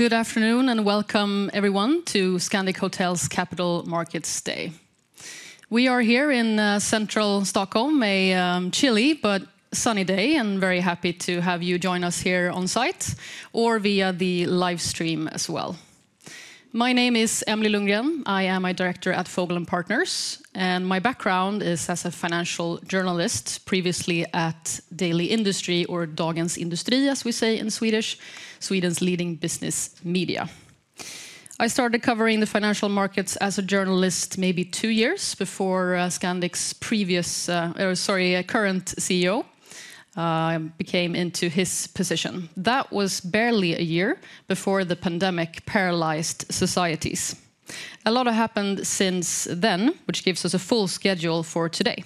Good afternoon and welcome, everyone, to Scandic Hotels' Capital Markets Day. We are here in central Stockholm, a chilly but sunny day, and very happy to have you join us here on site or via the livestream as well. My name is Emelie Lundgren. I am a Director at Fogel & Partners, and my background is as a financial journalist, previously at Daily Industry, or Dagens Industri, as we say in Swedish, Sweden's leading business media. I started covering the financial markets as a journalist maybe two years before Scandic's previous, sorry, current CEO, became into his position. That was barely a year before the pandemic paralyzed societies. A lot has happened since then, which gives us a full schedule for today.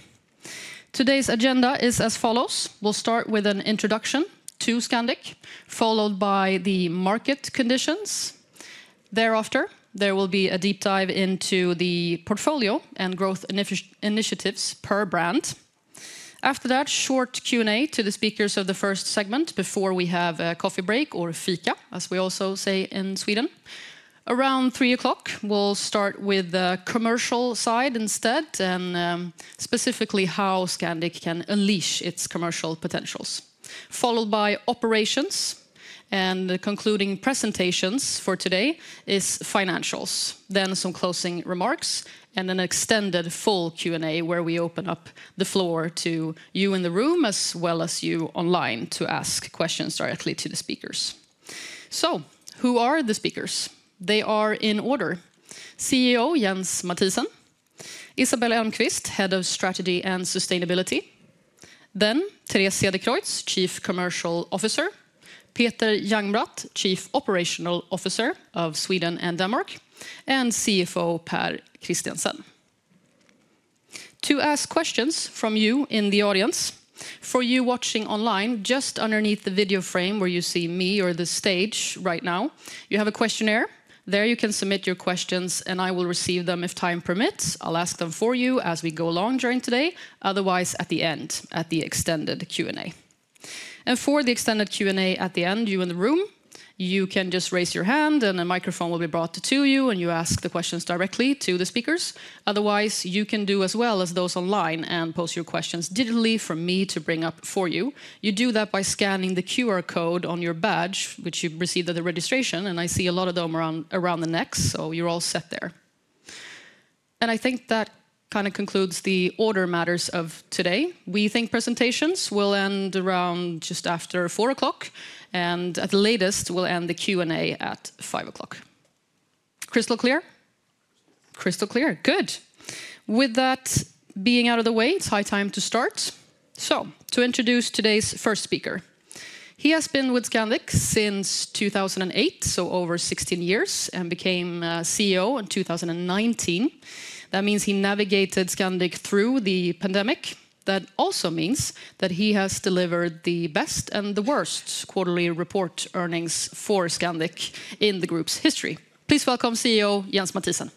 Today's agenda is as follows: we'll start with an introduction to Scandic, followed by the market conditions. Thereafter, there will be a deep dive into the portfolio and growth initiatives per brand. After that, a short Q&A to the speakers of the first segment before we have a coffee break or fika, as we also say in Sweden. Around 3:00 P.M., we'll start with the commercial side instead, and specifically how Scandic can unleash its commercial potentials. Followed by operations, and concluding presentations for today is financials, then some closing remarks, and an extended full Q&A where we open up the floor to you in the room as well as you online to ask questions directly to the speakers. So, who are the speakers? They are in order: CEO Jens Mathiesen, Isabelle Elmqvist, Head of Strategy and Sustainability, then Thérèse Cedercreutz, Chief Commercial Officer, Peter Jangbratt, Chief Operational Officer of Sweden and Denmark, and CFO Pär Christiansen. To ask questions from you in the audience, for you watching online, just underneath the video frame where you see me or the stage right now, you have a questionnaire. There you can submit your questions, and I will receive them if time permits. I'll ask them for you as we go along during today, otherwise at the end, at the extended Q&A. And for the extended Q&A at the end, you in the room, you can just raise your hand and a microphone will be brought to you, and you ask the questions directly to the speakers. Otherwise, you can do as well as those online and post your questions digitally for me to bring up for you. You do that by scanning the QR code on your badge, which you received at the registration, and I see a lot of them around the necks, so you're all set there. And I think that kind of concludes the order matters of today. We think presentations will end around just after 4:00 P.M., and at the latest, we'll end the Q&A at 5:00 P.M. Crystal clear? Crystal clear, good. With that being out of the way, it's high time to start. So, to introduce today's first speaker. He has been with Scandic since 2008, so over 16 years, and became CEO in 2019. That means he navigated Scandic through the pandemic. That also means that he has delivered the best and the worst quarterly report earnings for Scandic in the group's history. Please welcome CEO Jens Mathiesen.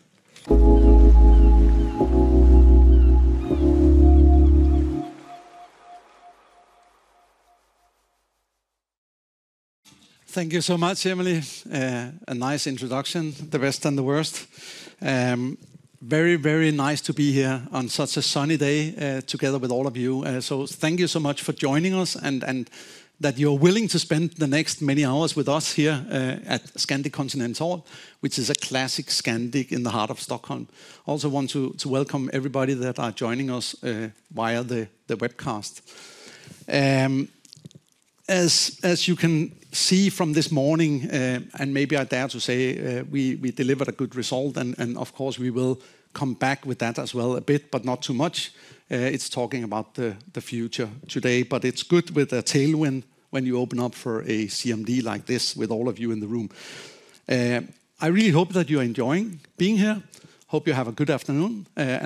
Thank you so much, Emelie. A nice introduction, the best and the worst. Very, very nice to be here on such a sunny day together with all of you. So thank you so much for joining us and that you're willing to spend the next many hours with us here at Scandic Continental, which is a classic Scandic in the heart of Stockholm. I also want to welcome everybody that are joining us via the webcast. As you can see from this morning, and maybe I dare to say, we delivered a good result, and of course we will come back with that as well a bit, but not too much. It's talking about the future today, but it's good with a tailwind when you open up for a CMD like this with all of you in the room. I really hope that you're enjoying being here. Hope you have a good afternoon.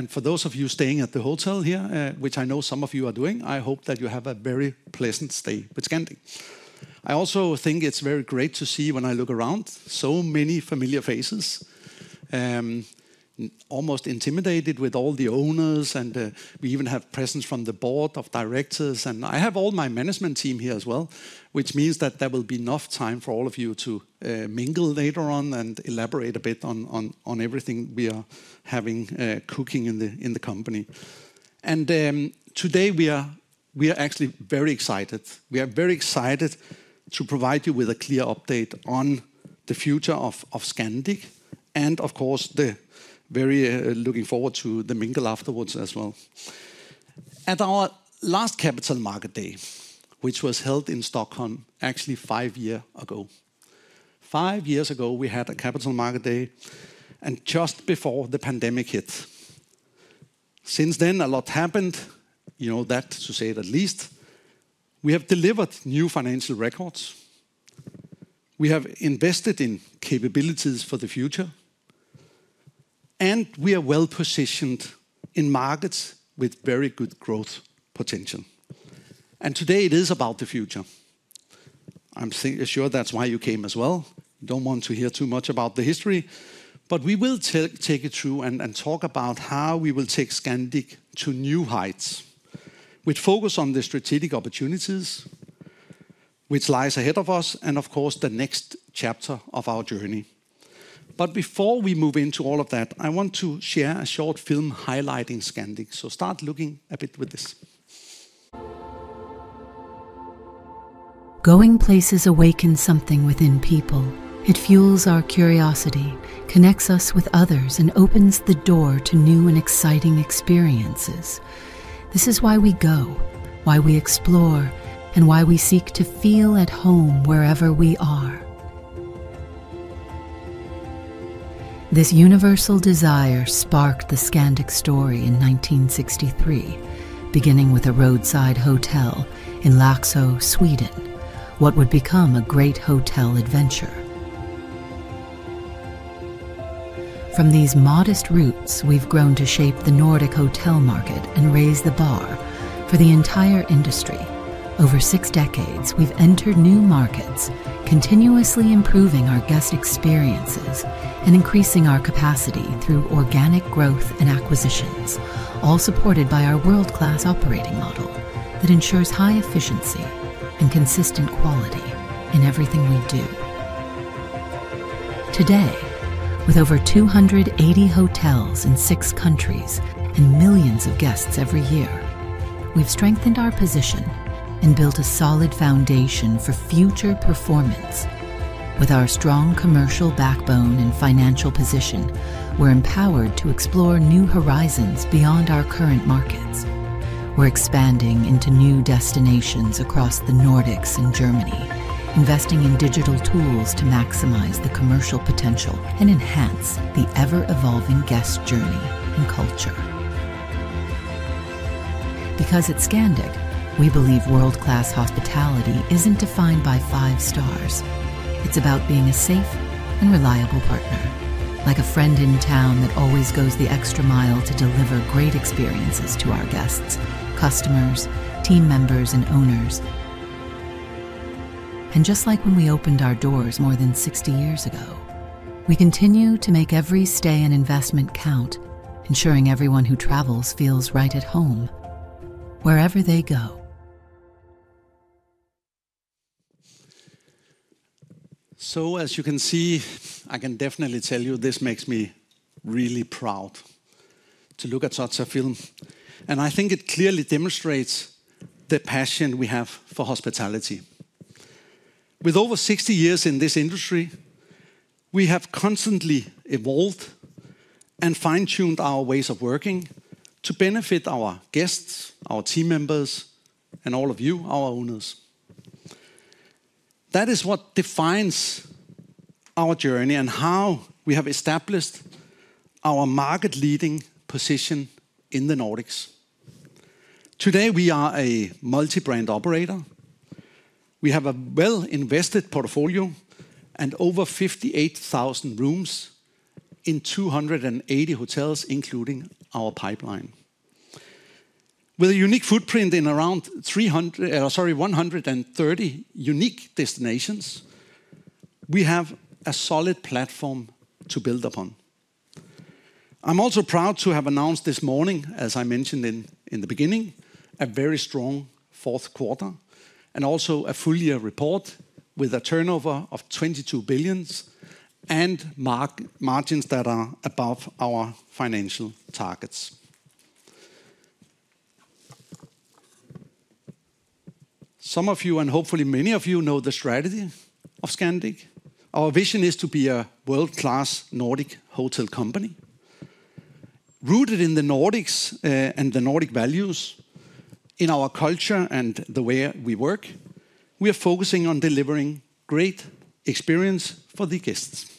For those of you staying at the hotel here, which I know some of you are doing, I hope that you have a very pleasant stay with Scandic. I also think it's very great to see when I look around, so many familiar faces, almost intimidated with all the owners, and we even have presence from the Board of Directors, and I have all my management team here as well, which means that there will be enough time for all of you to mingle later on and elaborate a bit on everything we are having cooking in the company. Today we are actually very excited. We are very excited to provide you with a clear update on the future of Scandic, and of course we're very looking forward to the mingle afterwards as well. At our last Capital Markets Day, which was held in Stockholm actually five years ago, five years ago we had a Capital Markets Day and just before the pandemic hit. Since then a lot happened, you know that to say at least. We have delivered new financial records. We have invested in capabilities for the future, and we are well positioned in markets with very good growth potential, and today it is about the future. I'm sure that's why you came as well. Don't want to hear too much about the history, but we will take it through and talk about how we will take Scandic to new heights, with focus on the strategic opportunities which lie ahead of us, and of course the next chapter of our journey. But before we move into all of that, I want to share a short film highlighting Scandic, so start looking a bit with this. Going places awakens something within people. It fuels our curiosity, connects us with others, and opens the door to new and exciting experiences. This is why we go, why we explore, and why we seek to feel at home wherever we are. This universal desire sparked the Scandic story in 1963, beginning with a roadside hotel in Laxå, Sweden, what would become a great hotel adventure. From these modest roots, we've grown to shape the Nordic hotel market and raise the bar for the entire industry. Over six decades, we've entered new markets, continuously improving our guest experiences and increasing our capacity through organic growth and acquisitions, all supported by our world-class operating model that ensures high efficiency and consistent quality in everything we do. Today, with over 280 hotels in six countries and millions of guests every year, we've strengthened our position and built a solid foundation for future performance. With our strong commercial backbone and financial position, we're empowered to explore new horizons beyond our current markets. We're expanding into new destinations across the Nordics and Germany, investing in digital tools to maximize the commercial potential and enhance the ever-evolving guest journey and culture. Because at Scandic, we believe world-class hospitality isn't defined by five stars. It's about being a safe and reliable partner, like a friend in town that always goes the extra mile to deliver great experiences to our guests, customers, team members, and owners. And just like when we opened our doors more than 60 years ago, we continue to make every stay and investment count, ensuring everyone who travels feels right at home, wherever they go. So as you can see, I can definitely tell you this makes me really proud to look at such a film. And I think it clearly demonstrates the passion we have for hospitality. With over 60 years in this industry, we have constantly evolved and fine-tuned our ways of working to benefit our guests, our team members, and all of you, our owners. That is what defines our journey and how we have established our market-leading position in the Nordics. Today we are a multi-brand operator. We have a well-invested portfolio and over 58,000 rooms in 280 hotels, including our pipeline. With a unique footprint in around 300, sorry, 130 unique destinations, we have a solid platform to build upon. I'm also proud to have announced this morning, as I mentioned in the beginning, a very strong fourth quarter and also a full-year report with a turnover of 22 billion and margins that are above our financial targets. Some of you, and hopefully many of you, know the strategy of Scandic. Our vision is to be a world-class Nordic hotel company. Rooted in the Nordics and the Nordic values, in our culture and the way we work, we are focusing on delivering great experience for the guests.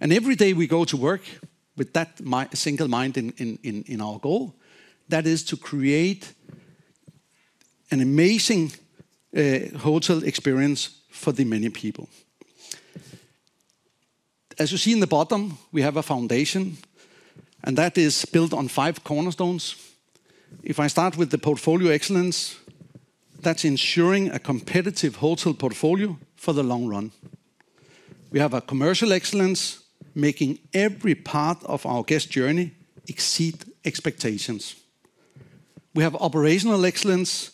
Every day we go to work with that single mind in our goal, that is to create an amazing hotel experience for the many people. As you see in the bottom, we have a foundation, and that is built on five cornerstones. If I start with the portfolio excellence, that's ensuring a competitive hotel portfolio for the long run. We have a commercial excellence, making every part of our guest journey exceed expectations. We have operational excellence,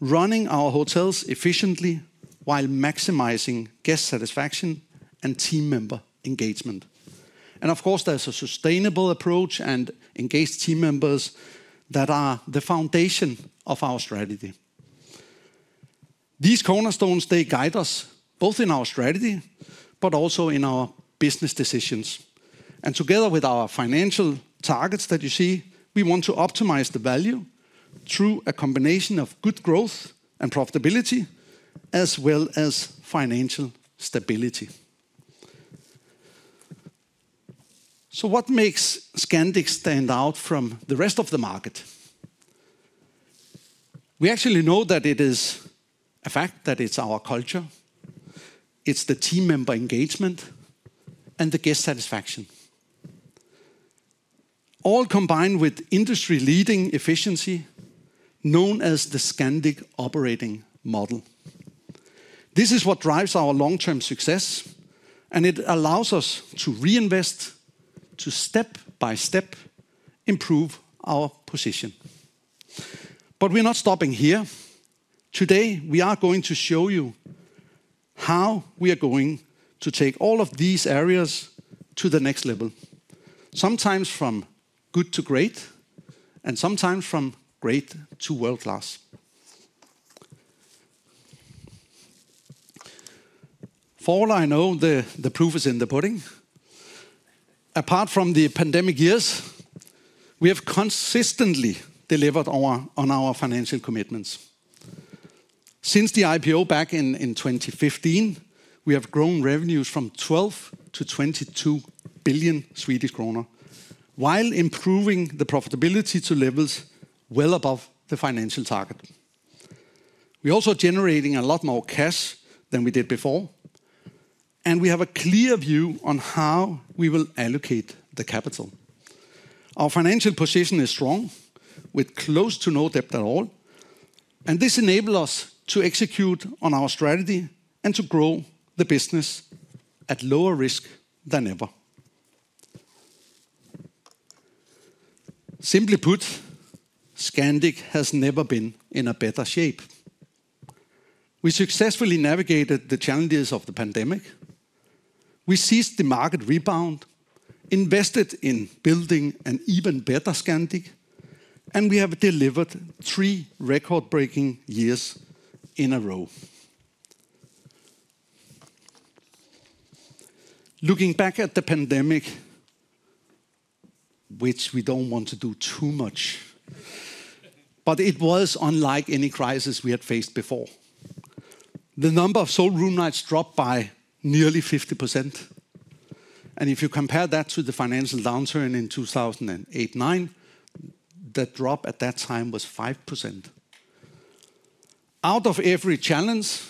running our hotels efficiently while maximizing guest satisfaction and team member engagement. And of course, there's a sustainable approach and engaged team members that are the foundation of our strategy. These cornerstones, they guide us both in our strategy, but also in our business decisions. And together with our financial targets that you see, we want to optimize the value through a combination of good growth and profitability, as well as financial stability. So what makes Scandic stand out from the rest of the market? We actually know that it is a fact that it's our culture. It's the team member engagement and the guest satisfaction. All combined with industry-leading efficiency known as the Scandic operating model. This is what drives our long-term success, and it allows us to reinvest, to step by step improve our position. But we're not stopping here. Today we are going to show you how we are going to take all of these areas to the next level. Sometimes from good to great, and sometimes from great to world-class. For all I know, the proof is in the pudding. Apart from the pandemic years, we have consistently delivered on our financial commitments. Since the IPO back in 2015, we have grown revenues from 12 billion-22 billion Swedish kronor, while improving the profitability to levels well above the financial target. We're also generating a lot more cash than we did before, and we have a clear view on how we will allocate the capital. Our financial position is strong, with close to no debt at all, and this enables us to execute on our strategy and to grow the business at lower risk than ever. Simply put, Scandic has never been in a better shape. We successfully navigated the challenges of the pandemic. We seized the market rebound, invested in building an even better Scandic, and we have delivered three record-breaking years in a row. Looking back at the pandemic, which we don't want to do too much, but it was unlike any crisis we had faced before. The number of sold room nights dropped by nearly 50%, and if you compare that to the financial downturn in 2008-2009, that drop at that time was 5%. Out of every challenge,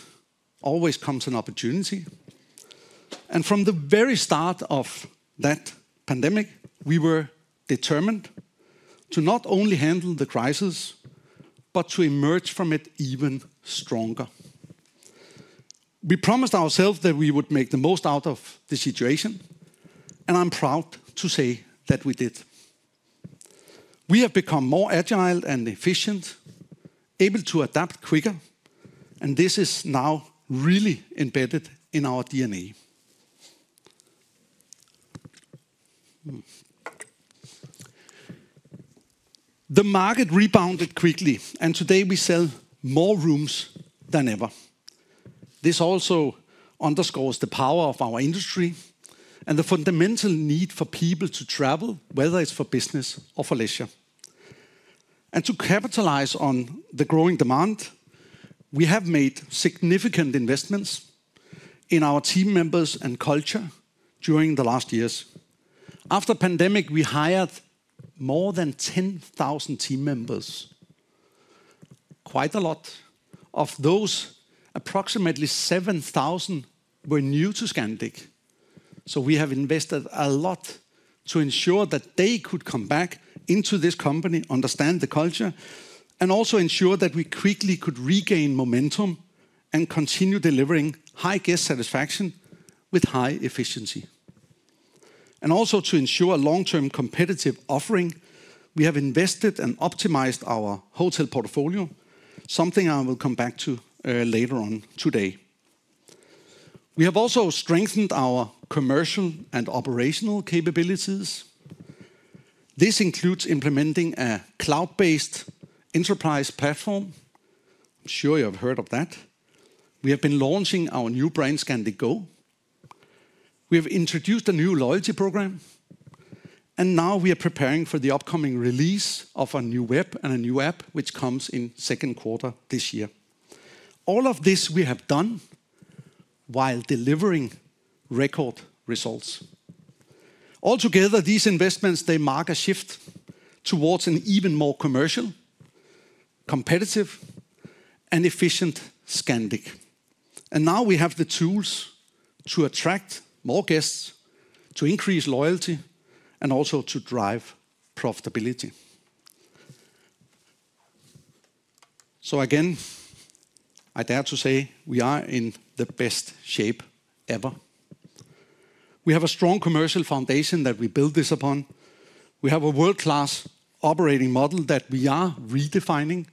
always comes an opportunity. And from the very start of that pandemic, we were determined to not only handle the crisis, but to emerge from it even stronger. We promised ourselves that we would make the most out of the situation, and I'm proud to say that we did. We have become more agile and efficient, able to adapt quicker, and this is now really embedded in our DNA. The market rebounded quickly, and today we sell more rooms than ever. This also underscores the power of our industry and the fundamental need for people to travel, whether it's for business or for leisure. And to capitalize on the growing demand, we have made significant investments in our team members and culture during the last years. After the pandemic, we hired more than 10,000 team members. Quite a lot of those, approximately 7,000, were new to Scandic. We have invested a lot to ensure that they could come back into this company, understand the culture, and also ensure that we quickly could regain momentum and continue delivering high guest satisfaction with high efficiency, and also to ensure a long-term competitive offering, we have invested and optimized our hotel portfolio, something I will come back to later on today. We have also strengthened our commercial and operational capabilities. This includes implementing a cloud-based enterprise platform. I'm sure you have heard of that. We have been launching our new brand, Scandic Go. We have introduced a new loyalty program, and now we are preparing for the upcoming release of a new web and a new app, which comes in the second quarter this year. All of this we have done while delivering record results. Altogether, these investments, they mark a shift towards an even more commercial, competitive, and efficient Scandic. And now we have the tools to attract more guests, to increase loyalty, and also to drive profitability. So again, I dare to say we are in the best shape ever. We have a strong commercial foundation that we build this upon. We have a world-class operating model that we are redefining.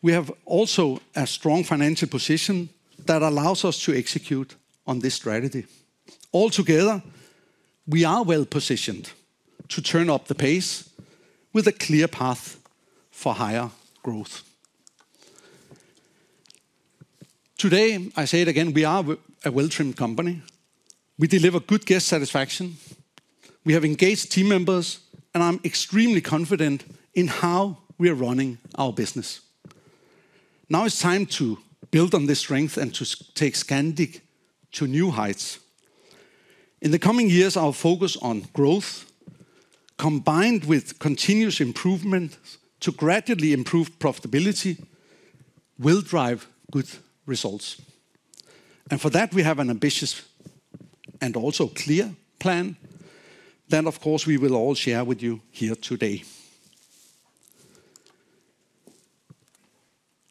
We have also a strong financial position that allows us to execute on this strategy. Altogether, we are well positioned to turn up the pace with a clear path for higher growth. Today, I say it again, we are a well-trimmed company. We deliver good guest satisfaction. We have engaged team members, and I'm extremely confident in how we are running our business. Now it's time to build on this strength and to take Scandic to new heights. In the coming years, our focus on growth, combined with continuous improvement to gradually improve profitability, will drive good results and for that, we have an ambitious and also clear plan that, of course, we will all share with you here today.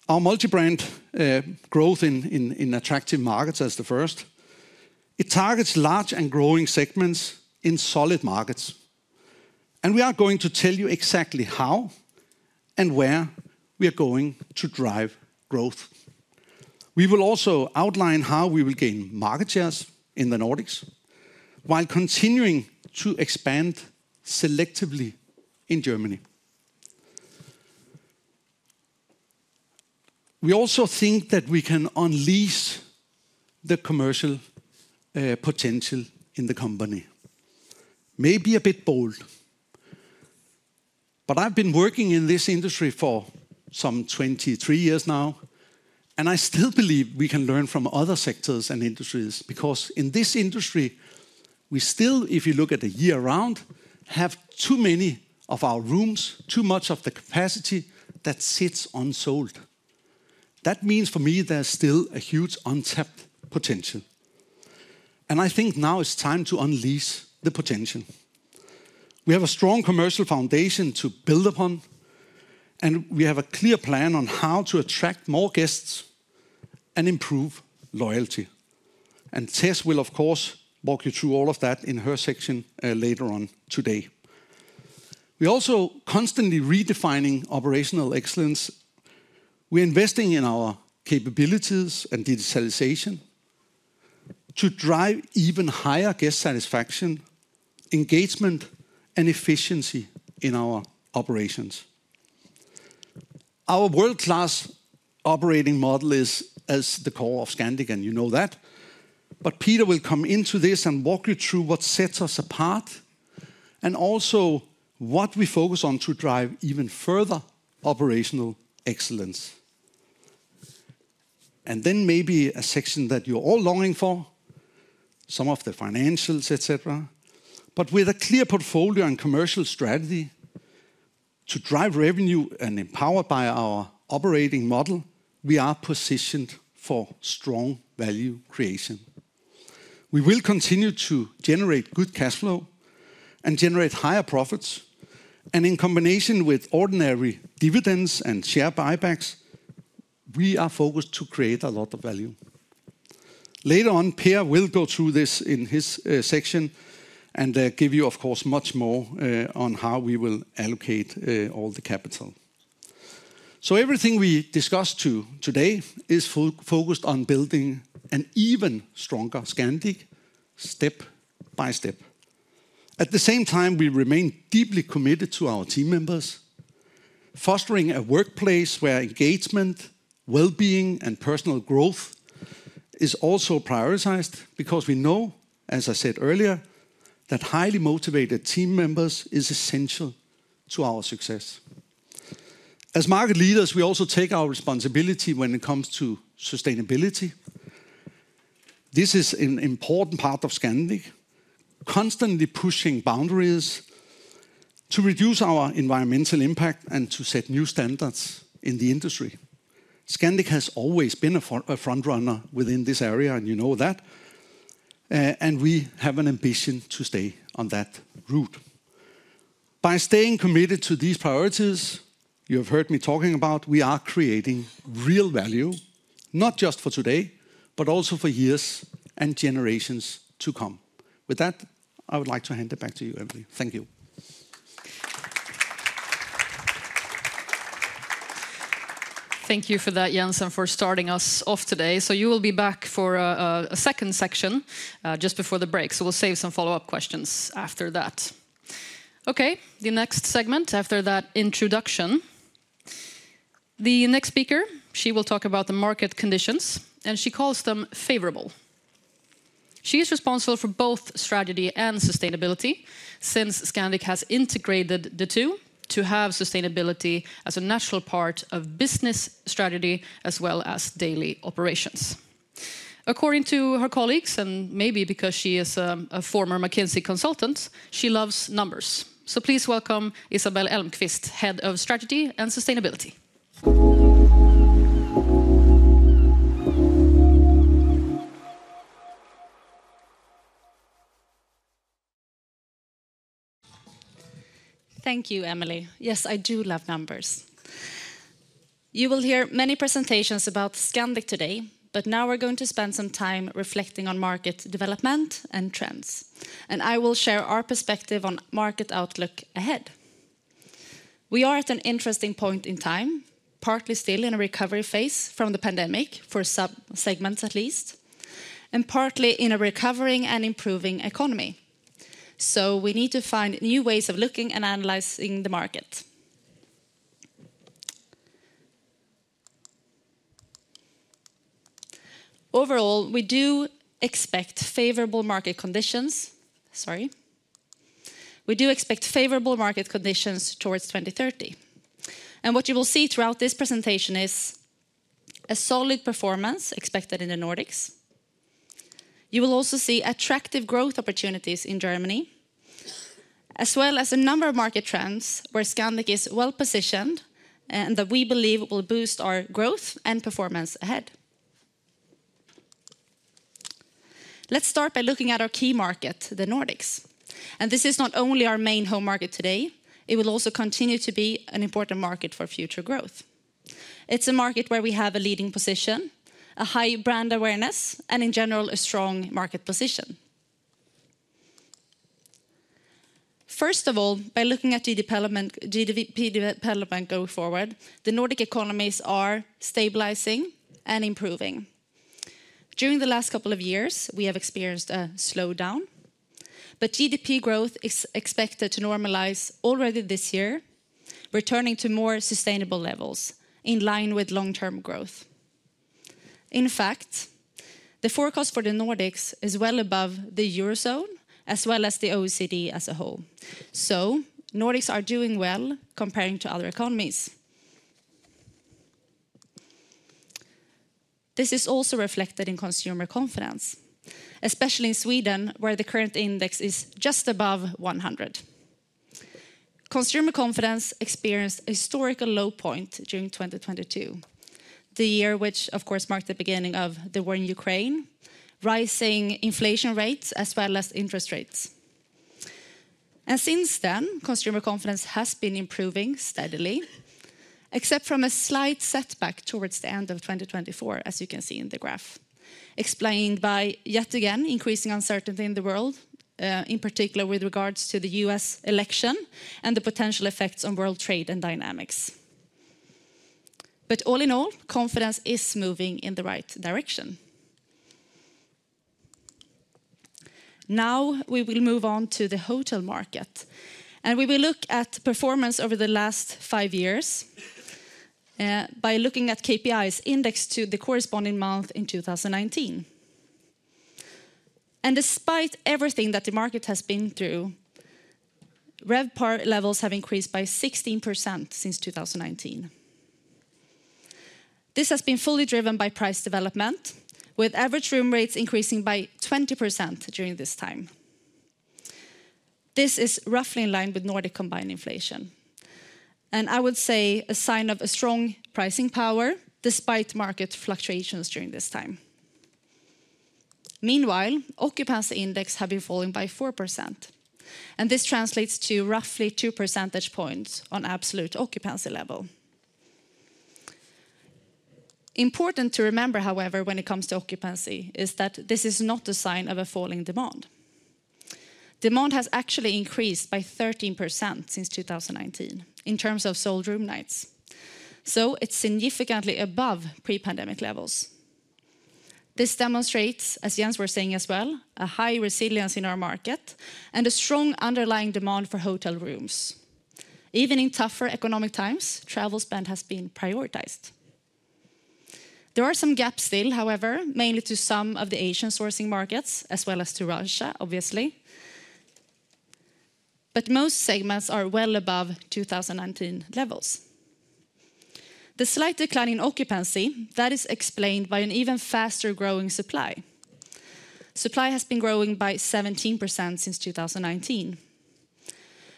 Our multi-brand growth in attractive markets is the first. It targets large and growing segments in solid markets and we are going to tell you exactly how and where we are going to drive growth. We will also outline how we will gain market shares in the Nordics while continuing to expand selectively in Germany. We also think that we can unleash the commercial potential in the company. Maybe a bit bold. But I've been working in this industry for some 23 years now, and I still believe we can learn from other sectors and industries because in this industry, we still, if you look at the year round, have too many of our rooms, too much of the capacity that sits unsold. That means for me there's still a huge untapped potential. And I think now it's time to unleash the potential. We have a strong commercial foundation to build upon, and we have a clear plan on how to attract more guests and improve loyalty. And Tess will, of course, walk you through all of that in her section later on today. We're also constantly redefining operational excellence. We're investing in our capabilities and digitalization to drive even higher guest satisfaction, engagement, and efficiency in our operations. Our world-class operating model is at the core of Scandic, and you know that, but Peter will come into this and walk you through what sets us apart and also what we focus on to drive even further operational excellence, and then maybe a section that you're all longing for, some of the financials, etc., but with a clear portfolio and commercial strategy to drive revenue and empowered by our operating model, we are positioned for strong value creation. We will continue to generate good cash flow and generate higher profits, and in combination with ordinary dividends and share buybacks, we are focused to create a lot of value. Later on, Pär will go through this in his section and give you, of course, much more on how we will allocate all the capital, so everything we discussed today is focused on building an even stronger Scandic step by step. At the same time, we remain deeply committed to our team members, fostering a workplace where engagement, well-being, and personal growth is also prioritized because we know, as I said earlier, that highly motivated team members are essential to our success. As market leaders, we also take our responsibility when it comes to sustainability. This is an important part of Scandic, constantly pushing boundaries to reduce our environmental impact and to set new standards in the industry. Scandic has always been a front-runner within this area, and you know that, and we have an ambition to stay on that route. By staying committed to these priorities, you have heard me talking about, we are creating real value, not just for today, but also for years and generations to come. With that, I would like to hand it back to you, Emelie. Thank you. Thank you for that, Jens, for starting us off today, so you will be back for a second section just before the break, so we'll save some follow-up questions after that. Okay, the next segment after that introduction. The next speaker, she will talk about the market conditions, and she calls them favorable. She is responsible for both strategy and sustainability since Scandic has integrated the two to have sustainability as an integral part of business strategy as well as daily operations. According to her colleagues, and maybe because she is a former McKinsey consultant, she loves numbers, so please welcome Isabelle Elmqvist, Head of Strategy and Sustainability. Thank you, Emelie. Yes, I do love numbers. You will hear many presentations about Scandic today, but now we're going to spend some time reflecting on market development and trends, and I will share our perspective on market outlook ahead. We are at an interesting point in time, partly still in a recovery phase from the pandemic for some segments at least, and partly in a recovering and improving economy. So we need to find new ways of looking and analyzing the market. Overall, we do expect favorable market conditions. Sorry. We do expect favorable market conditions towards 2030. And what you will see throughout this presentation is a solid performance expected in the Nordics. You will also see attractive growth opportunities in Germany, as well as a number of market trends where Scandic is well positioned and that we believe will boost our growth and performance ahead. Let's start by looking at our key market, the Nordics. And this is not only our main home market today. It will also continue to be an important market for future growth. It's a market where we have a leading position, a high brand awareness, and in general, a strong market position. First of all, by looking at GDP development going forward, the Nordic economies are stabilizing and improving. During the last couple of years, we have experienced a slowdown, but GDP growth is expected to normalize already this year, returning to more sustainable levels in line with long-term growth. In fact, the forecast for the Nordics is well above the Eurozone, as well as the OECD as a whole. So Nordics are doing well comparing to other economies. This is also reflected in consumer confidence, especially in Sweden, where the current index is just above 100. Consumer confidence experienced a historical low point during 2022, the year which, of course, marked the beginning of the war in Ukraine, rising inflation rates as well as interest rates. Since then, consumer confidence has been improving steadily, except from a slight setback towards the end of 2024, as you can see in the graph, explained by yet again increasing uncertainty in the world, in particular with regards to the U.S. election and the potential effects on world trade and dynamics. All in all, confidence is moving in the right direction. Now we will move on to the hotel market, and we will look at performance over the last five years by looking at KPIs indexed to the corresponding month in 2019. Despite everything that the market has been through, RevPAR levels have increased by 16% since 2019. This has been fully driven by price development, with average room rates increasing by 20% during this time. This is roughly in line with Nordic combined inflation, and I would say a sign of a strong pricing power despite market fluctuations during this time. Meanwhile, occupancy index have been falling by 4%, and this translates to roughly 2 percentage points on absolute occupancy level. Important to remember, however, when it comes to occupancy is that this is not a sign of a falling demand. Demand has actually increased by 13% since 2019 in terms of sold room nights, so it's significantly above pre-pandemic levels. This demonstrates, as Jens were saying as well, a high resilience in our market and a strong underlying demand for hotel rooms. Even in tougher economic times, travel spend has been prioritized. There are some gaps still, however, mainly to some of the Asian sourcing markets, as well as to Russia, obviously. But most segments are well above 2019 levels. The slight decline in occupancy that is explained by an even faster growing supply. Supply has been growing by 17% since 2019.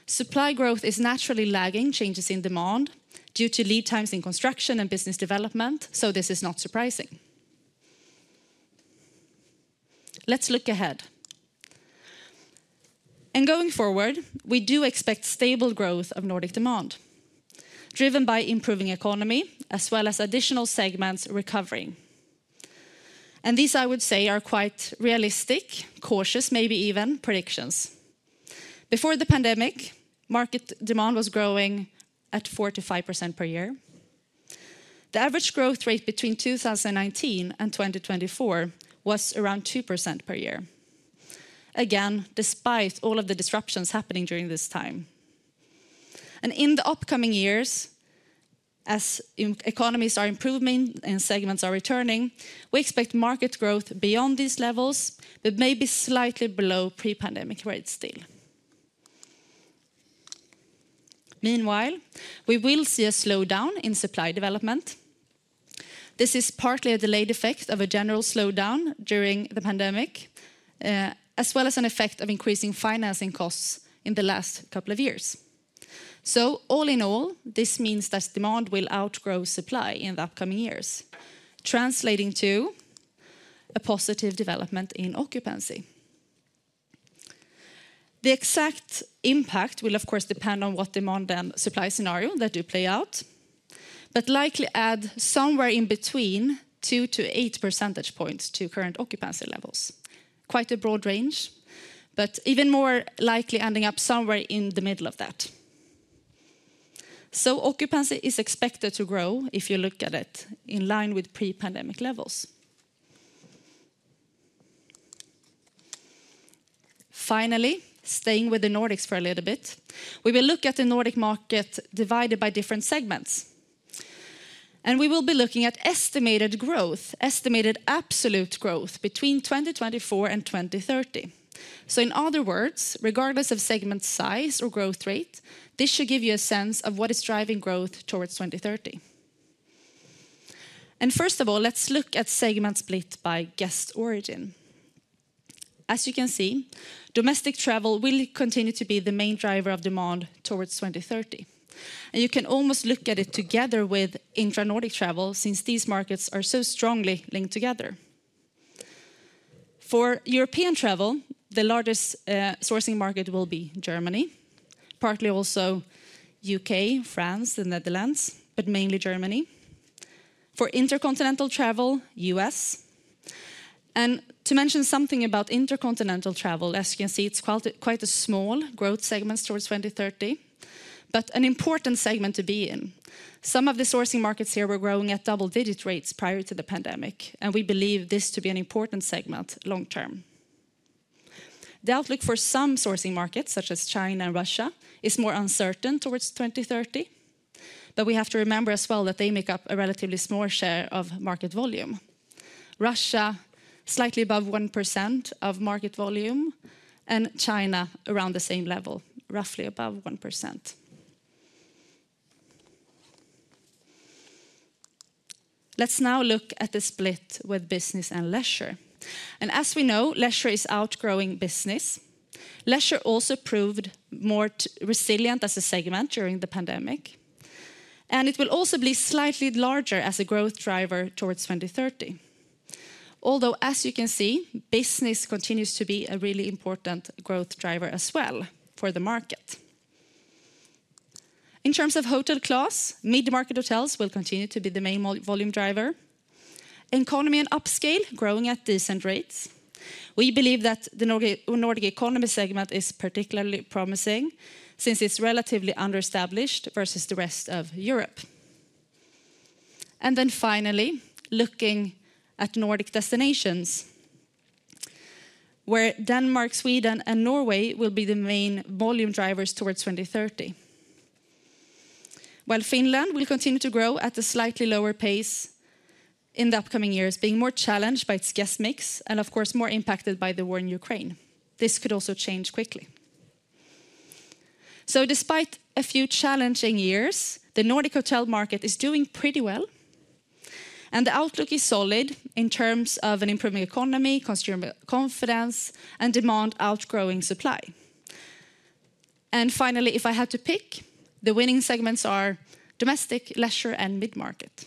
Supply growth is naturally lagging changes in demand due to lead times in construction and business development, so this is not surprising. Let's look ahead, and going forward, we do expect stable growth of Nordic demand, driven by improving economy as well as additional segments recovering, and these, I would say, are quite realistic, cautious, maybe even predictions. Before the pandemic, market demand was growing at 45% per year. The average growth rate between 2019 and 2024 was around 2% per year. Again, despite all of the disruptions happening during this time, and in the upcoming years, as economies are improving and segments are returning, we expect market growth beyond these levels, but maybe slightly below pre-pandemic rates still. Meanwhile, we will see a slowdown in supply development. This is partly a delayed effect of a general slowdown during the pandemic, as well as an effect of increasing financing costs in the last couple of years, so all in all, this means that demand will outgrow supply in the upcoming years, translating to a positive development in occupancy. The exact impact will, of course, depend on what demand and supply scenario that do play out, but likely add somewhere in between 2 to 8 percentage points to current occupancy levels. Quite a broad range, but even more likely ending up somewhere in the middle of that, so occupancy is expected to grow if you look at it in line with pre-pandemic levels. Finally, staying with the Nordics for a little bit, we will look at the Nordic market divided by different segments, and we will be looking at estimated growth, estimated absolute growth between 2024 and 2030. In other words, regardless of segment size or growth rate, this should give you a sense of what is driving growth towards 2030. First of all, let's look at segment split by guest origin. As you can see, domestic travel will continue to be the main driver of demand towards 2030. You can almost look at it together with intra-Nordic travel since these markets are so strongly linked together. For European travel, the largest sourcing market will be Germany, partly also UK, France, the Netherlands, but mainly Germany. For intercontinental travel, U.S. To mention something about intercontinental travel, as you can see, it's quite a small growth segment towards 2030, but an important segment to be in. Some of the sourcing markets here were growing at double-digit rates prior to the pandemic, and we believe this to be an important segment long-term. The outlook for some sourcing markets, such as China and Russia, is more uncertain towards 2030, but we have to remember as well that they make up a relatively small share of market volume. Russia, slightly above 1% of market volume, and China around the same level, roughly above 1%. Let's now look at the split with business and leisure, and as we know, leisure is outgrowing business. Leisure also proved more resilient as a segment during the pandemic, and it will also be slightly larger as a growth driver towards 2030. Although, as you can see, business continues to be a really important growth driver as well for the market. In terms of hotel class, mid-market hotels will continue to be the main volume driver. Economy and upscale growing at decent rates. We believe that the Nordic economy segment is particularly promising since it's relatively underestablished versus the rest of Europe. And then finally, looking at Nordic destinations, where Denmark, Sweden, and Norway will be the main volume drivers towards 2030. While Finland will continue to grow at a slightly lower pace in the upcoming years, being more challenged by its guest mix and, of course, more impacted by the war in Ukraine. This could also change quickly. So despite a few challenging years, the Nordic hotel market is doing pretty well, and the outlook is solid in terms of an improving economy, consumer confidence, and demand outgrowing supply. And finally, if I had to pick, the winning segments are domestic, leisure, and mid-market.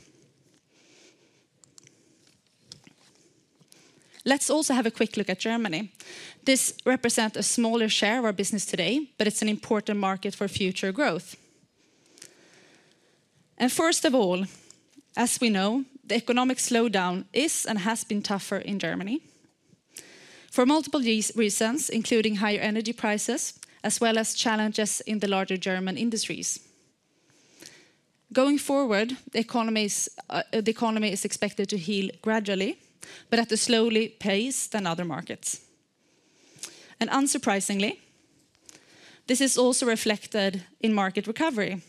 Let's also have a quick look at Germany. This represents a smaller share of our business today, but it's an important market for future growth. First of all, as we know, the economic slowdown is and has been tougher in Germany for multiple reasons, including higher energy prices, as well as challenges in the larger German industries. Going forward, the economy is expected to heal gradually, but at a slower pace than other markets. Unsurprisingly, this is also reflected in market recovery.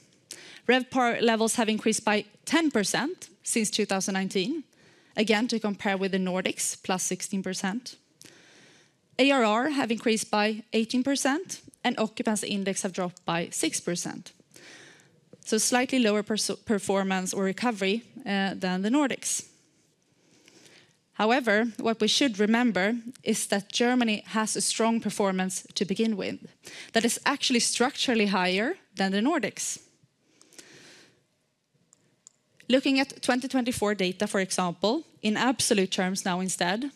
RevPAR levels have increased by 10% since 2019, again to compare with the Nordics, plus 16%. ARR has increased by 18%, and occupancy index has dropped by 6%. Slightly lower performance or recovery than the Nordics. However, what we should remember is that Germany has a strong performance to begin with that is actually structurally higher than the Nordics. Looking at 2024 data, for example, in absolute terms now instead,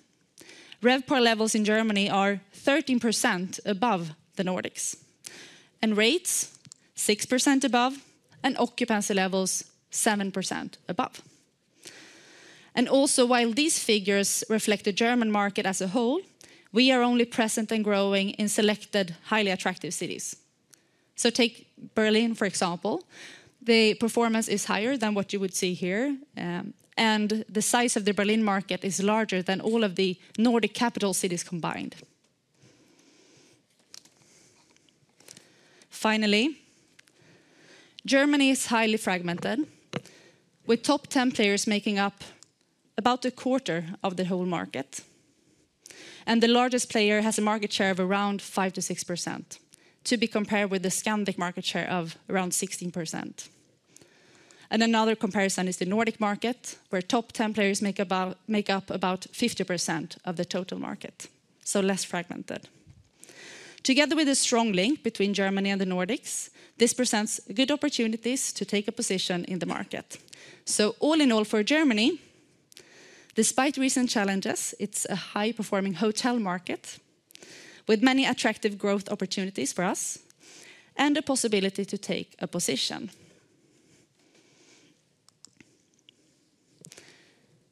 RevPAR levels in Germany are 13% above the Nordics, and rates 6% above, and occupancy levels 7% above. And also, while these figures reflect the German market as a whole, we are only present and growing in selected highly attractive cities. So take Berlin, for example. The performance is higher than what you would see here, and the size of the Berlin market is larger than all of the Nordic capital cities combined. Finally, Germany is highly fragmented, with top 10 players making up about a quarter of the whole market. And the largest player has a market share of around 5%-6%, to be compared with the Scandic market share of around 16%. And another comparison is the Nordic market, where top 10 players make up about 50% of the total market, so less fragmented. Together with a strong link between Germany and the Nordics, this presents good opportunities to take a position in the market. So all in all for Germany, despite recent challenges, it's a high-performing hotel market with many attractive growth opportunities for us and a possibility to take a position.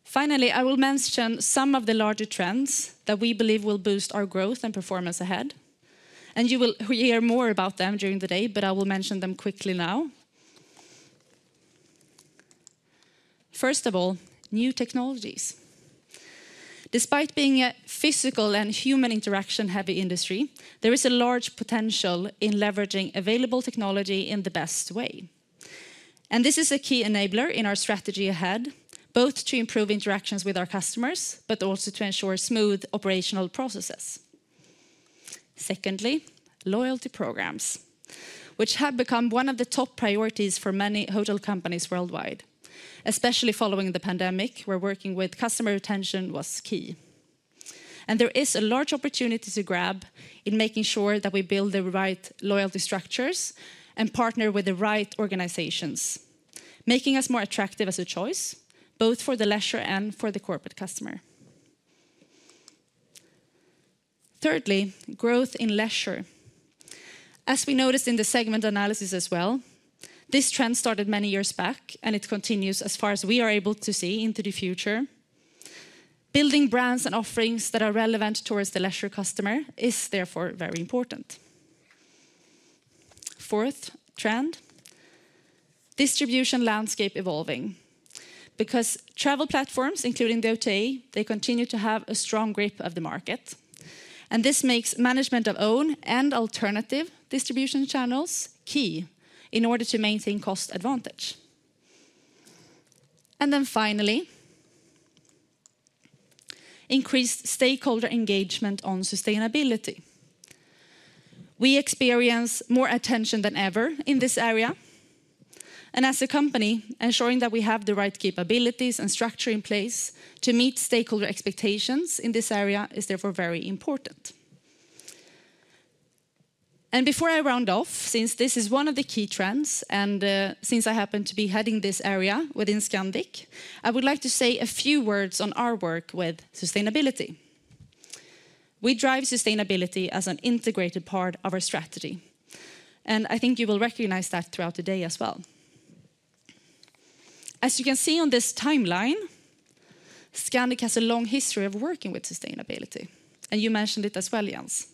Finally, I will mention some of the larger trends that we believe will boost our growth and performance ahead. And you will hear more about them during the day, but I will mention them quickly now. First of all, new technologies. Despite being a physical and human interaction-heavy industry, there is a large potential in leveraging available technology in the best way. And this is a key enabler in our strategy ahead, both to improve interactions with our customers, but also to ensure smooth operational processes. Secondly, loyalty programs, which have become one of the top priorities for many hotel companies worldwide, especially following the pandemic, where working with customer retention was key. There is a large opportunity to grab in making sure that we build the right loyalty structures and partner with the right organizations, making us more attractive as a choice, both for the leisure and for the corporate customer. Thirdly, growth in leisure. As we noticed in the segment analysis as well, this trend started many years back, and it continues as far as we are able to see into the future. Building brands and offerings that are relevant towards the leisure customer is therefore very important. Fourth trend, distribution landscape evolving. Because travel platforms, including the hotel, they continue to have a strong grip of the market. This makes management of own and alternative distribution channels key in order to maintain cost advantage. Finally, increased stakeholder engagement on sustainability. We experience more attention than ever in this area. As a company, ensuring that we have the right capabilities and structure in place to meet stakeholder expectations in this area is therefore very important. Before I round off, since this is one of the key trends and since I happen to be heading this area within Scandic, I would like to say a few words on our work with sustainability. We drive sustainability as an integrated part of our strategy. I think you will recognize that throughout the day as well. As you can see on this timeline, Scandic has a long history of working with sustainability. You mentioned it as well, Jens.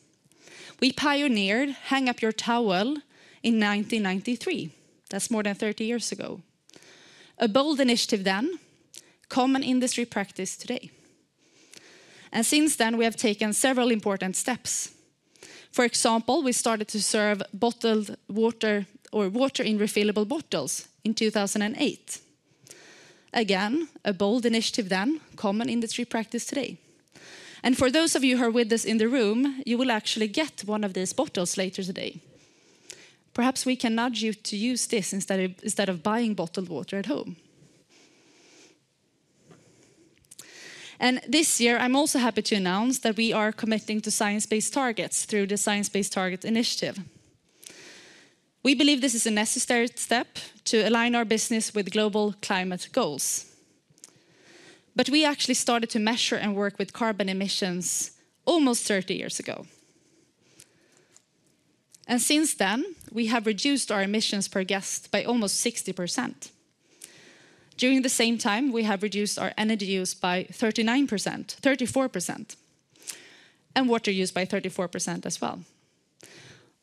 We pioneered Hang Up Your Towel in 1993. That's more than 30 years ago. A bold initiative then, common industry practice today. Since then, we have taken several important steps. For example, we started to serve bottled water or water in refillable bottles in 2008. Again, a bold initiative then, common industry practice today. And for those of you who are with us in the room, you will actually get one of these bottles later today. Perhaps we can nudge you to use this instead of buying bottled water at home. And this year, I'm also happy to announce that we are committing to science-based targets through the Science Based Targets initiative. We believe this is a necessary step to align our business with global climate goals. But we actually started to measure and work with carbon emissions almost 30 years ago. And since then, we have reduced our emissions per guest by almost 60%. During the same time, we have reduced our energy use by 39%, 34%, and water use by 34% as well.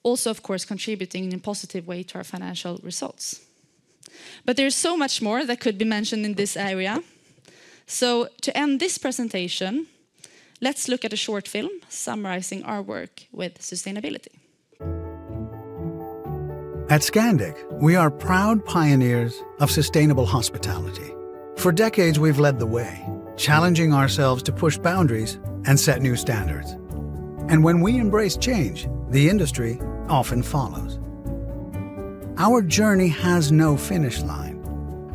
Also, of course, contributing in a positive way to our financial results. But there is so much more that could be mentioned in this area. So to end this presentation, let's look at a short film summarizing our work with sustainability. At Scandic, we are proud pioneers of sustainable hospitality. For decades, we've led the way, challenging ourselves to push boundaries and set new standards. And when we embrace change, the industry often follows. Our journey has no finish line.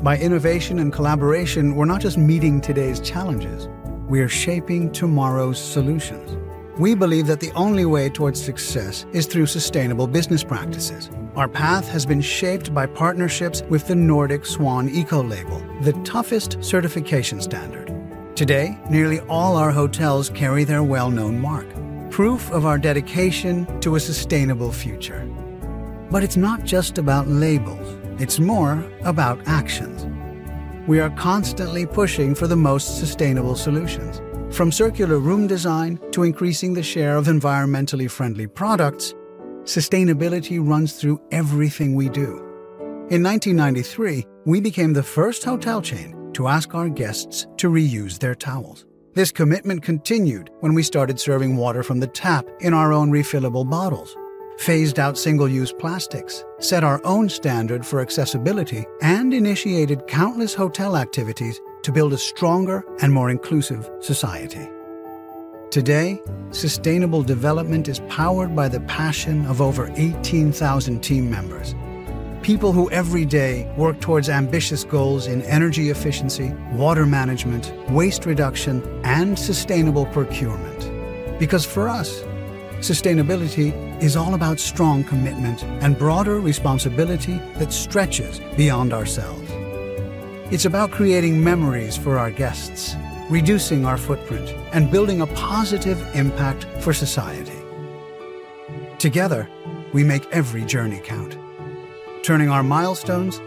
By innovation and collaboration, we're not just meeting today's challenges. We are shaping tomorrow's solutions. We believe that the only way towards success is through sustainable business practices. Our path has been shaped by partnerships with the Nordic Swan Ecolabel, the toughest certification standard. Today, nearly all our hotels carry their well-known mark, proof of our dedication to a sustainable future. But it's not just about labels. It's more about actions. We are constantly pushing for the most sustainable solutions. From circular room design to increasing the share of environmentally friendly products, sustainability runs through everything we do. In 1993, we became the first hotel chain to ask our guests to reuse their towels. This commitment continued when we started serving water from the tap in our own refillable bottles, phased out single-use plastics, set our own standard for accessibility, and initiated countless hotel activities to build a stronger and more inclusive society. Today, sustainable development is powered by the passion of over 18,000 team members. People who every day work towards ambitious goals in energy efficiency, water management, waste reduction, and sustainable procurement. Because for us, sustainability is all about strong commitment and broader responsibility that stretches beyond ourselves. It's about creating memories for our guests, reducing our footprint, and building a positive impact for society. Together, we make every journey count, turning our milestones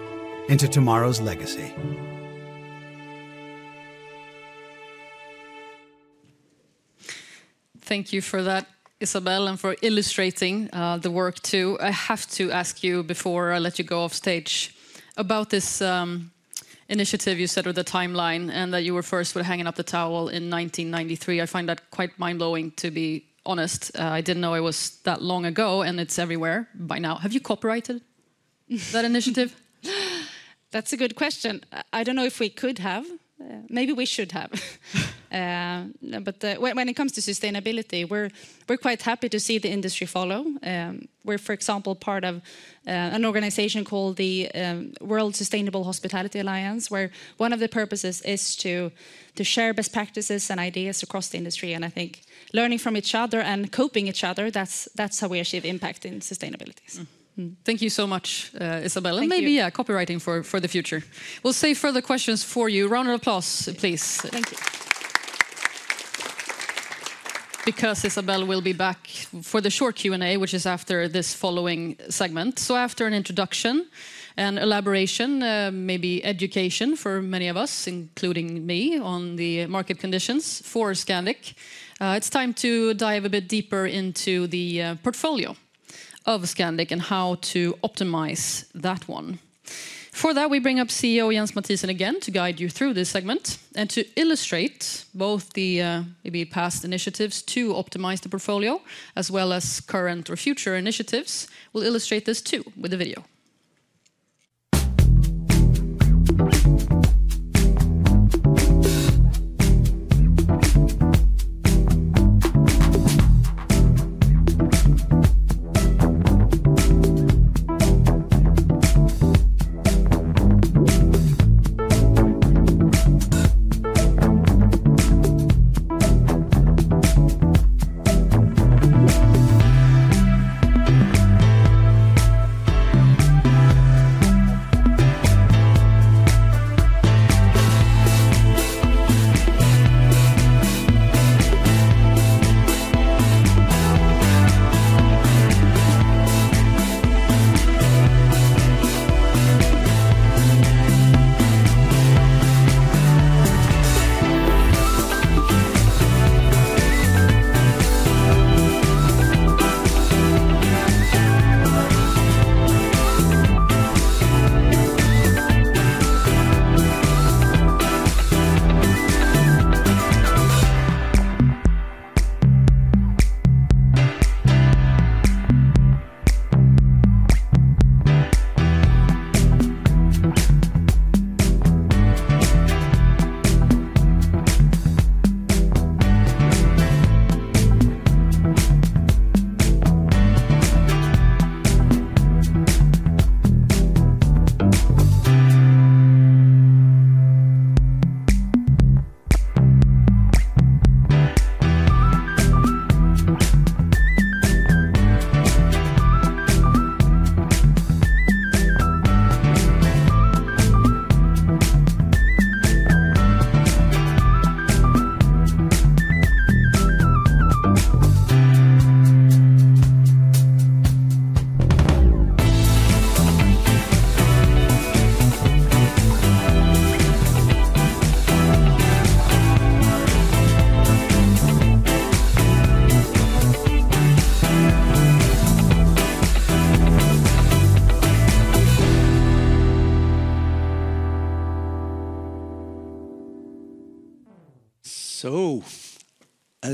into tomorrow's legacy. Thank you for that, Isabelle, and for illustrating the work too. I have to ask you before I let you go off stage about this initiative you said with the timeline and that you were first with Hang Up Your Towel in 1993. I find that quite mind-blowing, to be honest. I didn't know it was that long ago, and it's everywhere by now. Have you copyrighted that initiative? That's a good question. I don't know if we could have. Maybe we should have. But when it comes to sustainability, we're quite happy to see the industry follow. We're, for example, part of an organization called the World Sustainable Hospitality Alliance, where one of the purposes is to share best practices and ideas across the industry. I think learning from each other and copying each other, that's how we achieve impact in sustainability. Thank you so much, Isabelle. And maybe keep fighting for the future. We'll save further questions for you. Round of applause, please. Thank you. Because Isabelle will be back for the short Q&A, which is after this following segment. After an introduction and elaboration, maybe education for many of us, including me, on the market conditions for Scandic, it's time to dive a bit deeper into the portfolio of Scandic and how to optimize that one. For that, we bring up CEO Jens Mathiesen again to guide you through this segment and to illustrate both the maybe past initiatives to optimize the portfolio as well as current or future initiatives. We'll illustrate this too with a video.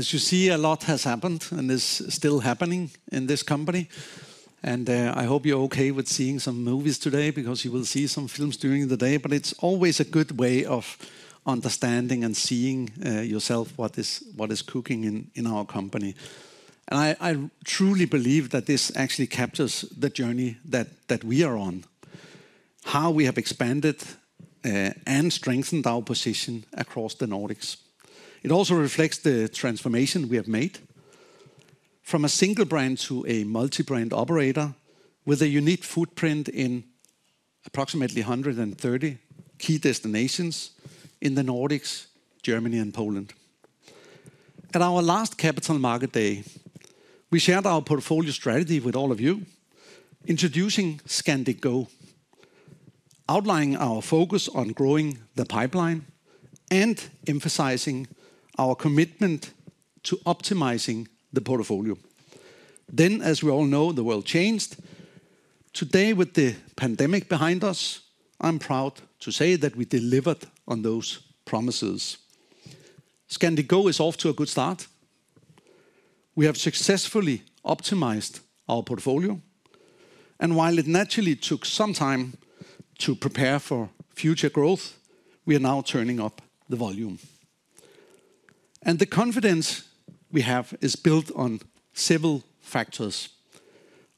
As you see, a lot has happened and is still happening in this company. I hope you're okay with seeing some movies today because you will see some films during the day. It's always a good way of understanding and seeing yourself what is cooking in our company. I truly believe that this actually captures the journey that we are on, how we have expanded and strengthened our position across the Nordics. It also reflects the transformation we have made from a single brand to a multi-brand operator with a unique footprint in approximately 130 key destinations in the Nordics, Germany, and Poland. At our last Capital Markets Day, we shared our portfolio strategy with all of you, introducing Scandic Go, outlining our focus on growing the pipeline and emphasizing our commitment to optimizing the portfolio. As we all know, the world changed. Today, with the pandemic behind us, I'm proud to say that we delivered on those promises. Scandic Go is off to a good start. We have successfully optimized our portfolio, and while it naturally took some time to prepare for future growth, we are now turning up the volume, and the confidence we have is built on several factors: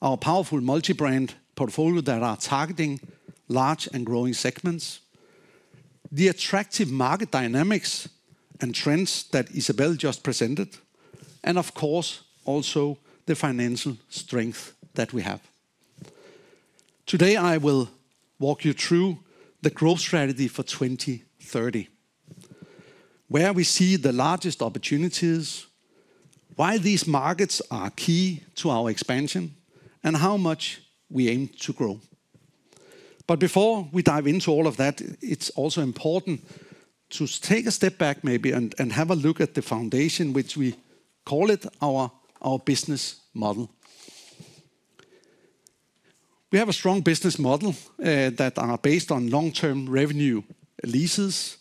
our powerful multi-brand portfolio that are targeting large and growing segments, the attractive market dynamics and trends that Isabelle just presented, and of course, also the financial strength that we have. Today, I will walk you through the growth strategy for 2030, where we see the largest opportunities, why these markets are key to our expansion, and how much we aim to grow, but before we dive into all of that, it's also important to take a step back maybe and have a look at the foundation, which we call our business model. We have a strong business model that is based on long-term revenue leases.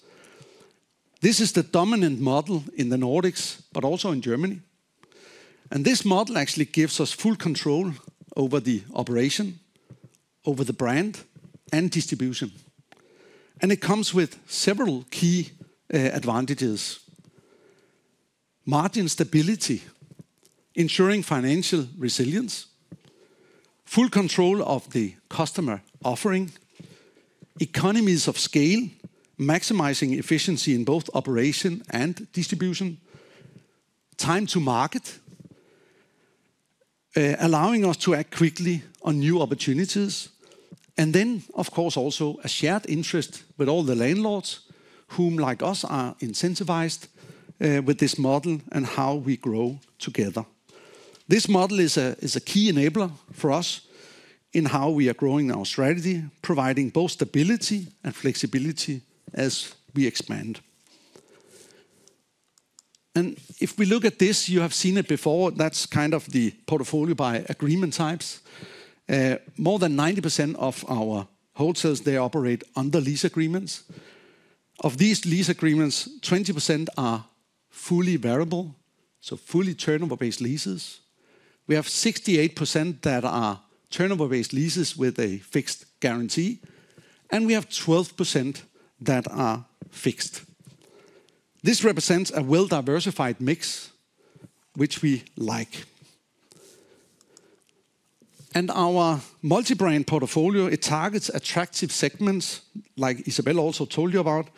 This is the dominant model in the Nordics, but also in Germany. And this model actually gives us full control over the operation, over the brand, and distribution. And it comes with several key advantages: margin stability, ensuring financial resilience, full control of the customer offering, economies of scale, maximizing efficiency in both operation and distribution, time to market, allowing us to act quickly on new opportunities, and then, of course, also a shared interest with all the landlords whom, like us, are incentivized with this model and how we grow together. This model is a key enabler for us in how we are growing our strategy, providing both stability and flexibility as we expand. And if we look at this, you have seen it before, that's kind of the portfolio by agreement types. More than 90% of our hotels, they operate under lease agreements. Of these lease agreements, 20% are fully variable, so fully turnover-based leases. We have 68% that are turnover-based leases with a fixed guarantee, and we have 12% that are fixed. This represents a well-diversified mix, which we like, and our multi-brand portfolio, it targets attractive segments, like Isabelle also told you about,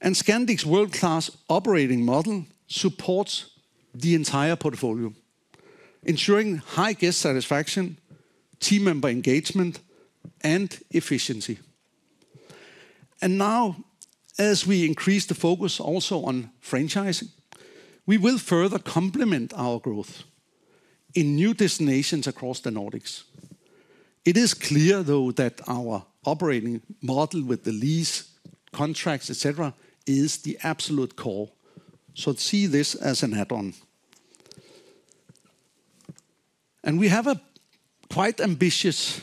and Scandic's world-class operating model supports the entire portfolio, ensuring high guest satisfaction, team member engagement, and efficiency. And now, as we increase the focus also on franchising, we will further complement our growth in new destinations across the Nordics. It is clear, though, that our operating model with the lease, contracts, etc., is the absolute core, so see this as an add-on, and we have a quite ambitious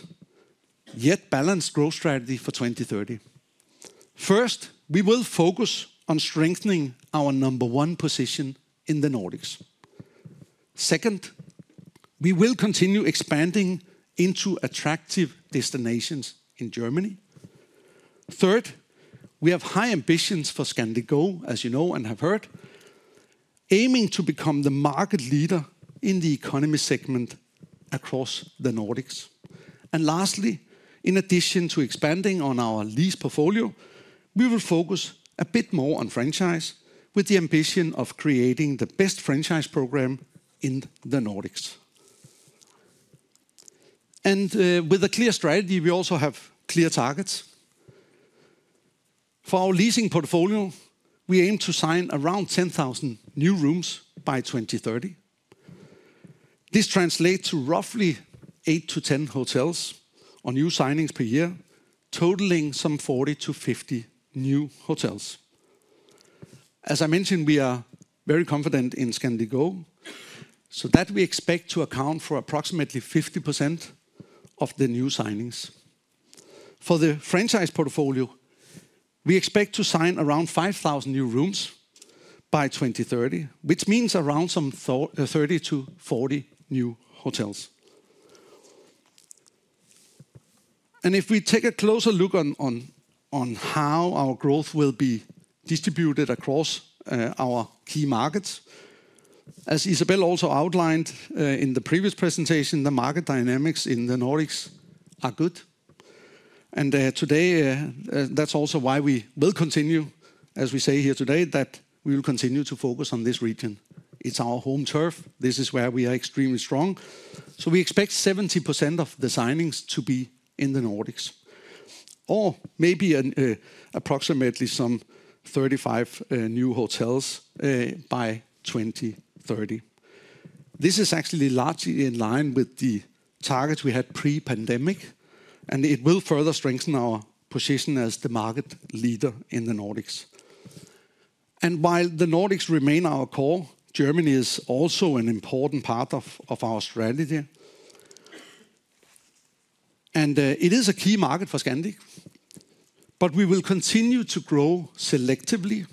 yet balanced growth strategy for 2030. First, we will focus on strengthening our number one position in the Nordics. Second, we will continue expanding into attractive destinations in Germany. Third, we have high ambitions for Scandic Go, as you know and have heard, aiming to become the market leader in the economy segment across the Nordics. And lastly, in addition to expanding on our lease portfolio, we will focus a bit more on franchise with the ambition of creating the best franchise program in the Nordics. And with a clear strategy, we also have clear targets. For our leasing portfolio, we aim to sign around 10,000 new rooms by 2030. This translates to roughly eight to 10 hotels or new signings per year, totaling some 40-50 new hotels. As I mentioned, we are very confident in Scandic Go, so that we expect to account for approximately 50% of the new signings. For the franchise portfolio, we expect to sign around 5,000 new rooms by 2030, which means around some 30-40 new hotels. And if we take a closer look on how our growth will be distributed across our key markets, as Isabelle also outlined in the previous presentation, the market dynamics in the Nordics are good. And today, that's also why we will continue, as we say here today, that we will continue to focus on this region. It's our home turf. This is where we are extremely strong. So we expect 70% of the signings to be in the Nordics, or maybe approximately some 35 new hotels by 2030. This is actually largely in line with the targets we had pre-pandemic, and it will further strengthen our position as the market leader in the Nordics. And while the Nordics remain our core, Germany is also an important part of our strategy. It is a key market for Scandic, but we will continue to grow selectively,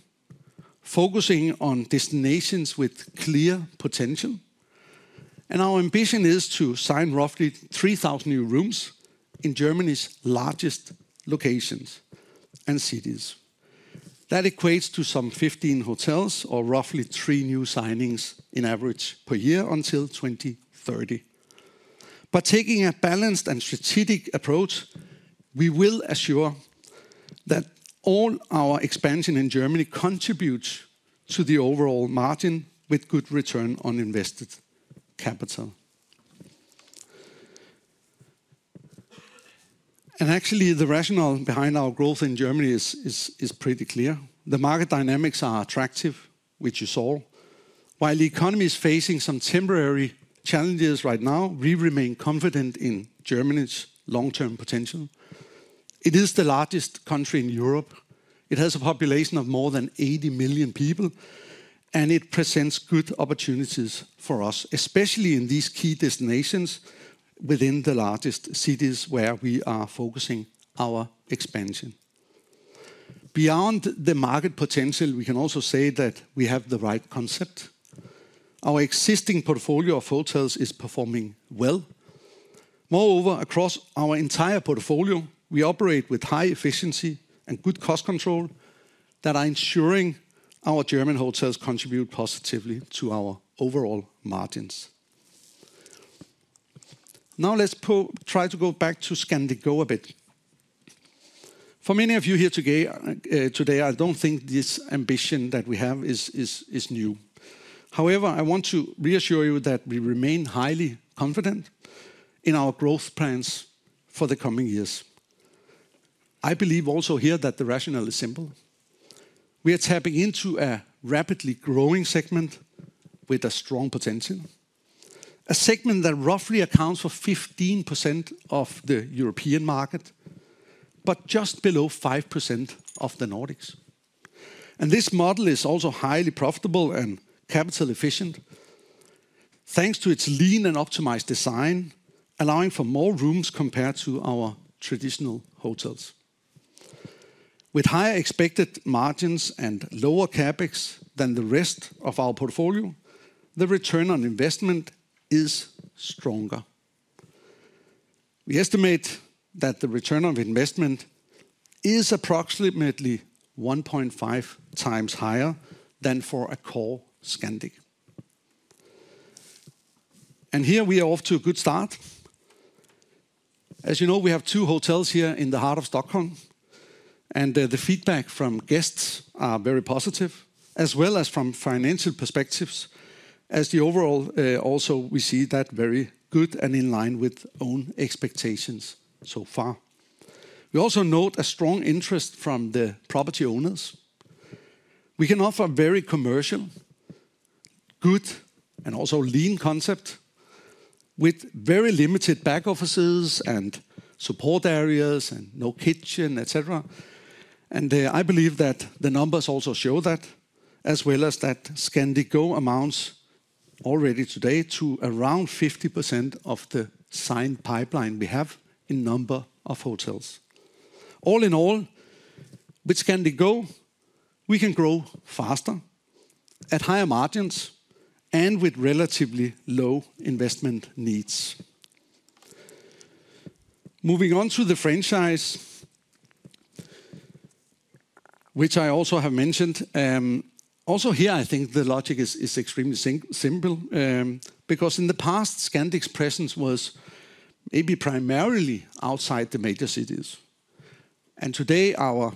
focusing on destinations with clear potential. Our ambition is to sign roughly 3,000 new rooms in Germany's largest locations and cities. That equates to some 15 hotels or roughly three new signings in average per year until 2030. By taking a balanced and strategic approach, we will ensure that all our expansion in Germany contributes to the overall margin with good return on invested capital. Actually, the rationale behind our growth in Germany is pretty clear. The market dynamics are attractive, which you saw. While the economy is facing some temporary challenges right now, we remain confident in Germany's long-term potential. It is the largest country in Europe. It has a population of more than 80 million people, and it presents good opportunities for us, especially in these key destinations within the largest cities where we are focusing our expansion. Beyond the market potential, we can also say that we have the right concept. Our existing portfolio of hotels is performing well. Moreover, across our entire portfolio, we operate with high efficiency and good cost control that are ensuring our German hotels contribute positively to our overall margins. Now let's try to go back to Scandic Go a bit. For many of you here today, I don't think this ambition that we have is new. However, I want to reassure you that we remain highly confident in our growth plans for the coming years. I believe also here that the rationale is simple. We are tapping into a rapidly growing segment with a strong potential, a segment that roughly accounts for 15% of the European market, but just below 5% of the Nordics, and this model is also highly profitable and capital-efficient, thanks to its lean and optimized design, allowing for more rooms compared to our traditional hotels. With higher expected margins and lower CapEx than the rest of our portfolio, the return on investment is stronger. We estimate that the return on investment is approximately 1.5x higher than for a core Scandic, and here we are off to a good start. As you know, we have two hotels here in the heart of Stockholm, and the feedback from guests is very positive, as well as from financial perspectives, as the overall also we see that very good and in line with own expectations so far. We also note a strong interest from the property owners. We can offer a very commercial, good, and also lean concept with very limited back offices and support areas and no kitchen, etc. And I believe that the numbers also show that, as well as that Scandic Go amounts already today to around 50% of the signed pipeline we have in number of hotels. All in all, with Scandic Go, we can grow faster, at higher margins, and with relatively low investment needs. Moving on to the franchise, which I also have mentioned, also here I think the logic is extremely simple because in the past, Scandic's presence was maybe primarily outside the major cities. And today, our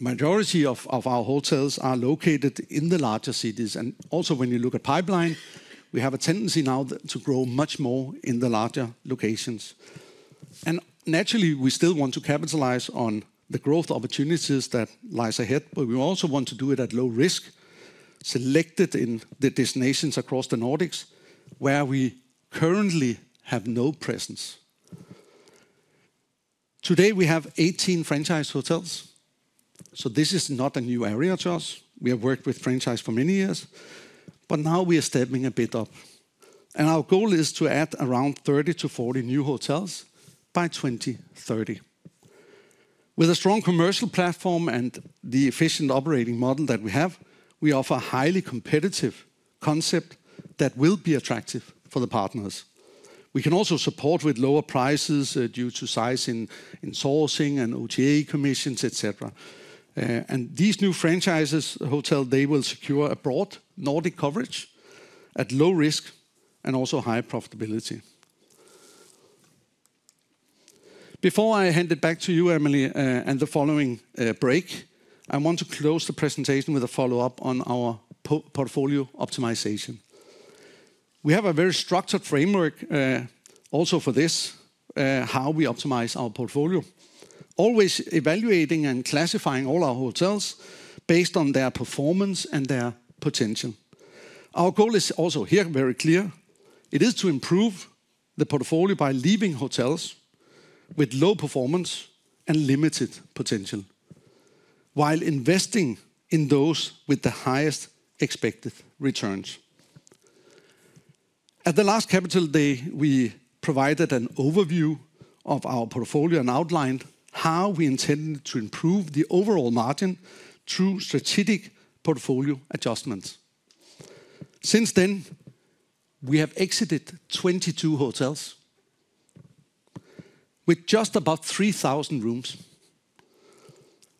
majority of our hotels are located in the larger cities. And also, when you look at pipeline, we have a tendency now to grow much more in the larger locations. Naturally, we still want to capitalize on the growth opportunities that lie ahead, but we also want to do it at low risk, select destinations across the Nordics where we currently have no presence. Today, we have 18 franchise hotels, so this is not a new area to us. We have worked with franchise for many years, but now we are stepping a bit up. Our goal is to add around 30-40 new hotels by 2030. With a strong commercial platform and the efficient operating model that we have, we offer a highly competitive concept that will be attractive for the partners. We can also support with lower prices due to size in sourcing and OTA commissions, etc. These new franchise hotels will secure a broad Nordic coverage at low risk and also high profitability. Before I hand it back to you, Emelie, and the following break, I want to close the presentation with a follow-up on our portfolio optimization. We have a very structured framework also for this, how we optimize our portfolio, always evaluating and classifying all our hotels based on their performance and their potential. Our goal is also here very clear. It is to improve the portfolio by leaving hotels with low performance and limited potential, while investing in those with the highest expected returns. At the last Capital Markets Day, we provided an overview of our portfolio and outlined how we intended to improve the overall margin through strategic portfolio adjustments. Since then, we have exited 22 hotels with just about 3,000 rooms.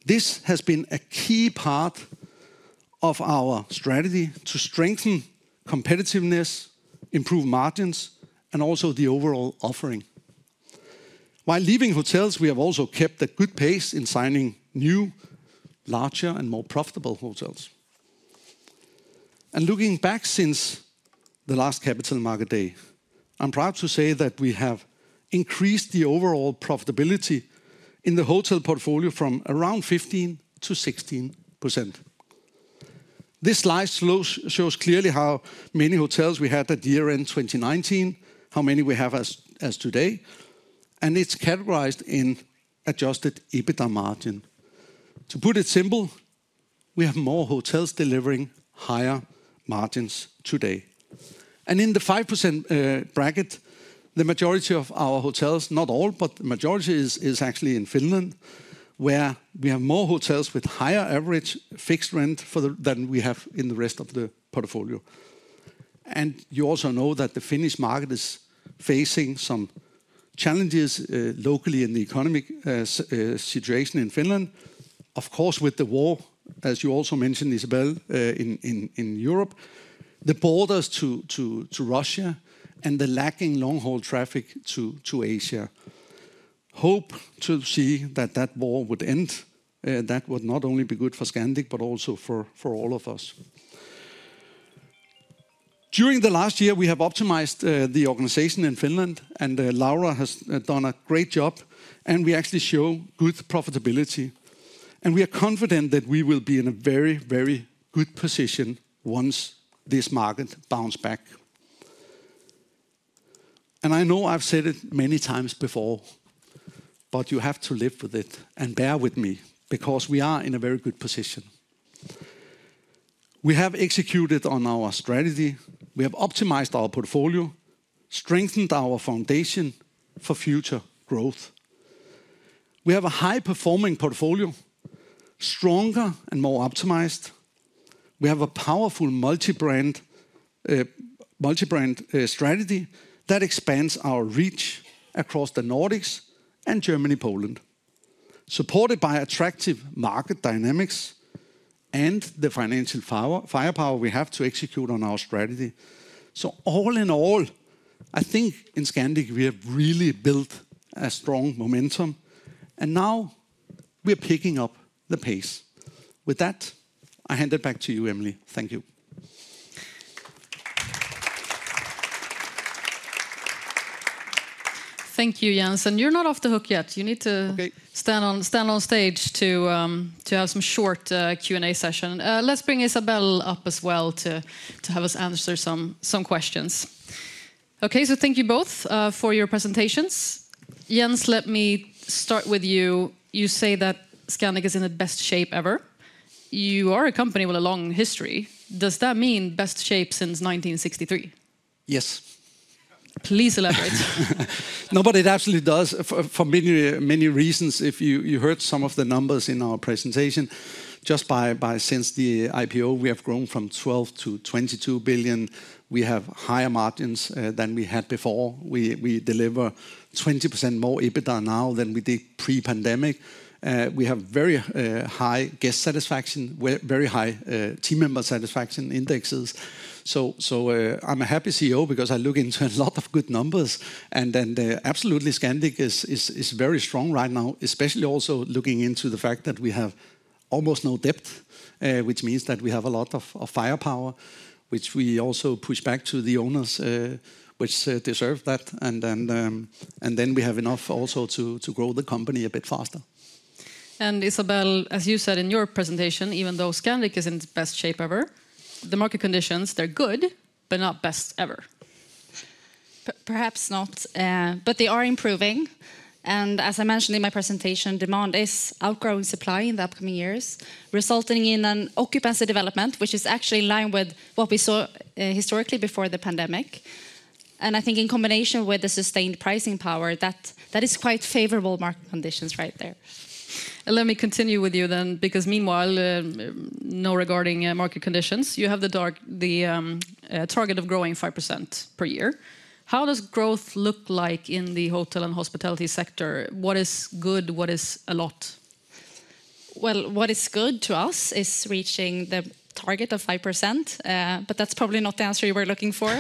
This has been a key part of our strategy to strengthen competitiveness, improve margins, and also the overall offering. While leaving hotels, we have also kept a good pace in signing new, larger, and more profitable hotels. And looking back since the last Capital Markets Day, I'm proud to say that we have increased the overall profitability in the hotel portfolio from around 15%-16%. This slide shows clearly how many hotels we had at year-end 2019, how many we have as of today, and it's categorized in Adjusted EBITDA margin. To put it simply, we have more hotels delivering higher margins today. And in the 5% bracket, the majority of our hotels, not all, but the majority is actually in Finland, where we have more hotels with higher average fixed rent than we have in the rest of the portfolio. And you also know that the Finnish market is facing some challenges locally in the economic situation in Finland. Of course, with the war, as you also mentioned, Isabelle, in Europe, the borders to Russia and the lacking long-haul traffic to Asia. I hope to see that the war would end. That would not only be good for Scandic, but also for all of us. During the last year, we have optimized the organization in Finland, and Laura has done a great job, and we actually show good profitability, and we are confident that we will be in a very, very good position once this market bounces back, and I know I've said it many times before, but you have to live with it and bear with me because we are in a very good position. We have executed on our strategy. We have optimized our portfolio, strengthened our foundation for future growth. We have a high-performing portfolio, stronger and more optimized. We have a powerful multi-brand strategy that expands our reach across the Nordics and Germany, Poland. Supported by attractive market dynamics and the financial firepower we have to execute on our strategy. So all in all, I think in Scandic, we have really built a strong momentum, and now we are picking up the pace. With that, I hand it back to you, Emelie. Thank you. Thank you, Jens. And you're not off the hook yet. You need to stand on stage to have some short Q&A session. Let's bring Isabelle up as well to have us answer some questions. Okay, so thank you both for your presentations. Jens, let me start with you. You say that Scandic is in its best shape ever. You are a company with a long history. Does that mean best shape since 1963? Yes. Please elaborate. No, but it absolutely does for many reasons. If you heard some of the numbers in our presentation, just by since the IPO, we have grown from 12 billion-22 billion. We have higher margins than we had before. We deliver 20% more EBITDA now than we did pre-pandemic. We have very high guest satisfaction, very high team member satisfaction indexes. So I'm a happy CEO because I look into a lot of good numbers. And then absolutely, Scandic is very strong right now, especially also looking into the fact that we have almost no debt, which means that we have a lot of firepower, which we also push back to the owners which deserve that. And then we have enough also to grow the company a bit faster. And Isabelle, as you said in your presentation, even though Scandic is in its best shape ever, the market conditions, they're good, but not best ever. Perhaps not, but they are improving, and as I mentioned in my presentation, demand is outgrowing supply in the upcoming years, resulting in an occupancy development, which is actually in line with what we saw historically before the pandemic, and I think in combination with the sustained pricing power, that is quite favorable market conditions right there. Let me continue with you then, because meanwhile, no, regarding market conditions, you have the target of growing 5% per year. How does growth look like in the hotel and hospitality sector? What is good? What is a lot? Well, what is good to us is reaching the target of 5%, but that's probably not the answer you were looking for.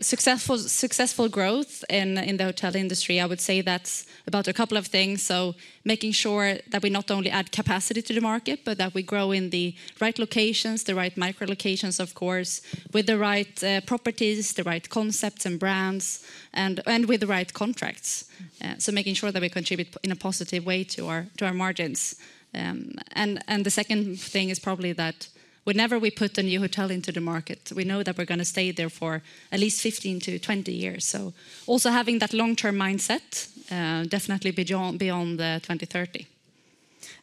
Successful growth in the hotel industry, I would say that's about a couple of things. So making sure that we not only add capacity to the market, but that we grow in the right locations, the right micro locations, of course, with the right properties, the right concepts and brands, and with the right contracts. So making sure that we contribute in a positive way to our margins. And the second thing is probably that whenever we put a new hotel into the market, we know that we're going to stay there for at least 15-20 years. So also having that long-term mindset definitely beyond 2030.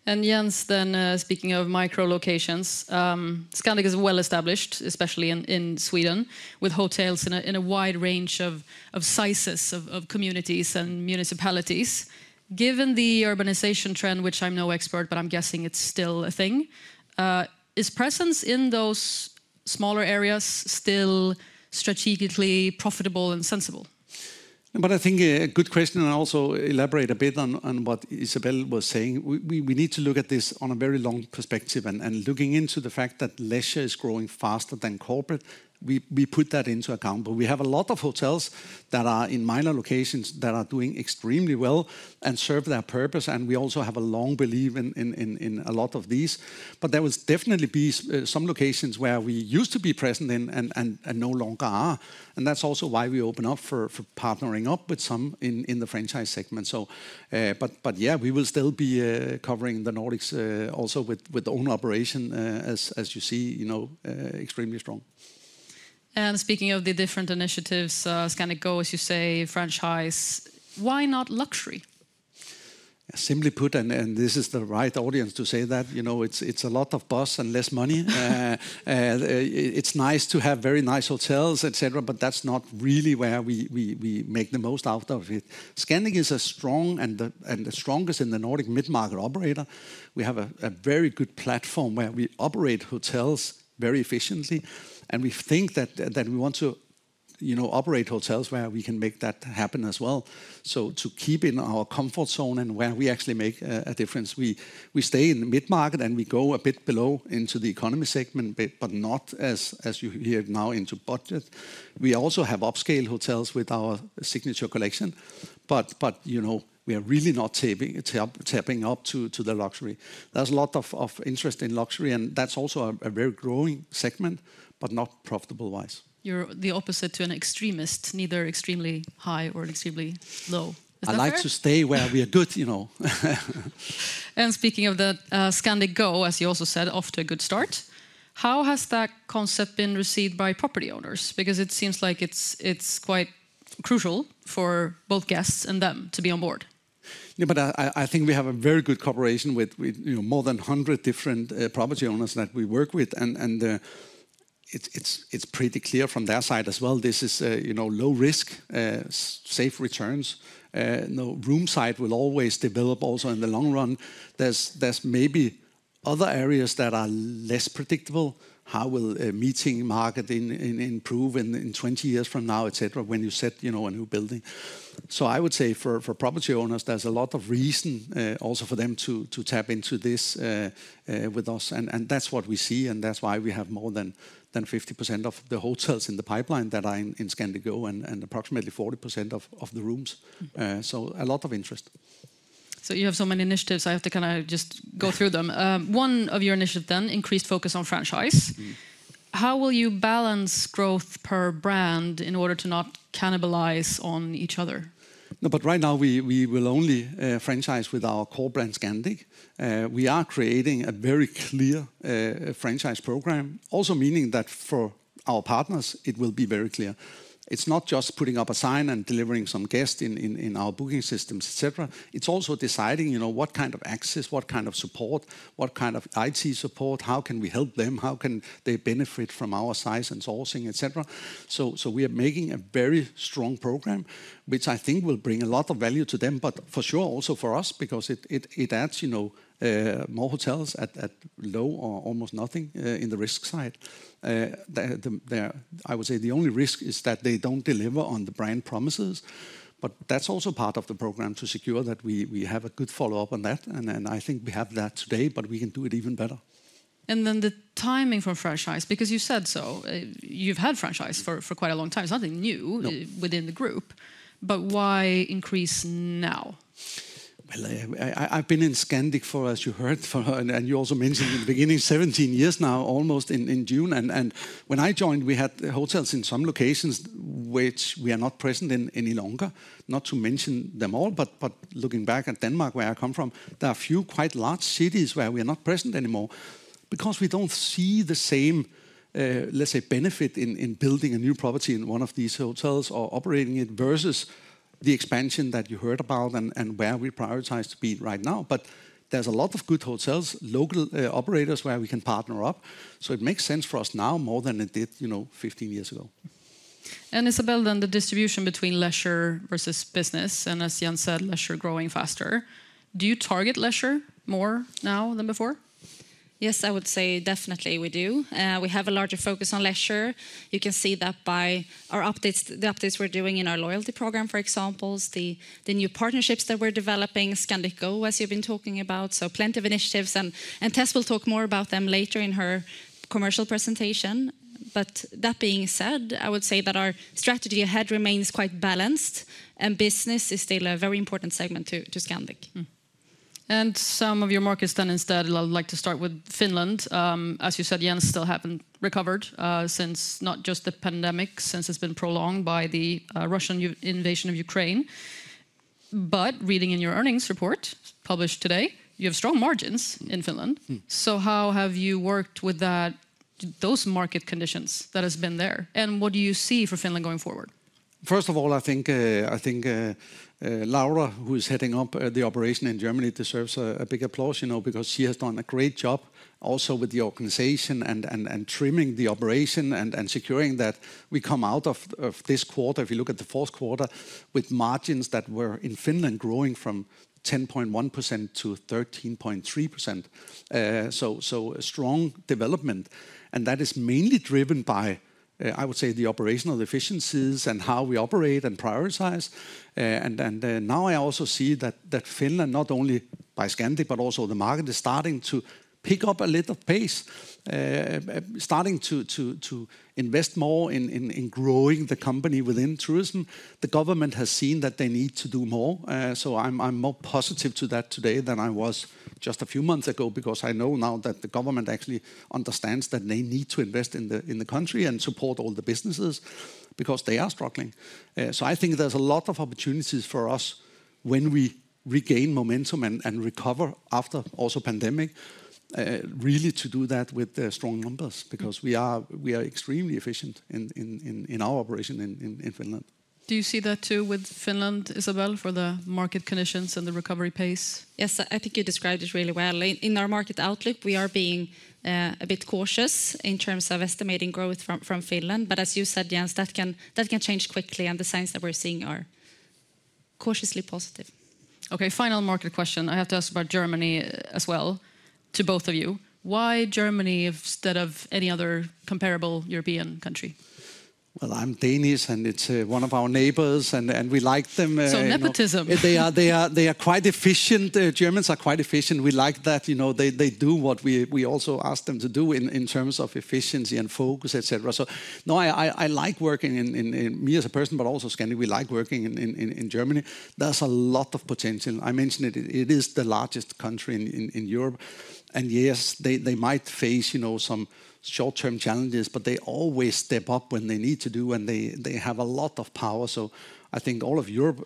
And Jens, then speaking of micro locations, Scandic is well established, especially in Sweden, with hotels in a wide range of sizes, of communities and municipalities. Given the urbanization trend, which I'm no expert, but I'm guessing it's still a thing, is presence in those smaller areas still strategically profitable and sensible? But I think a good question, and I'll also elaborate a bit on what Isabelle was saying. We need to look at this on a very long perspective and looking into the fact that leisure is growing faster than corporate. We put that into account, but we have a lot of hotels that are in minor locations that are doing extremely well and serve their purpose. And we also have a long belief in a lot of these. But there will definitely be some locations where we used to be present in and no longer are. And that's also why we open up for partnering up with some in the franchise segment. But yeah, we will still be covering the Nordics also with our own operation, as you see, extremely strong. Speaking of the different initiatives, Scandic Go, as you say, franchise, why not luxury? Simply put, and this is the right audience to say that, it's a lot of bus and less money. It's nice to have very nice hotels, etc., but that's not really where we make the most out of it. Scandic is a strong and the strongest in the Nordic mid-market operator. We have a very good platform where we operate hotels very efficiently. And we think that we want to operate hotels where we can make that happen as well. So to keep in our comfort zone and where we actually make a difference, we stay in the mid-market and we go a bit below into the economy segment, but not as you hear now into budget. We also have upscale hotels with our Signature Collection, but we are really not tapping up to the luxury. There's a lot of interest in luxury, and that's also a very growing segment, but not profitable-wise. You're the opposite to an extremist, neither extremely high or extremely low. I like to stay where we are good. And speaking of that, Scandic Go, as you also said, off to a good start. How has that concept been received by property owners? Because it seems like it's quite crucial for both guests and them to be on board. But I think we have a very good cooperation with more than 100 different property owners that we work with. And it's pretty clear from their side as well. This is low risk, safe returns. Room side will always develop also in the long run. There's maybe other areas that are less predictable. How will meeting market improve in 20 years from now, etc., when you set a new building? So I would say for property owners, there's a lot of reason also for them to tap into this with us. And that's what we see, and that's why we have more than 50% of the hotels in the pipeline that are in Scandic Go and approximately 40% of the rooms. So a lot of interest. So you have so many initiatives, I have to kind of just go through them. One of your initiatives then, increased focus on franchise. How will you balance growth per brand in order to not cannibalize on each other? But right now, we will only franchise with our core brand, Scandic. We are creating a very clear franchise program, also meaning that for our partners, it will be very clear. It's not just putting up a sign and delivering some guests in our booking systems, etc. It's also deciding what kind of access, what kind of support, what kind of IT support, how can we help them, how can they benefit from our size and sourcing, etc. So we are making a very strong program, which I think will bring a lot of value to them, but for sure also for us, because it adds more hotels at low or almost nothing in the risk side. I would say the only risk is that they don't deliver on the brand promises, but that's also part of the program to secure that we have a good follow-up on that. And I think we have that today, but we can do it even better. And then the timing for franchise, because you said so, you've had franchise for quite a long time. It's nothing new within the group, but why increase now? I've been in Scandic for, as you heard, and you also mentioned in the beginning, 17 years now, almost in June. When I joined, we had hotels in some locations which we are not present in any longer. Not to mention them all, but looking back at Denmark, where I come from, there are a few quite large cities where we are not present anymore because we don't see the same, let's say, benefit in building a new property in one of these hotels or operating it versus the expansion that you heard about and where we prioritize to be right now. There's a lot of good hotels, local operators where we can partner up. It makes sense for us now more than it did 15 years ago. Isabelle, then the distribution between leisure versus business, and as Jens said, leisure growing faster. Do you target leisure more now than before? Yes, I would say definitely we do. We have a larger focus on leisure. You can see that by the updates we're doing in our loyalty program, for example, the new partnerships that we're developing, Scandic Go, as you've been talking about. So plenty of initiatives, and Tess will talk more about them later in her commercial presentation. But that being said, I would say that our strategy ahead remains quite balanced, and business is still a very important segment to Scandic. And some of your markets then instead, I'd like to start with Finland. As you said, Finland still hasn't recovered since not just the pandemic, since it's been prolonged by the Russian invasion of Ukraine. But reading in your earnings report published today, you have strong margins in Finland. How have you worked with those market conditions that have been there? And what do you see for Finland going forward? First of all, I think Laura, who is heading up the operation in Finland, deserves a big applause because she has done a great job also with the organization and trimming the operation and securing that we come out of this quarter, if you look at the fourth quarter, with margins that were in Finland growing from 10.1%-13.3%. That is a strong development. And that is mainly driven by, I would say, the operational efficiencies and how we operate and prioritize. And now I also see that Finland, not only by Scandic, but also the market is starting to pick up a little pace, starting to invest more in growing the company within tourism. The government has seen that they need to do more. So I'm more positive to that today than I was just a few months ago because I know now that the government actually understands that they need to invest in the country and support all the businesses because they are struggling. So I think there's a lot of opportunities for us when we regain momentum and recover after also pandemic, really to do that with strong numbers because we are extremely efficient in our operation in Finland. Do you see that too with Finland, Isabelle, for the market conditions and the recovery pace? Yes, I think you described it really well. In our market outlook, we are being a bit cautious in terms of estimating growth from Finland. But as you said, Jens, that can change quickly, and the signs that we're seeing are cautiously positive. Okay, final market question. I have to ask about Germany as well to both of you. Why Germany instead of any other comparable European country? Well, I'm Danish, and it's one of our neighbors, and we like them. So nepotism. They are quite efficient. Germans are quite efficient. We like that. They do what we also ask them to do in terms of efficiency and focus, etc. So no, I like working in Germany as a person, but also Scandic, we like working in Germany. There's a lot of potential. I mentioned it. It is the largest country in Europe. And yes, they might face some short-term challenges, but they always step up when they need to do, and they have a lot of power. So I think all of Europe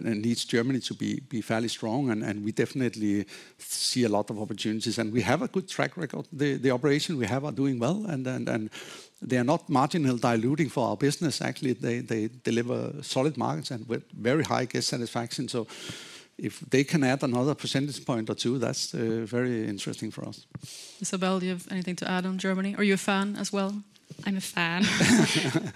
needs Germany to be fairly strong, and we definitely see a lot of opportunities. And we have a good track record. The operation we have are doing well, and they are not marginal diluting for our business. Actually, they deliver solid markets and with very high guest satisfaction. So if they can add another percentage point or two, that's very interesting for us. Isabelle, do you have anything to add on Germany? Are you a fan as well? I'm a fan.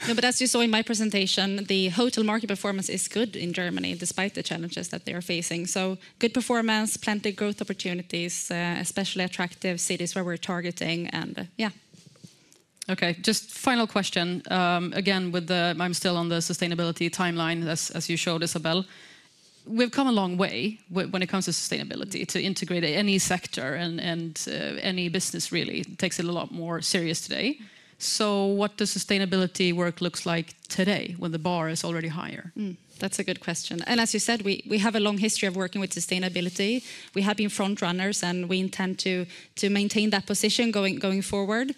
No, but as you saw in my presentation, the hotel market performance is good in Germany despite the challenges that they are facing. So good performance, plenty of growth opportunities, especially attractive cities where we're targeting. Yeah. Okay, just final question. Again, I'm still on the sustainability timeline, as you showed, Isabelle. We've come a long way when it comes to sustainability to integrate any sector and any business really takes it a lot more serious today. So what does sustainability work look like today when the bar is already higher? That's a good question. And as you said, we have a long history of working with sustainability. We have been front runners, and we intend to maintain that position going forward.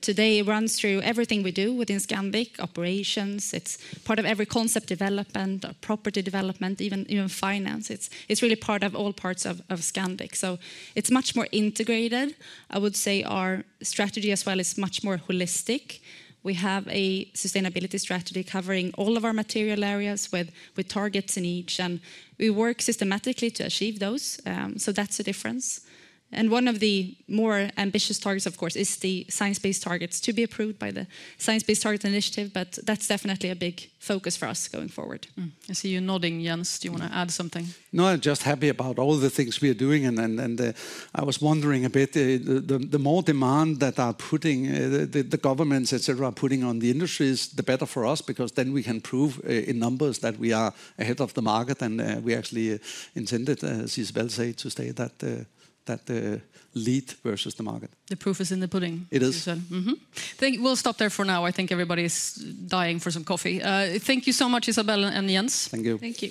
Today, it runs through everything we do within Scandic operations. It's part of every concept development, property development, even finance. It's really part of all parts of Scandic. So it's much more integrated. I would say our strategy as well is much more holistic. We have a sustainability strategy covering all of our material areas with targets in each, and we work systematically to achieve those. So that's a difference. And one of the more ambitious targets, of course, is the Science Based Targets to be approved by the Science Based Targets initiative, but that's definitely a big focus for us going forward. I see you nodding, Jens. Do you want to add something? No, I'm just happy about all the things we are doing. And I was wondering a bit, the more demand that the governments, etc., are putting on the industry, is the better for us because then we can prove in numbers that we are ahead of the market and we actually intended, as Isabelle said, to stay at that lead versus the market. The proof is in the pudding. It is. We'll stop there for now. I think everybody's dying for some coffee. Thank you so much, Isabelle and Jens. Thank you. Thank you.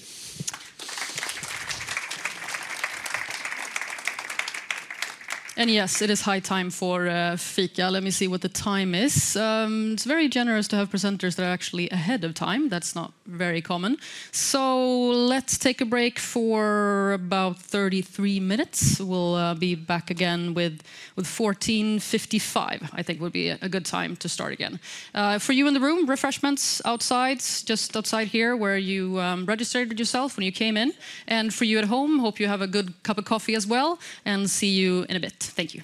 And yes, it is high time for fika. Let me see what the time is. It's very generous to have presenters that are actually ahead of time. That's not very common. So let's take a break for about 33 minutes. We'll be back again at 2:55 P.M. I think would be a good time to start again. For you in the room, refreshments outside, just outside here where you registered yourself when you came in. And for you at home, hope you have a good cup of coffee as well and see you in a bit. Thank you.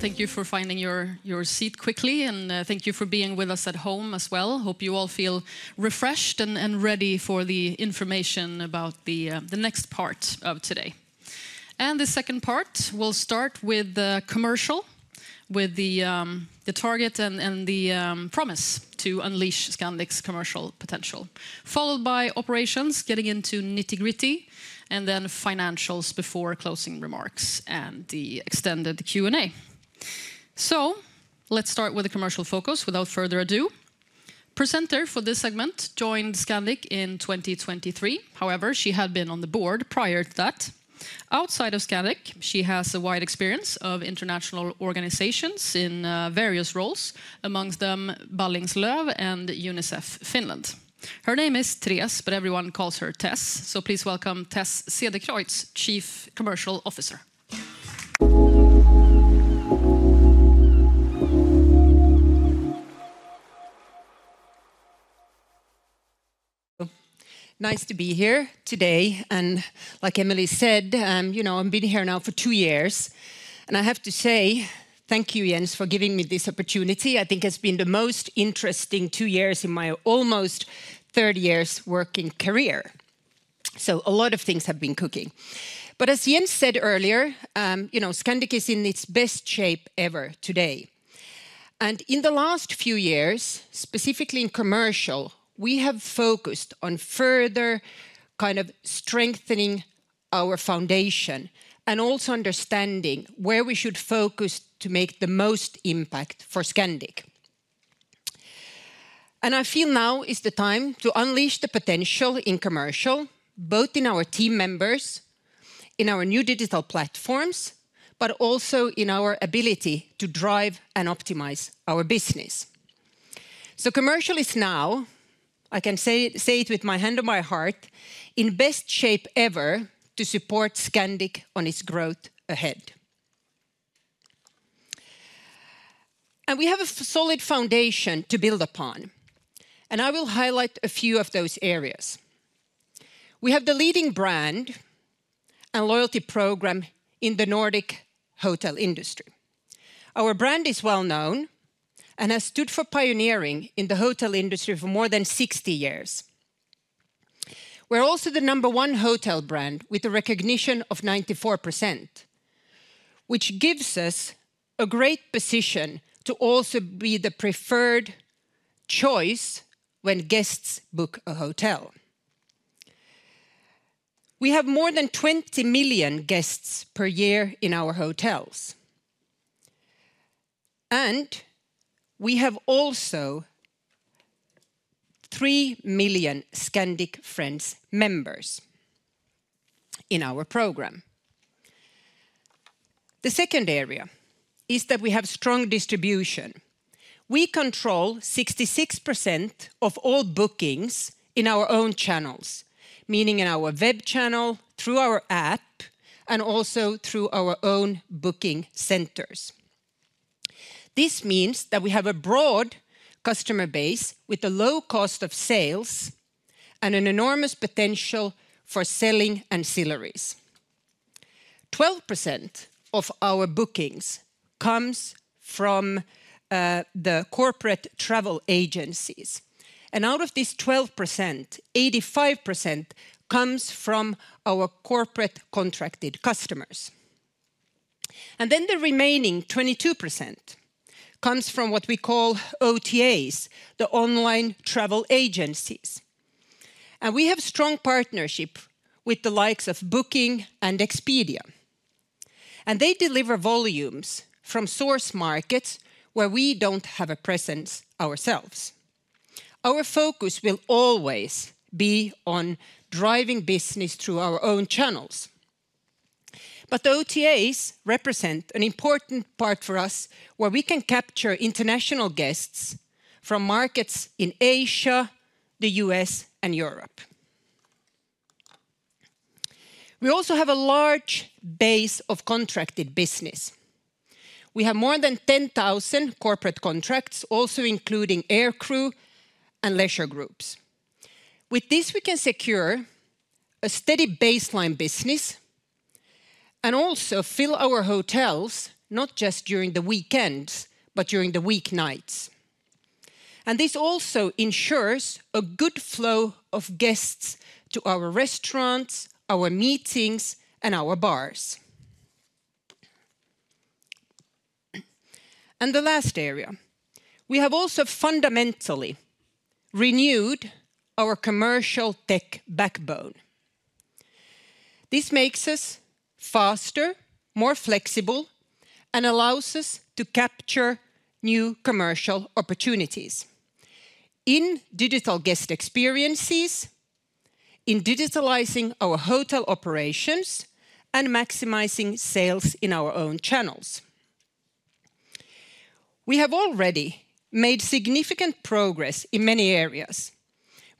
Again, thank you for finding your seat quickly, and thank you for being with us at home as well. Hope you all feel refreshed and ready for the information about the next part of today. The second part, we'll start with the commercial, with the target and the promise to unleash Scandic's commercial potential, followed by operations, getting into nitty-gritty, and then financials before closing remarks and the extended Q&A. Let's start with the commercial focus without further ado. Presenter for this segment joined Scandic in 2023. However, she had been on the board prior to that. Outside of Scandic, she has a wide experience of international organizations in various roles, among them Ballingslöv and UNICEF Finland. Her name is Thérèse, but everyone calls her Tess, so please welcome Tess Cederkreutz, Chief Commercial Officer. Nice to be here today, and like Emelie said, you know, I've been here now for two years, and I have to say thank you, Jens, for giving me this opportunity. I think it's been the most interesting two years in my almost 30 years' working career, so a lot of things have been cooking, but as Jens said earlier, you know, Scandic is in its best shape ever today. In the last few years, specifically in commercial, we have focused on further kind of strengthening our foundation and also understanding where we should focus to make the most impact for Scandic. I feel now is the time to unleash the potential in commercial, both in our team members, in our new digital platforms, but also in our ability to drive and optimize our business. Commercial is now, I can say it with my hand on my heart, in best shape ever to support Scandic on its growth ahead. We have a solid foundation to build upon, and I will highlight a few of those areas. We have the leading brand and loyalty program in the Nordic hotel industry. Our brand is well known and has stood for pioneering in the hotel industry for more than 60 years. We're also the number one hotel brand with a recognition of 94%, which gives us a great position to also be the preferred choice when guests book a hotel. We have more than 20 million guests per year in our hotels, and we have also 3 million Scandic Friends members in our program. The second area is that we have strong distribution. We control 66% of all bookings in our own channels, meaning in our web channel, through our app, and also through our own booking centers. This means that we have a broad customer base with a low cost of sales and an enormous potential for selling ancillaries. 12% of our bookings comes from the corporate travel agencies, and out of these 12%, 85% comes from our corporate contracted customers, and then the remaining 22% comes from what we call OTAs, the online travel agencies. And we have strong partnerships with the likes of Booking and Expedia, and they deliver volumes from source markets where we don't have a presence ourselves. Our focus will always be on driving business through our own channels. But the OTAs represent an important part for us where we can capture international guests from markets in Asia, the U.S., and Europe. We also have a large base of contracted business. We have more than 10,000 corporate contracts, also including air crew and leisure groups. With this, we can secure a steady baseline business and also fill our hotels, not just during the weekends, but during the weeknights. And this also ensures a good flow of guests to our restaurants, our meetings, and our bars. And the last area, we have also fundamentally renewed our commercial tech backbone. This makes us faster, more flexible, and allows us to capture new commercial opportunities in digital guest experiences, in digitalizing our hotel operations, and maximizing sales in our own channels. We have already made significant progress in many areas.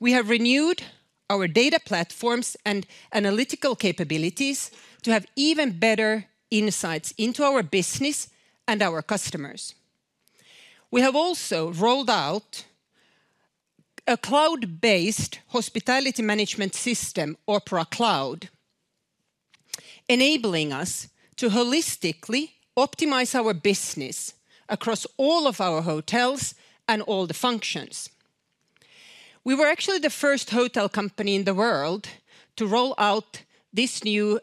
We have renewed our data platforms and analytical capabilities to have even better insights into our business and our customers. We have also rolled out a cloud-based hospitality management system, Opera Cloud, enabling us to holistically optimize our business across all of our hotels and all the functions. We were actually the first hotel company in the world to roll out this new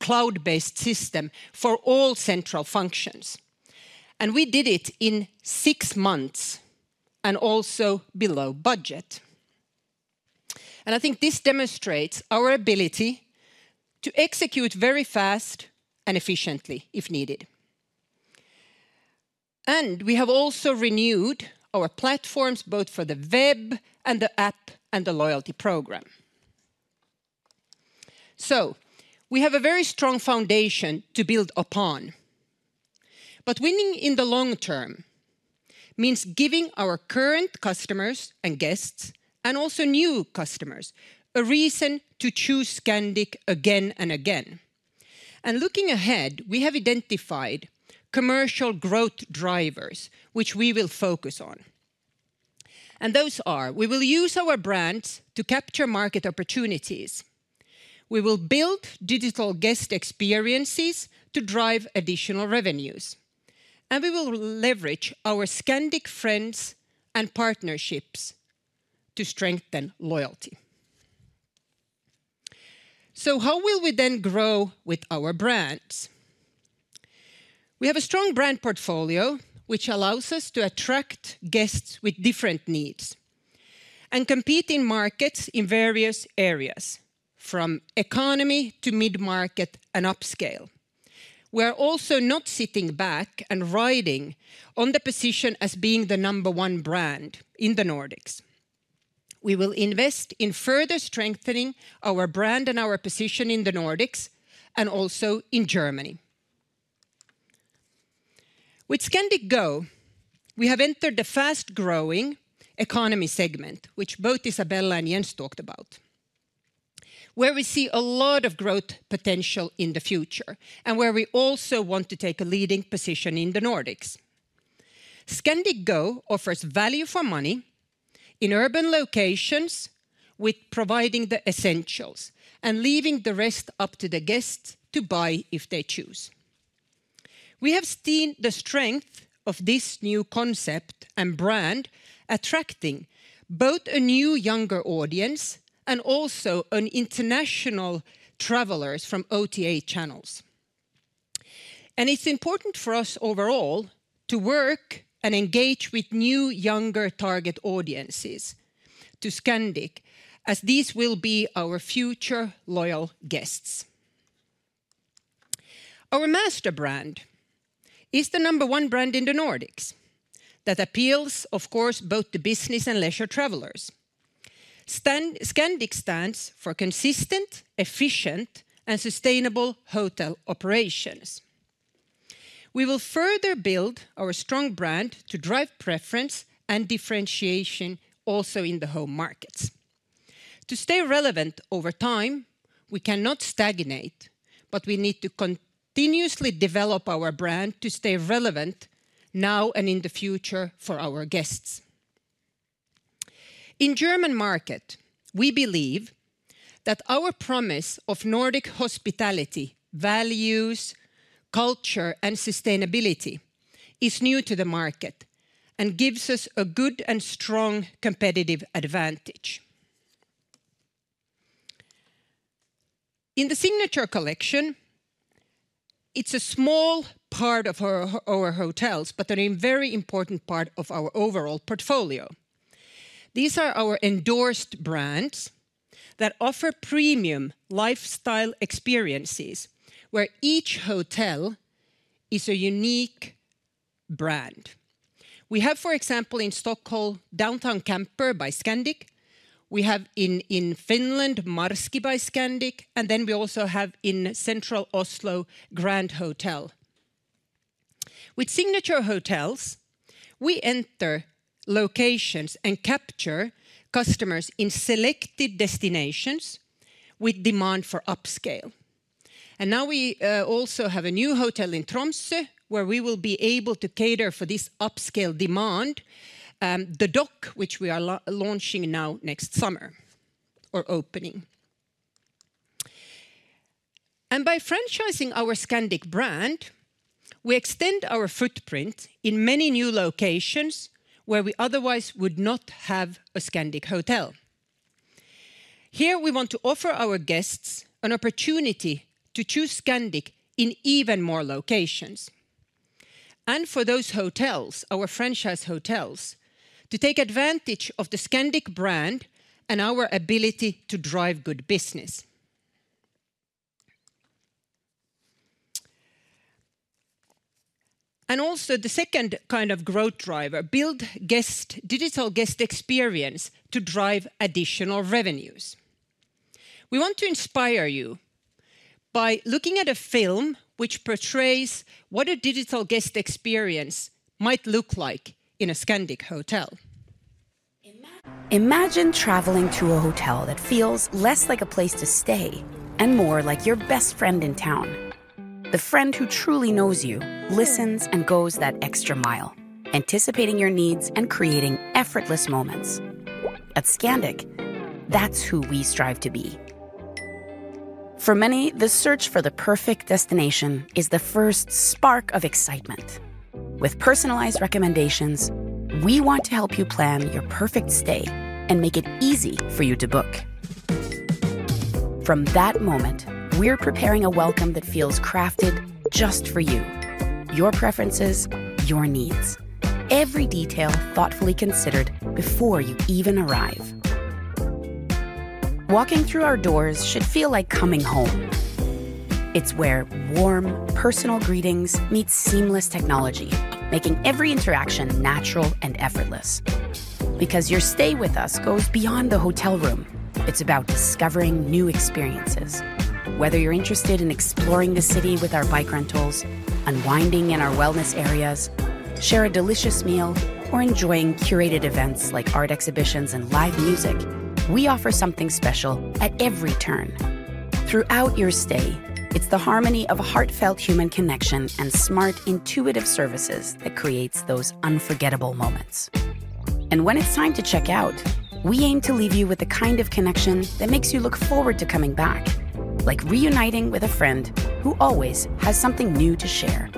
cloud-based system for all central functions, and we did it in six months and also below budget, and I think this demonstrates our ability to execute very fast and efficiently if needed. And we have also renewed our platforms both for the web and the app and the loyalty program. So we have a very strong foundation to build upon. But winning in the long-term means giving our current customers and guests, and also new customers, a reason to choose Scandic again and again. And looking ahead, we have identified commercial growth drivers, which we will focus on. And those are: we will use our brands to capture market opportunities. We will build digital guest experiences to drive additional revenues. And we will leverage our Scandic Friends and partnerships to strengthen loyalty. So how will we then grow with our brands? We have a strong brand portfolio, which allows us to attract guests with different needs and compete in markets in various areas, from economy to mid-market and upscale. We are also not sitting back and riding on the position as being the number one brand in the Nordics. We will invest in further strengthening our brand and our position in the Nordics and also in Germany. With Scandic Go, we have entered the fast-growing economy segment, which both Isabelle and Jens talked about, where we see a lot of growth potential in the future and where we also want to take a leading position in the Nordics. Scandic Go offers value for money in urban locations with providing the essentials and leaving the rest up to the guests to buy if they choose. We have seen the strength of this new concept and brand attracting both a new younger audience and also international travelers from OTA channels. It's important for us overall to work and engage with new younger target audiences to Scandic, as these will be our future loyal guests. Our master brand is the number one brand in the Nordics that appeals, of course, both to business and leisure travelers. Scandic stands for consistent, efficient, and sustainable hotel operations. We will further build our strong brand to drive preference and differentiation also in the home markets. To stay relevant over time, we cannot stagnate, but we need to continuously develop our brand to stay relevant now and in the future for our guests. In the German market, we believe that our promise of Nordic hospitality, values, culture, and sustainability is new to the market and gives us a good and strong competitive advantage. In the Signature Collection, it's a small part of our hotels, but a very important part of our overall portfolio. These are our endorsed brands that offer premium lifestyle experiences where each hotel is a unique brand. We have, for example, in Stockholm, Downtown Camper by Scandic. We have in Finland Marski by Scandic, and then we also have in central Oslo, Grand Hotel. With signature hotels, we enter locations and capture customers in selected destinations with demand for upscale. And now we also have a new hotel in Tromsø where we will be able to cater for this upscale demand, the dock, which we are launching now next summer or opening. And by franchising our Scandic brand, we extend our footprint in many new locations where we otherwise would not have a Scandic hotel. Here, we want to offer our guests an opportunity to choose Scandic in even more locations and for those hotels, our franchise hotels, to take advantage of the Scandic brand and our ability to drive good business and also the second kind of growth driver, build digital guest experience to drive additional revenues. We want to inspire you by looking at a film which portrays what a digital guest experience might look like in a Scandic hotel. Imagine traveling to a hotel that feels less like a place to stay and more like your best friend in town. The friend who truly knows you, listens and goes that extra mile, anticipating your needs and creating effortless moments. At Scandic, that's who we strive to be. For many, the search for the perfect destination is the first spark of excitement. With personalized recommendations, we want to help you plan your perfect stay and make it easy for you to book. From that moment, we're preparing a welcome that feels crafted just for you, your preferences, your needs, every detail thoughtfully considered before you even arrive. Walking through our doors should feel like coming home. It's where warm, personal greetings meet seamless technology, making every interaction natural and effortless. Because your stay with us goes beyond the hotel room. It's about discovering new experiences. Whether you're interested in exploring the city with our bike rentals, unwinding in our wellness areas, sharing a delicious meal, or enjoying curated events like art exhibitions and live music, we offer something special at every turn. Throughout your stay, it's the harmony of a heartfelt human connection and smart, intuitive services that creates those unforgettable moments. When it's time to check out, we aim to leave you with the kind of connection that makes you look forward to coming back, like reuniting with a friend who always has something new to share.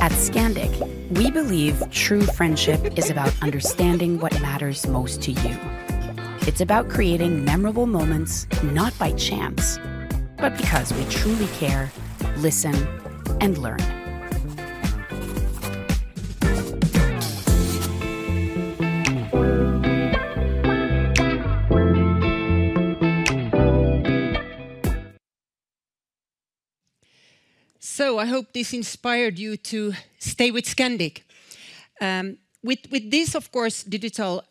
At Scandic, we believe true friendship is about understanding what matters most to you. It's about creating memorable moments not by chance, but because we truly care, listen, and learn. I hope this inspired you to stay with Scandic. With this, of course, digital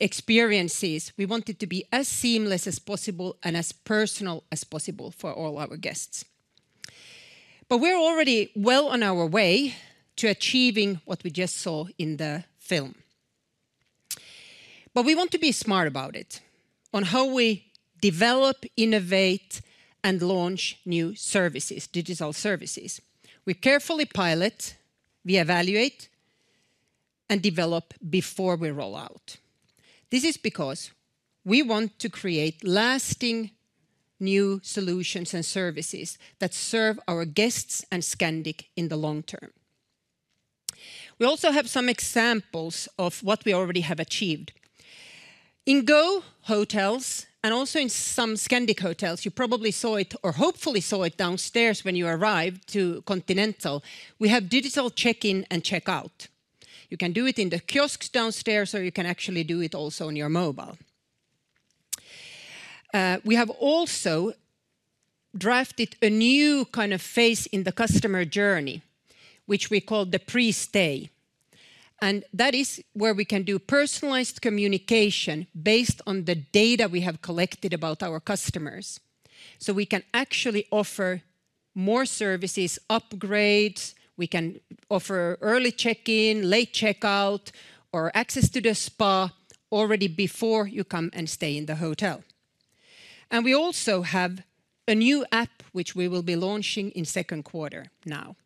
experiences, we want it to be as seamless as possible and as personal as possible for all our guests. We're already well on our way to achieving what we just saw in the film. We want to be smart about it on how we develop, innovate, and launch new services, digital services. We carefully pilot, we evaluate, and develop before we roll out. This is because we want to create lasting new solutions and services that serve our guests and Scandic in the long term. We also have some examples of what we already have achieved. In Go Hotels and also in some Scandic hotels, you probably saw it or hopefully saw it downstairs when you arrived to Continental. We have digital check-in and check-out. You can do it in the kiosks downstairs, or you can actually do it also on your mobile. We have also drafted a new kind of phase in the customer journey, which we call the pre-stay. And that is where we can do personalized communication based on the data we have collected about our customers. So we can actually offer more services, upgrades. We can offer early check-in, late check-out, or access to the spa already before you come and stay in the hotel. And we also have a new app, which we will be launching in the second quarter now.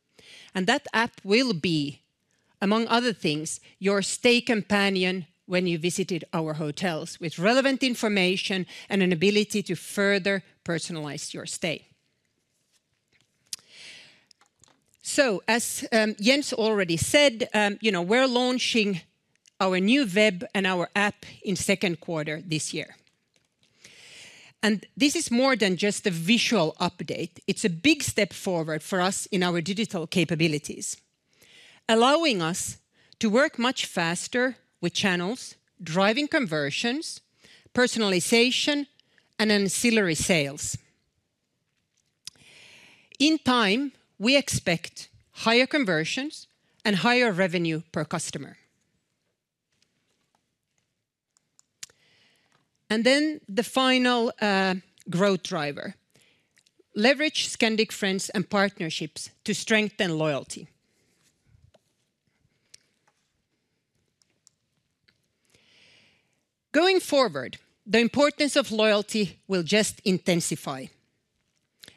And that app will be, among other things, your stay companion when you visited our hotels with relevant information and an ability to further personalize your stay. So, as Jens already said, we're launching our new web and our app in the second quarter this year. And this is more than just a visual update. It's a big step forward for us in our digital capabilities, allowing us to work much faster with channels, driving conversions, personalization, and ancillary sales. In time, we expect higher conversions and higher revenue per customer. And then the final growth driver: leverage Scandic Friends and partnerships to strengthen loyalty. Going forward, the importance of loyalty will just intensify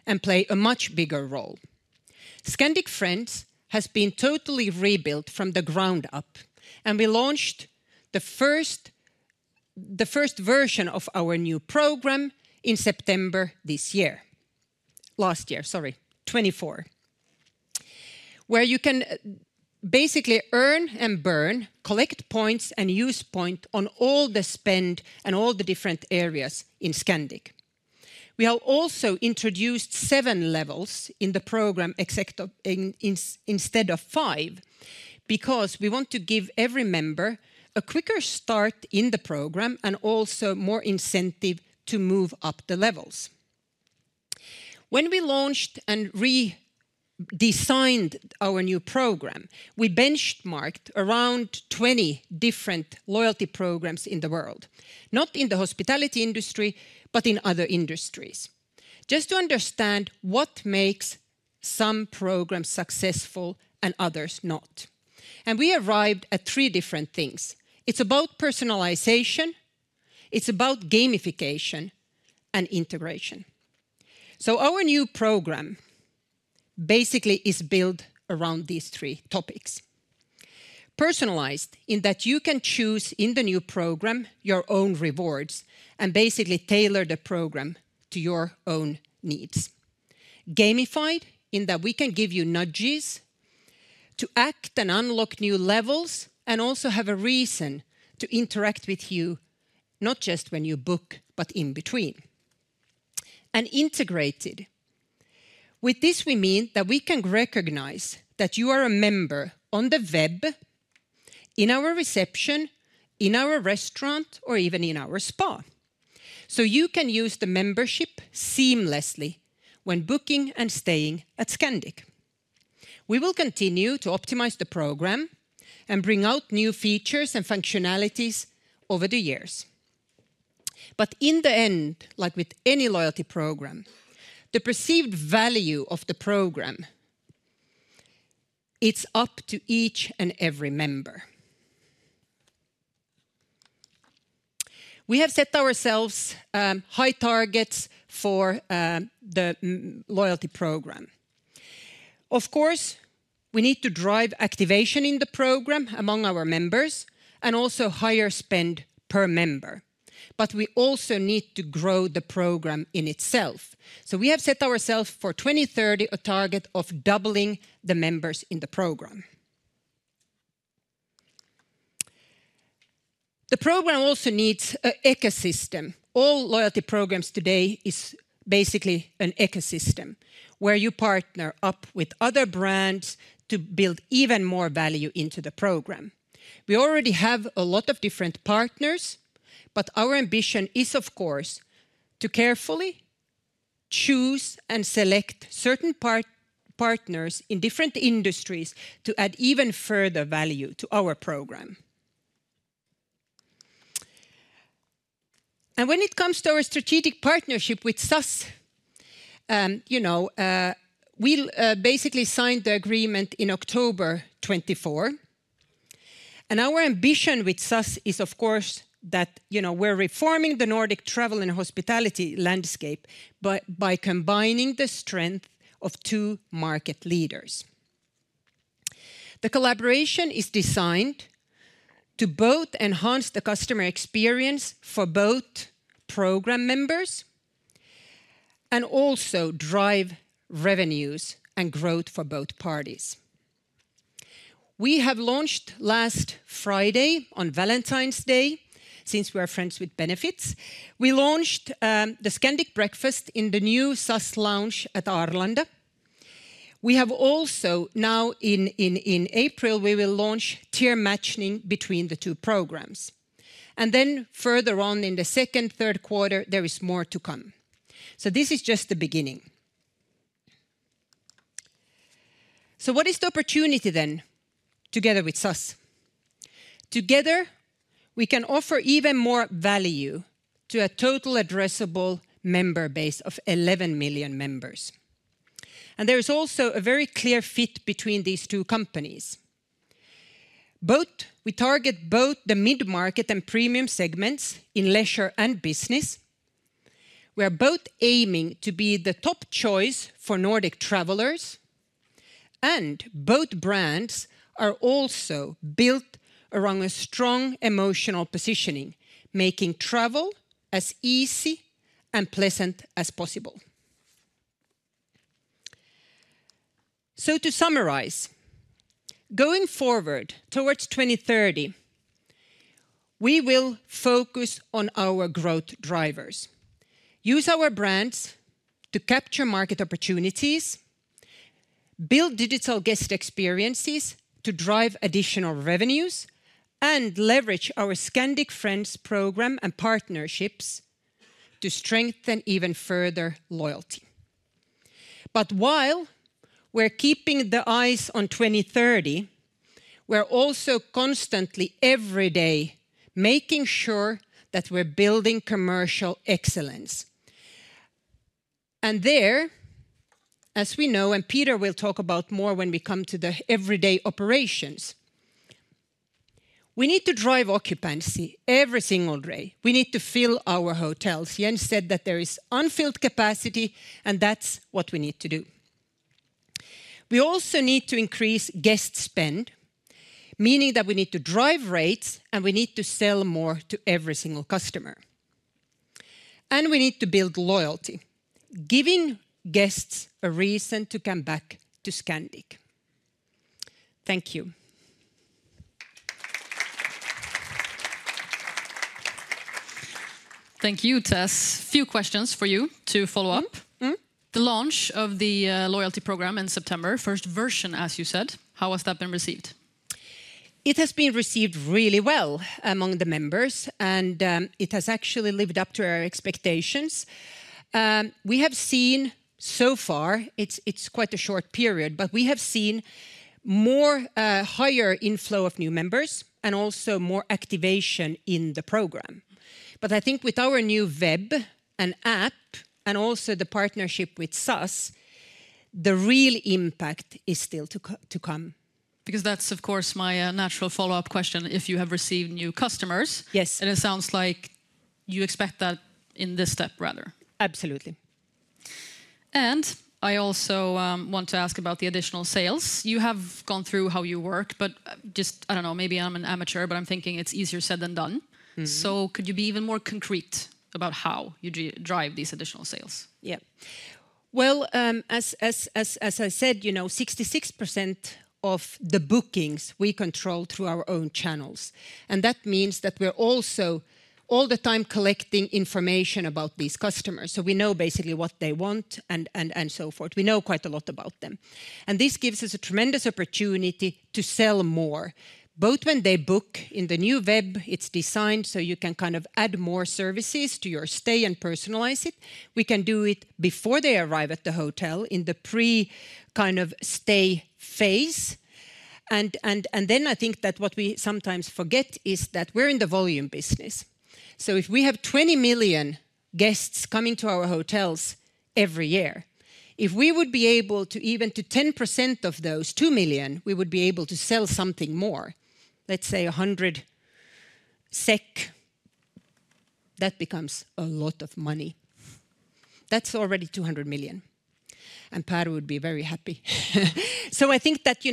and play a much bigger role. Scandic Friends has been totally rebuilt from the ground up, and we launched the first version of our new program in September this year, last year—sorry, 2024—where you can basically earn and burn, collect points, and use points on all the spend and all the different areas in Scandic. We have also introduced seven levels in the program instead of five because we want to give every member a quicker start in the program and also more incentive to move up the levels. When we launched and redesigned our new program, we benchmarked around 20 different loyalty programs in the world, not in the hospitality industry, but in other industries, just to understand what makes some programs successful and others not, and we arrived at three different things. It's about personalization. It's about gamification and integration. So our new program basically is built around these three topics: personalized in that you can choose in the new program your own rewards and basically tailor the program to your own needs. Gamified in that we can give you nudges to act and unlock new levels and also have a reason to interact with you, not just when you book, but in between. And integrated. With this, we mean that we can recognize that you are a member on the web, in our reception, in our restaurant, or even in our spa. So you can use the membership seamlessly when booking and staying at Scandic. We will continue to optimize the program and bring out new features and functionalities over the years. But in the end, like with any loyalty program, the perceived value of the program, it's up to each and every member. We have set ourselves high targets for the loyalty program. Of course, we need to drive activation in the program among our members and also higher spend per member. But we also need to grow the program in itself. So we have set ourselves for 2030 a target of doubling the members in the program. The program also needs an ecosystem. All loyalty programs today are basically an ecosystem where you partner up with other brands to build even more value into the program. We already have a lot of different partners, but our ambition is, of course, to carefully choose and select certain partners in different industries to add even further value to our program, and when it comes to our strategic partnership with SAS, we basically signed the agreement in October 2024. Our ambition with SAS is, of course, that we're reforming the Nordic travel and hospitality landscape by combining the strength of two market leaders. The collaboration is designed to both enhance the customer experience for both program members and also drive revenues and growth for both parties. We launched last Friday on Valentine's Day, since we are friends with benefits. We launched the Scandic Breakfast in the new SAS lounge at Arlanda. We have also now, in April, we will launch tier matching between the two programs. Then further on in the second, third quarter, there is more to come. This is just the beginning. What is the opportunity then together with SAS? Together, we can offer even more value to a total addressable member base of 11 million members. There is also a very clear fit between these two companies. We target both the mid-market and premium segments in leisure and business. We are both aiming to be the top choice for Nordic travelers, and both brands are also built around a strong emotional positioning, making travel as easy and pleasant as possible, so to summarize, going forward towards 2030, we will focus on our growth drivers, use our brands to capture market opportunities, build digital guest experiences to drive additional revenues, and leverage our Scandic Friends program and partnerships to strengthen even further loyalty, but while we're keeping the eyes on 2030, we're also constantly, every day, making sure that we're building commercial excellence. And there, as we know, and Peter will talk about more when we come to the everyday operations, we need to drive occupancy every single day. We need to fill our hotels. Jens said that there is unfilled capacity, and that's what we need to do. We also need to increase guest spend, meaning that we need to drive rates, and we need to sell more to every single customer, and we need to build loyalty, giving guests a reason to come back to Scandic. Thank you. Thank you, Tess. A few questions for you to follow up. The launch of the loyalty program in September, first version, as you said, how has that been received? It has been received really well among the members, and it has actually lived up to our expectations. We have seen so far, it's quite a short period, but we have seen more higher inflow of new members and also more activation in the program. But I think with our new web and app and also the partnership with SAS, the real impact is still to come. Because that's, of course, my natural follow-up question. If you have received new customers, and it sounds like you expect that in this step, rather. Absolutely. And I also want to ask about the additional sales. You have gone through how you work, but just, I don't know, maybe I'm an amateur, but I'm thinking it's easier said than done. So could you be even more concrete about how you drive these additional sales? Yeah. Well, as I said, 66% of the bookings we control through our own channels. And that means that we're also all the time collecting information about these customers. So we know basically what they want and so forth. We know quite a lot about them. This gives us a tremendous opportunity to sell more, both when they book in the new web. It's designed so you can kind of add more services to your stay and personalize it. We can do it before they arrive at the hotel in the pre-stay phase. Then I think that what we sometimes forget is that we're in the volume business. So if we have 20 million guests coming to our hotels every year, if we would be able to even to 10% of those 2 million, we would be able to sell something more, let's say 100 SEK. That becomes a lot of money. That's already 200 million. And Pär would be very happy. So I think that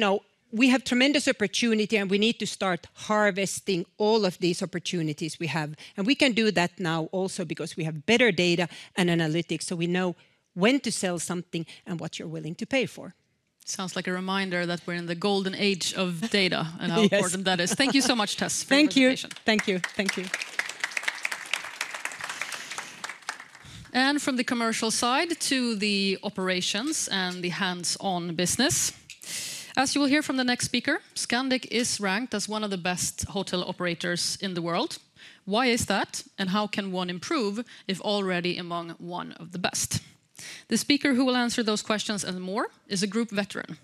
we have tremendous opportunity, and we need to start harvesting all of these opportunities we have. We can do that now also because we have better data and analytics, so we know when to sell something and what you're willing to pay for. Sounds like a reminder that we're in the golden age of data and how important that is. Thank you so much, Tess, for your information. Thank you. Thank you. Thank you. From the commercial side to the operations and the hands-on business, as you will hear from the next speaker, Scandic is ranked as one of the best hotel operators in the world. Why is that, and how can one improve if already among one of the best? The speaker who will answer those questions and more is a group veteran.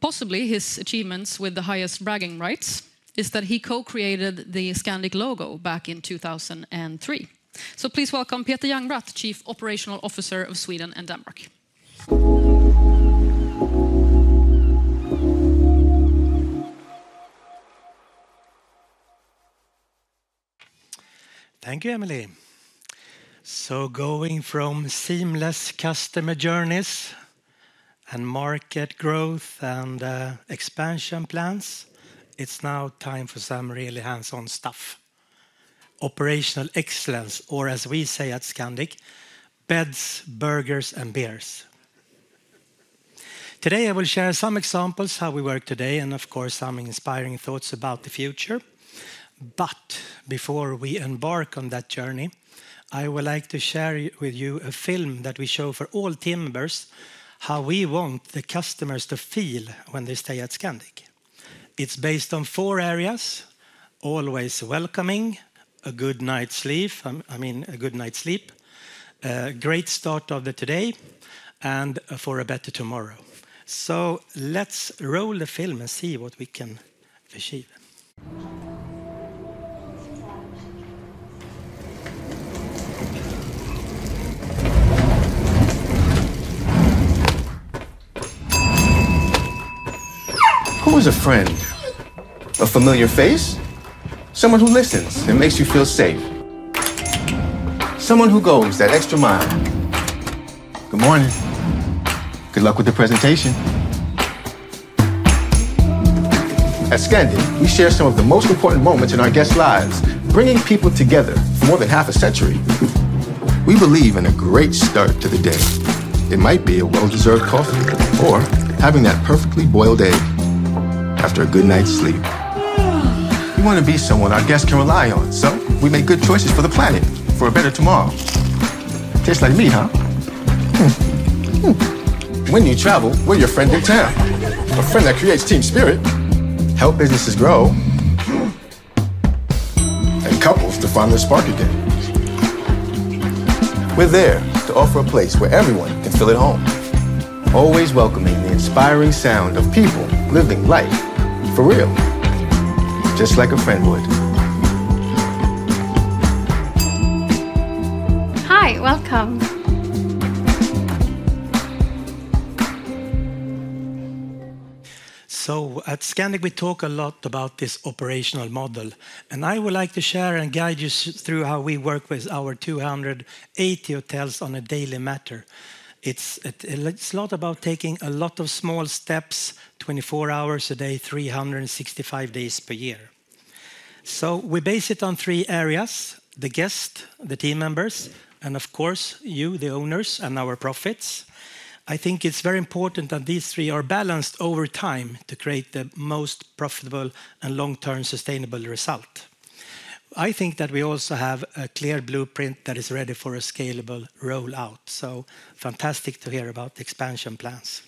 Possibly his achievements with the highest bragging rights is that he co-created the Scandic logo back in 2003. Please welcome Peter Jangbratt, Chief Operational Officer of Sweden and Denmark. Thank you, Emelie, so going from seamless customer journeys and market growth and expansion plans, it's now time for some really hands-on stuff. Operational excellence, or as we say at Scandic, beds, burgers, and beers. Today, I will share some examples of how we work today and, of course, some inspiring thoughts about the future, but before we embark on that journey, I would like to share with you a film that we show for all team members, how we want the customers to feel when they stay at Scandic. It's based on four areas: always welcoming, a good night's sleep, I mean, a good night's sleep, a great start to the day, and for a better tomorrow, so let's roll the film and see what we can achieve. Who is a friend? A familiar face? Someone who listens and makes you feel safe. Someone who goes that extra mile. Good morning. Good luck with the presentation. At Scandic, we share some of the most important moments in our guests' lives, bringing people together for more than half a century. We believe in a great start to the day. It might be a well-deserved coffee or having that perfectly boiled egg after a good night's sleep. We want to be someone our guests can rely on, so we make good choices for the planet for a better tomorrow. Tastes like me, huh? When you travel, we're your friend in town. A friend that creates team spirit, helps businesses grow, and couples to find their spark again. We're there to offer a place where everyone can feel at home, always welcoming the inspiring sound of people living life for real, just like a friend would. Hi, welcome. So at Scandic, we talk a lot about this operational model, and I would like to share and guide you through how we work with our 280 hotels on a daily basis. It's a lot about taking a lot of small steps, 24 hours a day, 365 days per year. So we base it on three areas: the guest, the team members, and of course, you, the owners, and our profits. I think it's very important that these three are balanced over time to create the most profitable and long-term sustainable result. I think that we also have a clear blueprint that is ready for a scalable rollout. So fantastic to hear about expansion plans.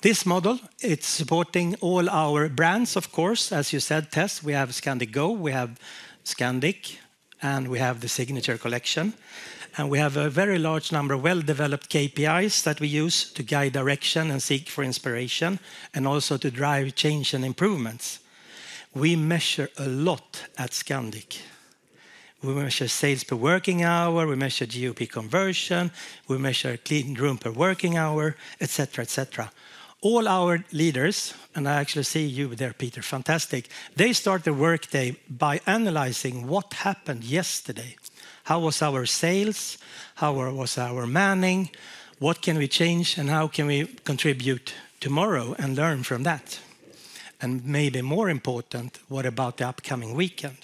This model, it's supporting all our brands, of course. As you said, Tess, we have Scandic Go, we have Scandic, and we have the Signature Collection. We have a very large number of well-developed KPIs that we use to guide direction and seek for inspiration, and also to drive change and improvements. We measure a lot at Scandic. We measure sales per working hour, we measure GOP conversion, we measure clean room per working hour, etc., etc. All our leaders, and I actually see you there, Peter, fantastic, they start their workday by analyzing what happened yesterday. How was our sales? How was our manning? What can we change and how can we contribute tomorrow and learn from that? Maybe more important, what about the upcoming weekend?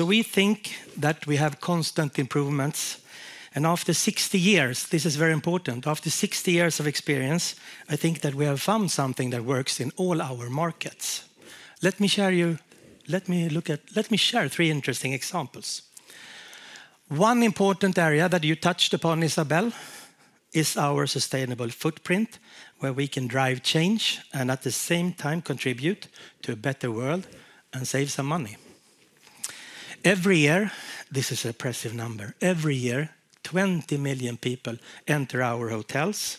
We think that we have constant improvements. After 60 years, this is very important. After 60 years of experience, I think that we have found something that works in all our markets. Let me share you, let me share three interesting examples. One important area that you touched upon, Isabelle, is our sustainable footprint, where we can drive change and at the same time contribute to a better world and save some money. Every year, this is an impressive number: every year, 20 million people enter our hotels.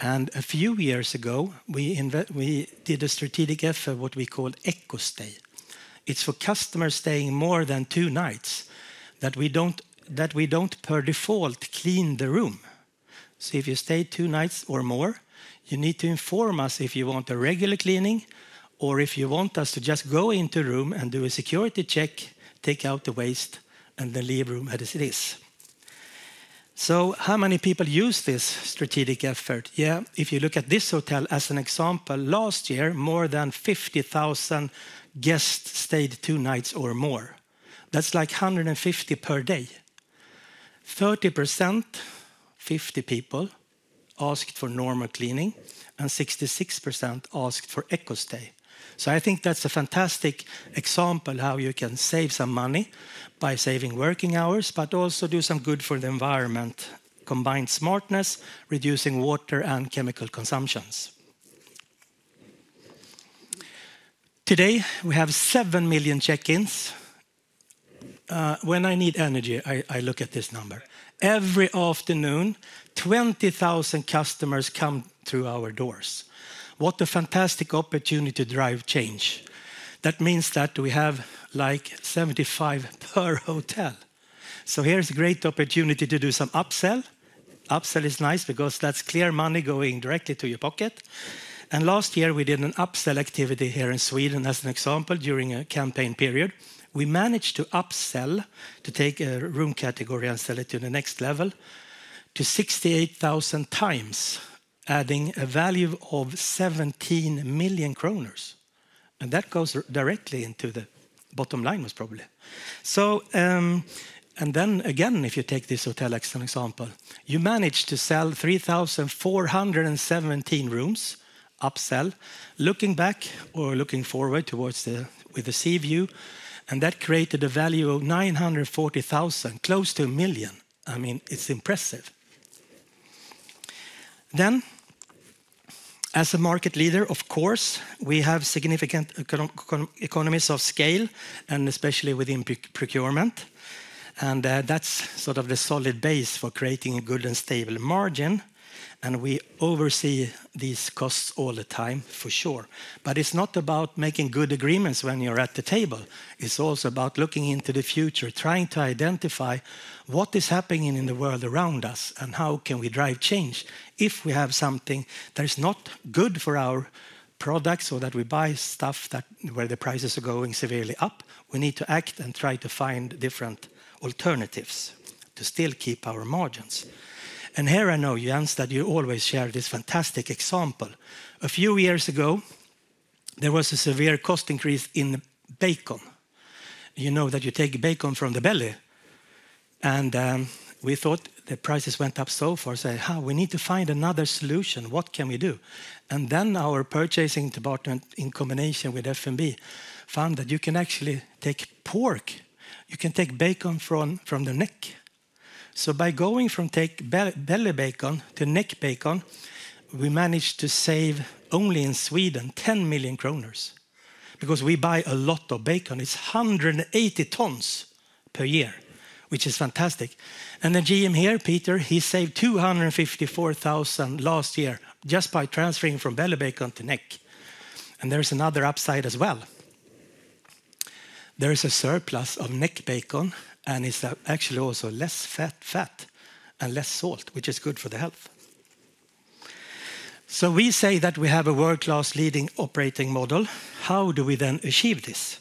A few years ago, we did a strategic effort, what we call EcoStay. It's for customers staying more than two nights that we don't by default clean the room. So if you stay two nights or more, you need to inform us if you want a regular cleaning or if you want us to just go into the room and do a security check, take out the waste, and then leave the room as it is. So how many people use this strategic effort? Yeah, if you look at this hotel as an example, last year, more than 50,000 guests stayed two nights or more. That's like 150 per day. 30%, 50 people, asked for normal cleaning, and 66% asked for EcoStay. So I think that's a fantastic example of how you can save some money by saving working hours, but also do some good for the environment, combined smartness, reducing water and chemical consumptions. Today, we have 7 million check-ins. When I need energy, I look at this number. Every afternoon, 20,000 customers come through our doors. What a fantastic opportunity to drive change. That means that we have like 75 per hotel. So here's a great opportunity to do some upsell. Upsell is nice because that's clear money going directly to your pocket. And last year, we did an upsell activity here in Sweden as an example during a campaign period. We managed to upsell to take a room category and sell it to the next level to 68,000 times, adding a value of 17 million kronor. And that goes directly into the bottom line, most probably. And then again, if you take this hotel as an example, you managed to sell 3,417 rooms, upsell, looking back or looking forward towards the sea view. And that created a value of 940,000, close to a million. I mean, it's impressive. Then, as a market leader, of course, we have significant economies of scale, and especially within procurement. And that's sort of the solid base for creating a good and stable margin. And we oversee these costs all the time, for sure. But it's not about making good agreements when you're at the table. It's also about looking into the future, trying to identify what is happening in the world around us and how can we drive change. If we have something that is not good for our products or that we buy stuff where the prices are going severely up, we need to act and try to find different alternatives to still keep our margins, and here I know you, Jens, that you always share this fantastic example. A few years ago, there was a severe cost increase in bacon. You know that you take bacon from the belly, and we thought the prices went up so far, saying, "How? We need to find another solution. What can we do?", and then our purchasing department, in combination with F&B, found that you can actually take pork. You can take bacon from the neck. So by going from thick belly bacon to neck bacon, we managed to save only in Sweden 10 million kronor because we buy a lot of bacon. It's 180 tons per year, which is fantastic. And the GM here, Peter, he saved 254,000 last year just by transferring from belly bacon to neck. And there's another upside as well. There is a surplus of neck bacon, and it's actually also less fat and less salt, which is good for the health. So we say that we have a world-class leading operating model. How do we then achieve this?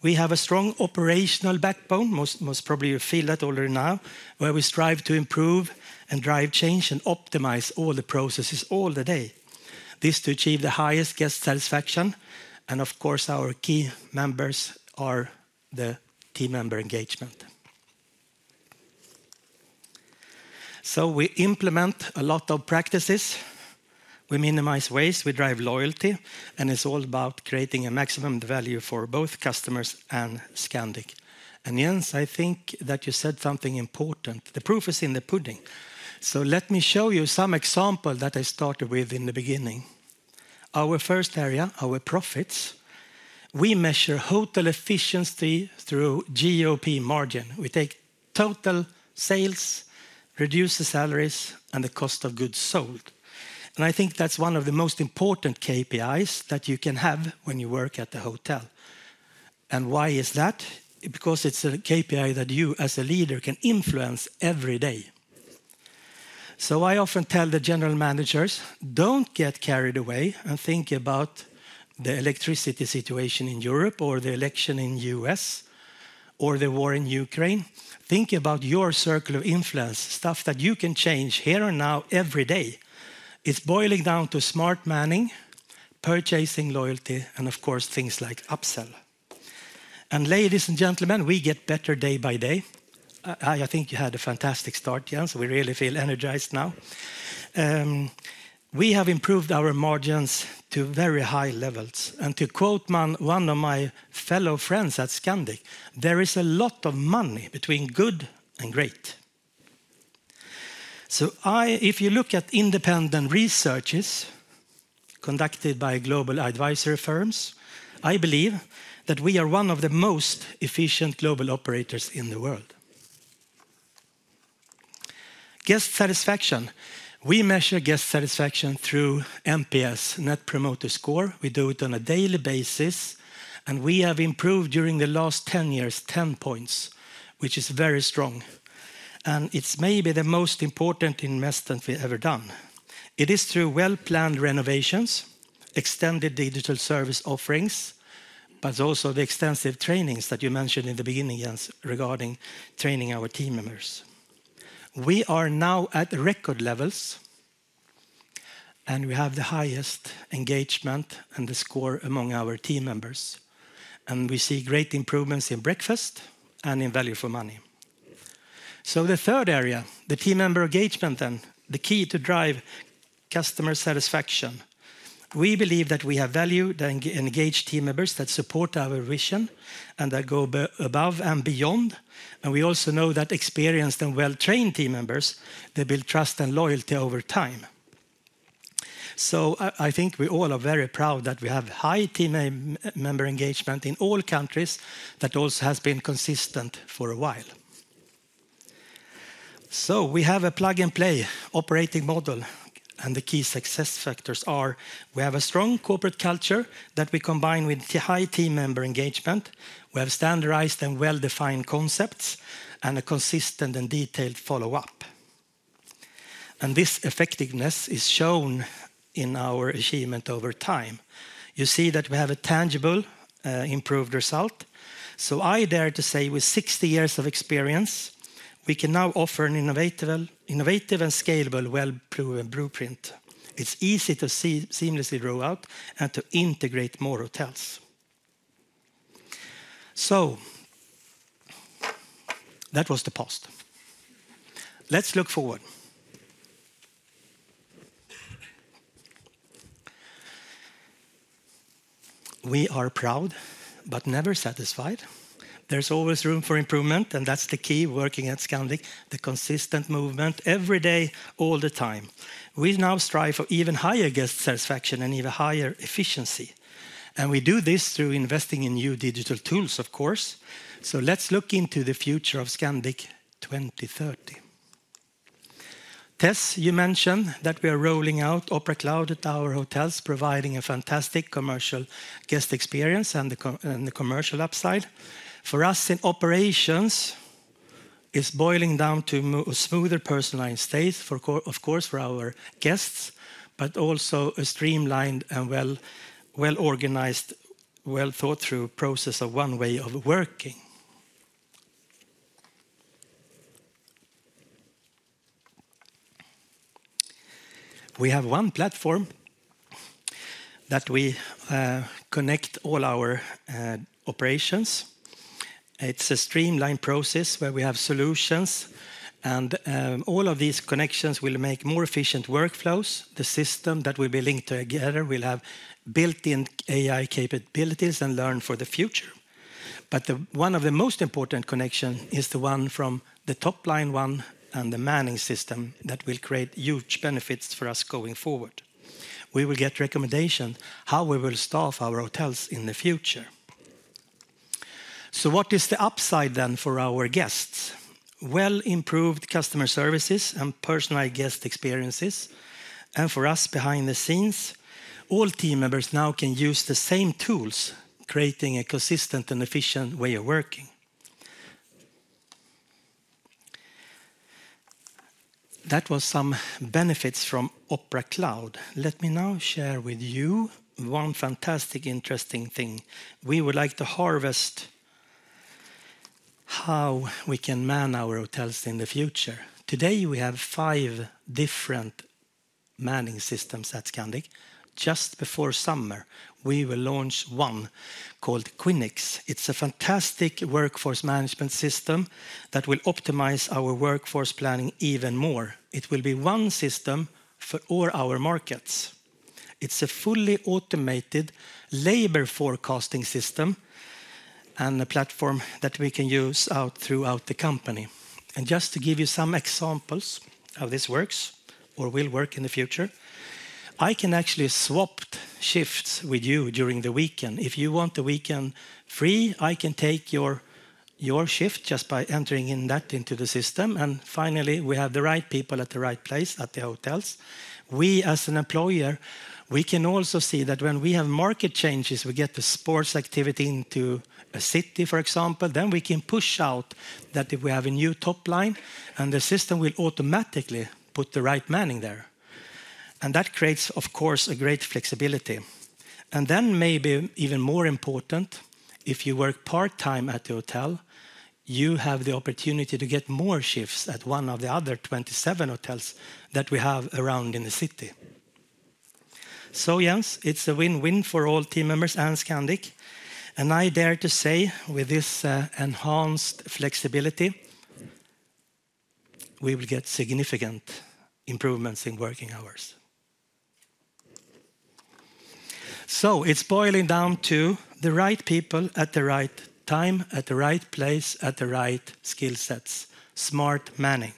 We have a strong operational backbone, most probably you feel that already now, where we strive to improve and drive change and optimize all the processes all day. This to achieve the highest guest satisfaction. And of course, our key measure is the team member engagement. So we implement a lot of practices. We minimize waste, we drive loyalty, and it's all about creating a maximum value for both customers and Scandic. And Jens, I think that you said something important. The proof is in the pudding. So let me show you some example that I started with in the beginning. Our first area, our profits, we measure hotel efficiency through GOP margin. We take total sales, reduce salaries, and the cost of goods sold. And I think that's one of the most important KPIs that you can have when you work at the hotel. And why is that? Because it's a KPI that you, as a leader, can influence every day. So I often tell the general managers, "Don't get carried away and think about the electricity situation in Europe or the election in the U.S. or the war in Ukraine. Think about your circle of influence, stuff that you can change here and now every day." It's boiling down to smart manning, purchasing loyalty, and of course, things like upsell. Ladies and gentlemen, we get better day by day. I think you had a fantastic start, Jens, so we really feel energized now. We have improved our margins to very high levels. To quote one of my fellow friends at Scandic, "There is a lot of money between good and great." If you look at independent researches conducted by global advisory firms, I believe that we are one of the most efficient global operators in the world. Guest satisfaction, we measure guest satisfaction through NPS, Net Promoter Score. We do it on a daily basis, and we have improved during the last 10 years 10 points, which is very strong. It's maybe the most important investment we've ever done. It is through well-planned renovations, extended digital service offerings, but also the extensive trainings that you mentioned in the beginning, Jens, regarding training our team members. We are now at record levels, and we have the highest engagement and the score among our team members. We see great improvements in breakfast and in value for money. The third area, the team member engagement, is the key to drive customer satisfaction. We believe that we have valued, engaged team members that support our vision and that go above and beyond. We also know that experienced and well-trained team members, they build trust and loyalty over time. I think we all are very proud that we have high team member engagement in all countries that also has been consistent for a while. So we have a plug-and-play operating model, and the key success factors are we have a strong corporate culture that we combine with high team member engagement. We have standardized and well-defined concepts and a consistent and detailed follow-up. And this effectiveness is shown in our achievement over time. You see that we have a tangible improved result. So I dare to say with 60 years of experience, we can now offer an innovative and scalable well-proven blueprint. It's easy to seamlessly roll out and to integrate more hotels. So that was the past. Let's look forward. We are proud, but never satisfied. There's always room for improvement, and that's the key working at Scandic, the consistent movement every day, all the time. We now strive for even higher guest satisfaction and even higher efficiency. And we do this through investing in new digital tools, of course. So let's look into the future of Scandic 2030. Tess, you mentioned that we are rolling out Opera Cloud at our hotels, providing a fantastic commercial guest experience and the commercial upside. For us in operations, it's boiling down to a smoother personalized stay, of course, for our guests, but also a streamlined and well-organized, well-thought-through process of one way of working. We have one platform that we connect all our operations. It's a streamlined process where we have solutions, and all of these connections will make more efficient workflows. The system that we will link together will have built-in AI capabilities and learn for the future. But one of the most important connections is the one from the top line one and the manning system that will create huge benefits for us going forward. We will get recommendations on how we will staff our hotels in the future. What is the upside then for our guests? Improved customer services and personalized guest experiences. For us behind the scenes, all team members now can use the same tools, creating a consistent and efficient way of working. That was some benefits from Opera Cloud. Let me now share with you one fantastic, interesting thing. We would like to harvest how we can man our hotels in the future. Today, we have five different manning systems at Scandic. Just before summer, we will launch one called Quinyx. It's a fantastic workforce management system that will optimize our workforce planning even more. It will be one system for all our markets. It's a fully automated labor forecasting system and a platform that we can use throughout the company. And just to give you some examples of this works or will work in the future, I can actually swap shifts with you during the weekend. If you want the weekend free, I can take your shift just by entering that into the system. And finally, we have the right people at the right place at the hotels. We, as an employer, can also see that when we have market changes, we get the sports activity into a city, for example, then we can push out that if we have a new top line, and the system will automatically put the right manning there. And that creates, of course, a great flexibility. And then maybe even more important, if you work part-time at the hotel, you have the opportunity to get more shifts at one of the other 27 hotels that we have around in the city. So Jens, it's a win-win for all team members and Scandic. And I dare to say with this enhanced flexibility, we will get significant improvements in working hours. So it's boiling down to the right people at the right time, at the right place, at the right skill sets, smart manning.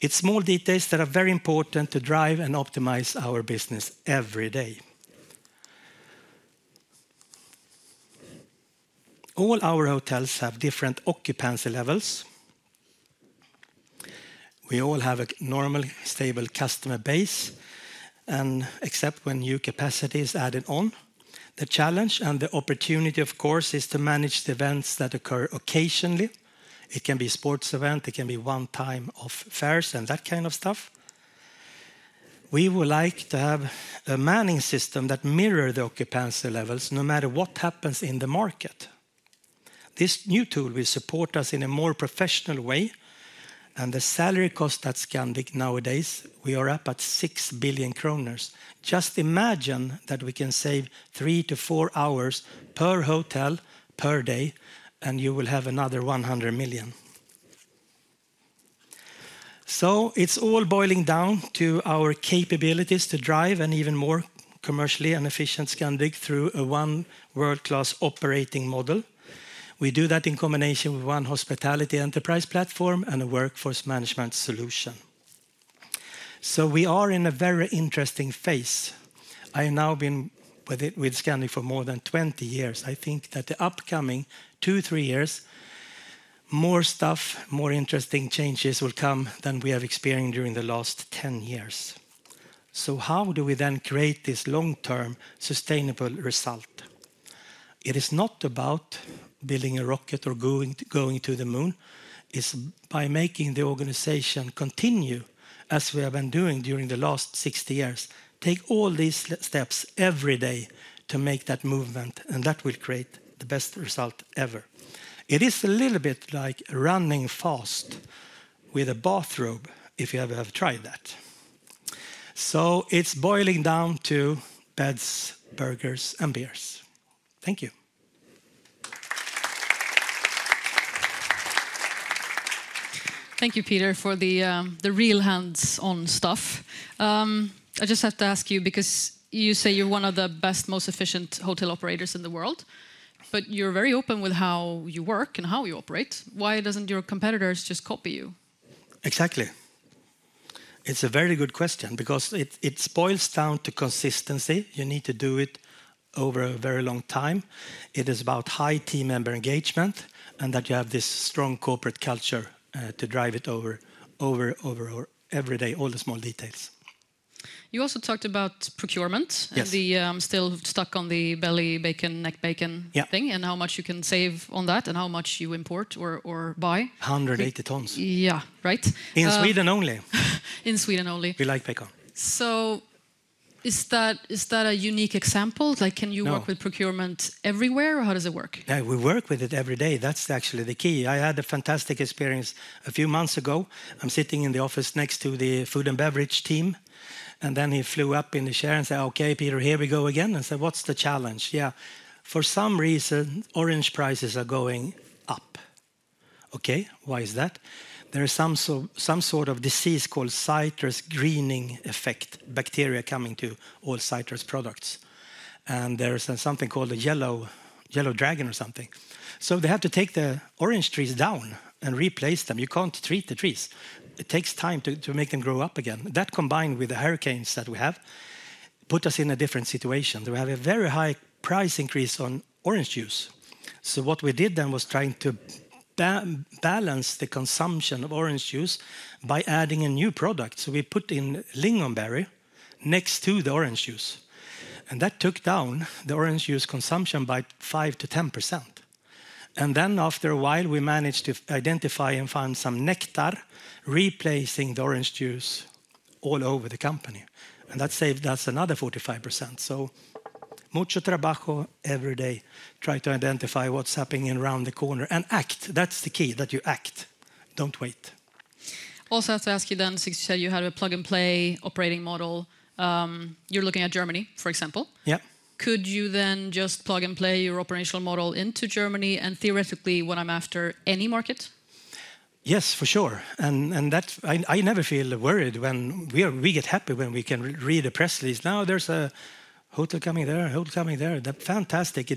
It's small details that are very important to drive and optimize our business every day. All our hotels have different occupancy levels. We all have a normal, stable customer base, except when new capacity is added on. The challenge and the opportunity, of course, is to manage the events that occur occasionally. It can be a sports event, it can be one-time affairs, and that kind of stuff. We would like to have a manning system that mirrors the occupancy levels no matter what happens in the market. This new tool will support us in a more professional way. And the salary cost at Scandic nowadays, we are up at 6 billion kronor. Just imagine that we can save three to four hours per hotel per day, and you will have another 100 million. So it's all boiling down to our capabilities to drive an even more commercially efficient Scandic through a world-class operating model. We do that in combination with one hospitality enterprise platform and a workforce management solution. So we are in a very interesting phase. I have now been with Scandic for more than 20 years. I think that the upcoming two, three years, more stuff, more interesting changes will come than we have experienced during the last 10 years. So how do we then create this long-term sustainable result? It is not about building a rocket or going to the moon. It's by making the organization continue as we have been doing during the last 60 years. Take all these steps every day to make that movement, and that will create the best result ever. It is a little bit like running fast with a bathrobe, if you ever have tried that. So it's boiling down to beds, burgers, and beers. Thank you. Thank you, Peter, for the real hands-on stuff. I just have to ask you, because you say you're one of the best, most efficient hotel operators in the world, but you're very open with how you work and how you operate. Why doesn't your competitors just copy you? Exactly. It's a very good question because it boils down to consistency. You need to do it over a very long time. It is about high team member engagement and that you have this strong corporate culture to drive it over, over, over, over every day, all the small details. You also talked about procurement. Yes. I'm still stuck on the belly bacon, neck bacon thing and how much you can save on that and how much you import or buy. 180 tons. Yeah, right. In Sweden only. In Sweden only. We like bacon. So is that a unique example? Can you work with procurement everywhere or how does it work? We work with it every day. That's actually the key. I had a fantastic experience a few months ago. I'm sitting in the office next to the food and beverage team, and then he flew up in the chair and said, "Okay, Peter, here we go again." And I said, "What's the challenge?" Yeah. For some reason, orange prices are going up. Okay, why is that? There is some sort of disease called Citrus Greening effect, bacteria coming to all citrus products. And there's something called a yellow dragon or something. So they have to take the orange trees down and replace them. You can't treat the trees. It takes time to make them grow up again. That combined with the hurricanes that we have put us in a different situation. We have a very high price increase on orange juice. So what we did then was trying to balance the consumption of orange juice by adding a new product. So we put in lingonberry next to the orange juice, and that took down the orange juice consumption by 5%-10%. And then after a while, we managed to identify and find some nectar replacing the orange juice all over the company. And that saved us another 45%. So mucho trabajo every day. Try to identify what's happening around the corner and act. That's the key that you act. Don't wait. Also, I have to ask you then, since you said you had a plug-and-play operating model, you're looking at Germany, for example. Yeah. Could you then just plug and play your operational model into Germany and theoretically what I'm after, any market? Yes, for sure. And I never feel worried when we get happy when we can read a press release. Now there's a hotel coming there, a hotel coming there. Fantastic.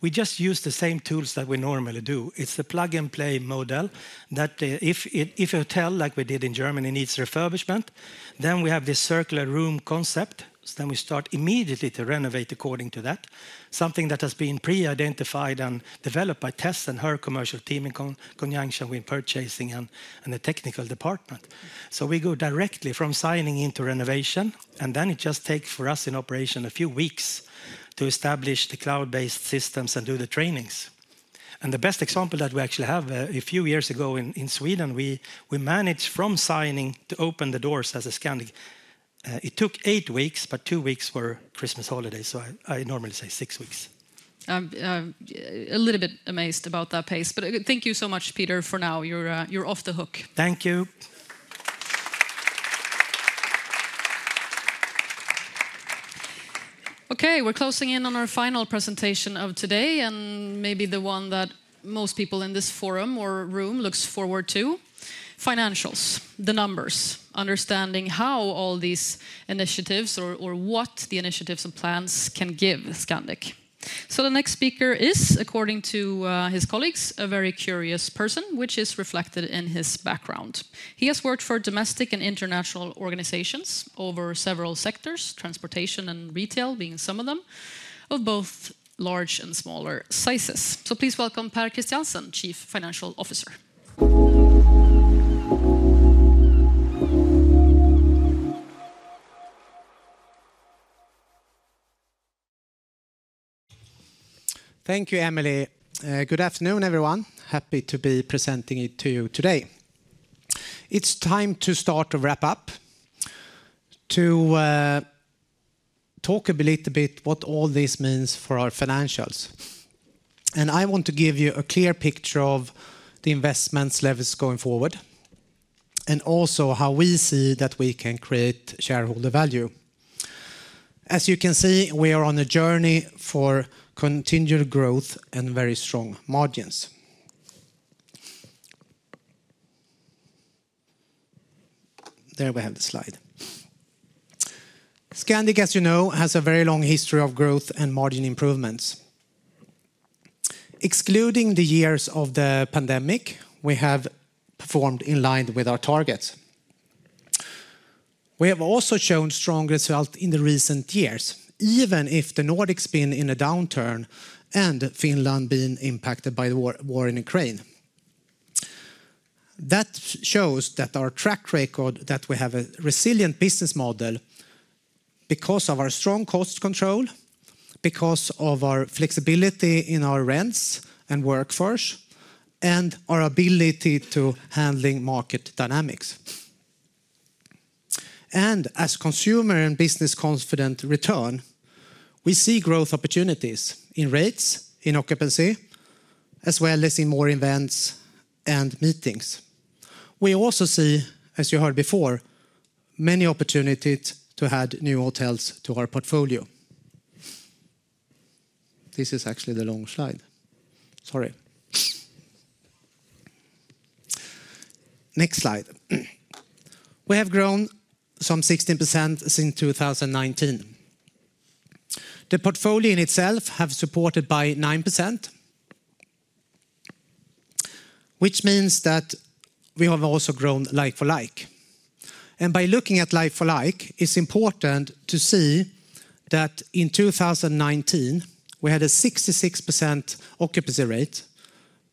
We just use the same tools that we normally do. It's a plug-and-play model that if a hotel like we did in Germany needs refurbishment, then we have this circular room concept. Then we start immediately to renovate according to that. Something that has been pre-identified and developed by Tess and her commercial team in conjunction with purchasing and the technical department. So we go directly from signing into renovation, and then it just takes for us in operation a few weeks to establish the cloud-based systems and do the trainings. And the best example that we actually have a few years ago in Sweden, we managed from signing to open the doors as a Scandic. It took eight weeks, but two weeks were Christmas holidays. So I normally say six weeks. I'm a little bit amazed about that pace, but thank you so much, Peter, for now. You're off the hook. Thank you. Okay, we're closing in on our final presentation of today and maybe the one that most people in this forum or room look forward to: financials, the numbers, understanding how all these initiatives or what the initiatives and plans can give Scandic. So the next speaker is, according to his colleagues, a very curious person, which is reflected in his background. He has worked for domestic and international organizations over several sectors, transportation and retail being some of them, of both large and smaller sizes. So please welcome Pär Christiansen, Chief Financial Officer. Thank you, Emelie. Good afternoon, everyone. Happy to be presenting it to you today. It's time to start to wrap up, to talk a little bit about what all this means for our financials. I want to give you a clear picture of the investment levels going forward and also how we see that we can create shareholder value. As you can see, we are on a journey for continued growth and very strong margins. There we have the slide. Scandic, as you know, has a very long history of growth and margin improvements. Excluding the years of the pandemic, we have performed in line with our targets. We have also shown strong results in the recent years, even if the Nordics have been in a downturn and Finland has been impacted by the war in Ukraine. That shows that our track record, that we have a resilient business model because of our strong cost control, because of our flexibility in our rents and workforce, and our ability to handle market dynamics. As consumer and business confidence return, we see growth opportunities in rates, in occupancy, as well as in more events and meetings. We also see, as you heard before, many opportunities to add new hotels to our portfolio. This is actually the long slide. Sorry. Next slide. We have grown some 16% since 2019. The portfolio in itself has been supported by 9%, which means that we have also grown like for like. By looking at like for like, it's important to see that in 2019, we had a 66% occupancy rate,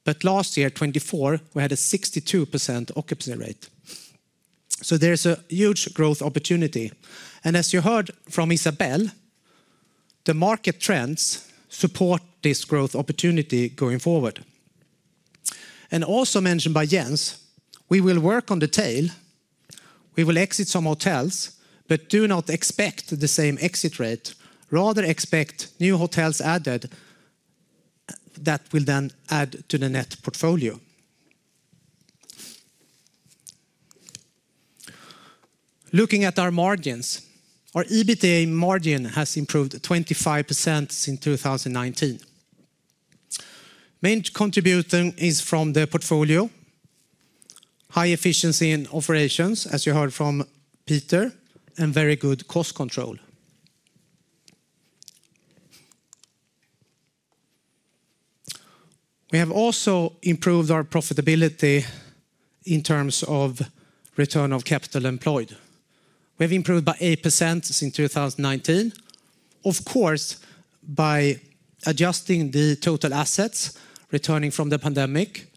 but last year, 2024, we had a 62% occupancy rate. There's a huge growth opportunity. As you heard from Isabelle, the market trends support this growth opportunity going forward. Also mentioned by Jens, we will work on the tail. We will exit some hotels, but do not expect the same exit rate. Rather, expect new hotels added that will then add to the net portfolio. Looking at our margins, our EBITDA margin has improved 25% since 2019. Main contributor is from the portfolio. High efficiency in operations, as you heard from Peter, and very good cost control. We have also improved our profitability in terms of return on capital employed. We have improved by 8% since 2019, of course, by adjusting the total assets returning from the pandemic,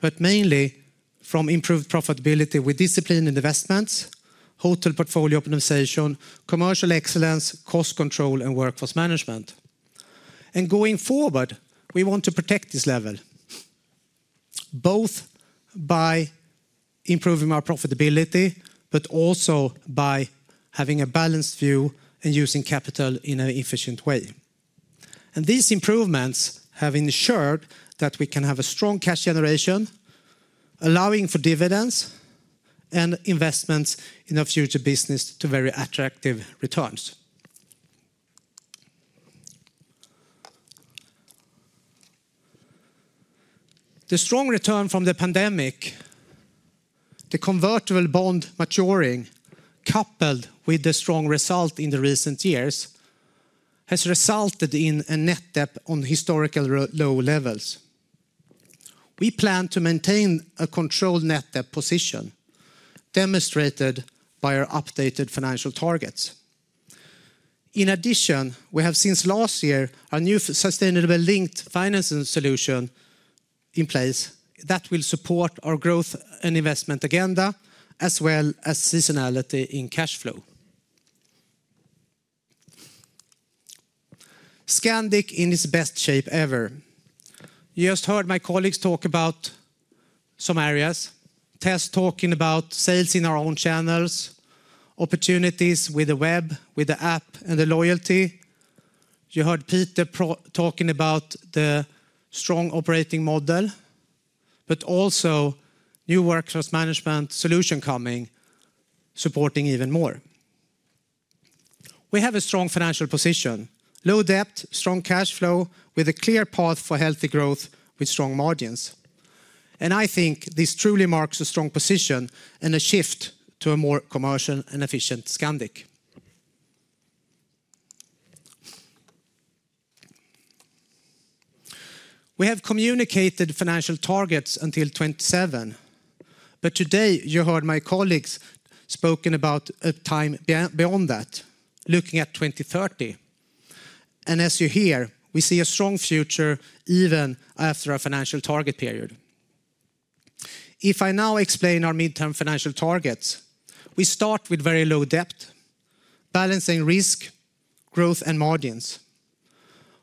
but mainly from improved profitability with disciplined investments, hotel portfolio optimization, commercial excellence, cost control, and workforce management, and going forward, we want to protect this level both by improving our profitability, but also by having a balanced view and using capital in an efficient way, and these improvements have ensured that we can have a strong cash generation, allowing for dividends and investments in our future business to very attractive returns. The strong return from the pandemic, the convertible bond maturing coupled with the strong result in the recent years has resulted in a net debt on historically low levels. We plan to maintain a controlled net debt position demonstrated by our updated financial targets. In addition, we have since last year a new sustainability-linked financing solution in place that will support our growth and investment agenda as well as seasonality in cash flow. Scandic in its best shape ever. You just heard my colleagues talk about some areas, Tess talking about sales in our own channels, opportunities with the web, with the app and the loyalty. You heard Peter talking about the strong operating model, but also new workforce management solution coming, supporting even more. We have a strong financial position, low debt, strong cash flow with a clear path for healthy growth with strong margins. I think this truly marks a strong position and a shift to a more commercial and efficient Scandic. We have communicated financial targets until 2027, but today you heard my colleagues speak about a time beyond that, looking at 2030. As you hear, we see a strong future even after our financial target period. If I now explain our midterm financial targets, we start with very low debt, balancing risk, growth, and margins.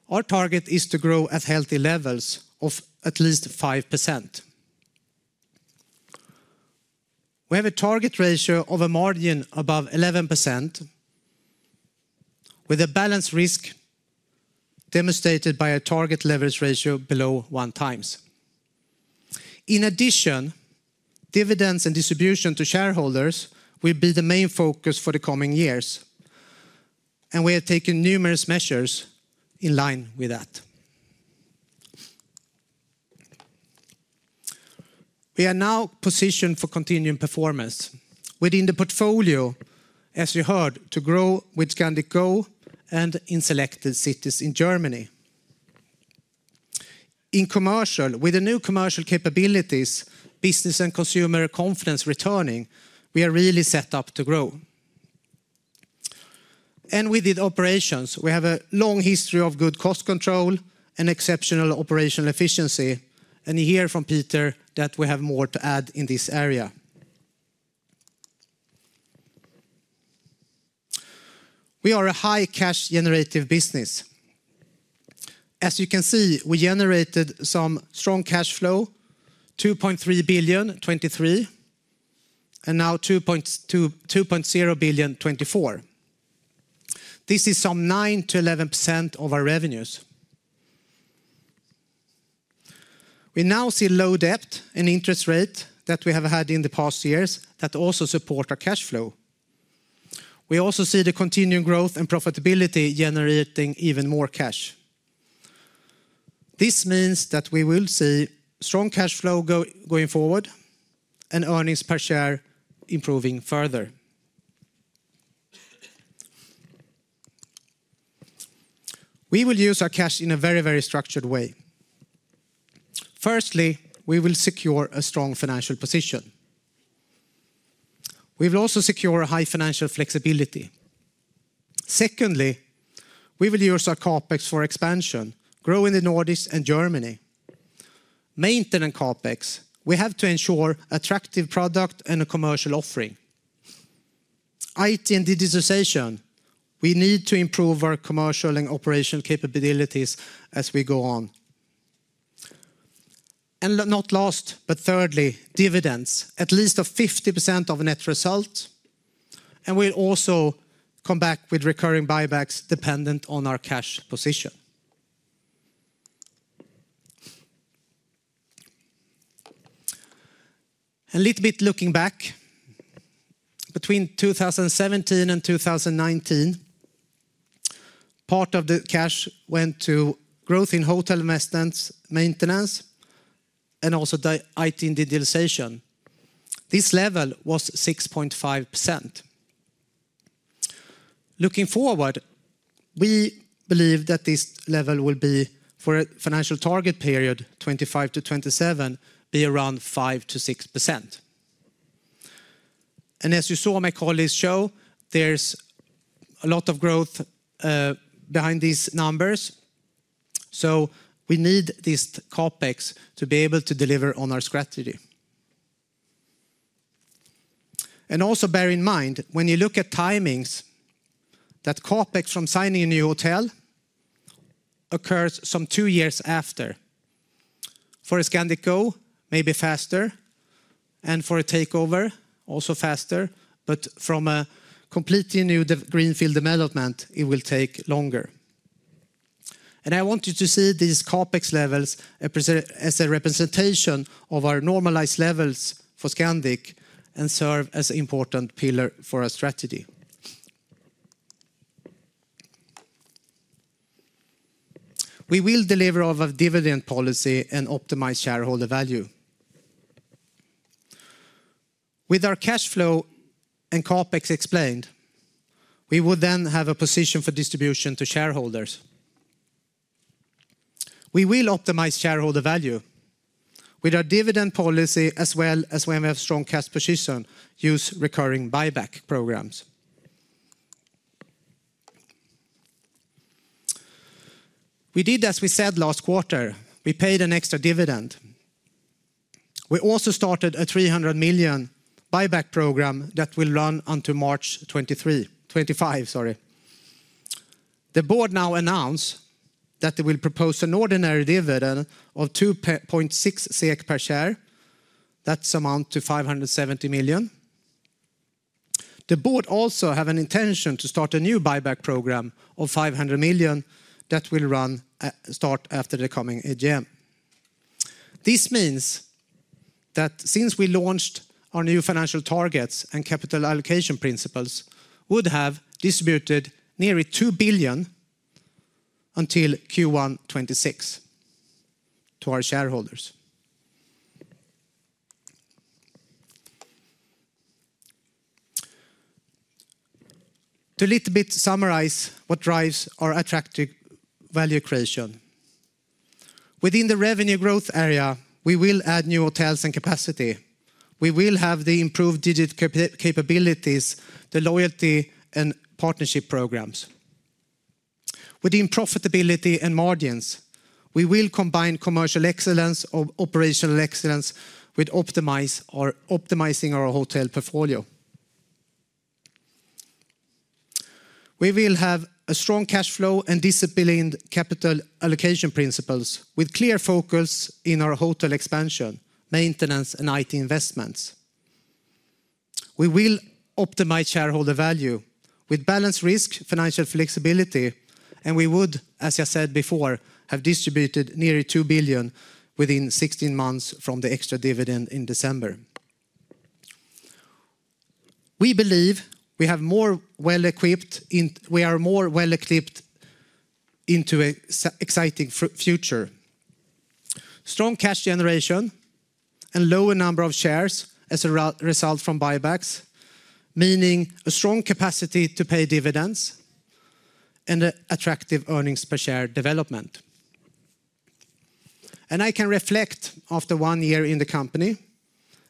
Our target is to grow at healthy levels of at least 5%. We have a target ratio of a margin above 11% with a balanced risk demonstrated by a target leverage ratio below one times. In addition, dividends and distribution to shareholders will be the main focus for the coming years, and we have taken numerous measures in line with that. We are now positioned for continuing performance within the portfolio, as you heard, to grow with Scandic Go and in selected cities in Germany. In commercial, with the new commercial capabilities, business and consumer confidence returning, we are really set up to grow. And with operations, we have a long history of good cost control and exceptional operational efficiency, and you hear from Peter that we have more to add in this area. We are a high cash generating business. As you can see, we generated some strong cash flow, 2.3 billion in 2023 and now 2.0 billion in 2024. This is some 9%-11% of our revenues. We now see low debt and interest rates that we have had in the past years that also support our cash flow. We also see the continuing growth and profitability generating even more cash. This means that we will see strong cash flow going forward and earnings per share improving further. We will use our cash in a very, very structured way. Firstly, we will secure a strong financial position. We will also secure high financial flexibility. Secondly, we will use our CapEx for expansion, grow in the Nordics and Germany. Maintenance CapEx, we have to ensure attractive product and a commercial offering. IT and digitization, we need to improve our commercial and operational capabilities as we go on. And not last, but thirdly, dividends, at least 50% of net result, and we'll also come back with recurring buybacks dependent on our cash position. A little bit looking back, between 2017 and 2019, part of the cash went to growth in hotel investments, maintenance, and also IT and digitization. This level was 6.5%. Looking forward, we believe that this level will be for a financial target period, 2025 to 2027, be around 5%-6%. And as you saw my colleagues show, there's a lot of growth behind these numbers. So we need this CapEx to be able to deliver on our strategy. And also bear in mind, when you look at timings, that CapEx from signing a new hotel occurs some two years after. For a Scandic Go, maybe faster, and for a takeover, also faster, but from a completely new Greenfield development, it will take longer. And I want you to see these CapEx levels as a representation of our normalized levels for Scandic and serve as an important pillar for our strategy. We will deliver our dividend policy and optimize shareholder value. With our cash flow and CapEx explained, we will then have a position for distribution to shareholders. We will optimize shareholder value with our dividend policy as well as when we have strong cash position, use recurring buyback programs. We did, as we said, last quarter, we paid an extra dividend. We also started a 300 million buyback program that will run until March 2025. The board now announced that they will propose an ordinary dividend of 2.6 SEK per share. That amounts to 570 million. The board also has an intention to start a new buyback program of 500 million that will run start after the coming AGM. This means that since we launched our new financial targets and capital allocation principles, we would have distributed nearly 2 billion until Q1 2026 to our shareholders. To a little bit summarize what drives our attractive value creation. Within the revenue growth area, we will add new hotels and capacity. We will have the improved digital capabilities, the loyalty and partnership programs. Within profitability and margins, we will combine commercial excellence or operational excellence with optimizing our hotel portfolio. We will have a strong cash flow and disciplined capital allocation principles with clear focus in our hotel expansion, maintenance, and IT investments. We will optimize shareholder value with balanced risk, financial flexibility, and we would, as I said before, have distributed nearly 2 billion within 16 months from the extra dividend in December. We believe we are more well-equipped for an exciting future. Strong cash generation and lower number of shares as a result from buybacks, meaning a strong capacity to pay dividends and attractive earnings per share development. and I can reflect after one year in the company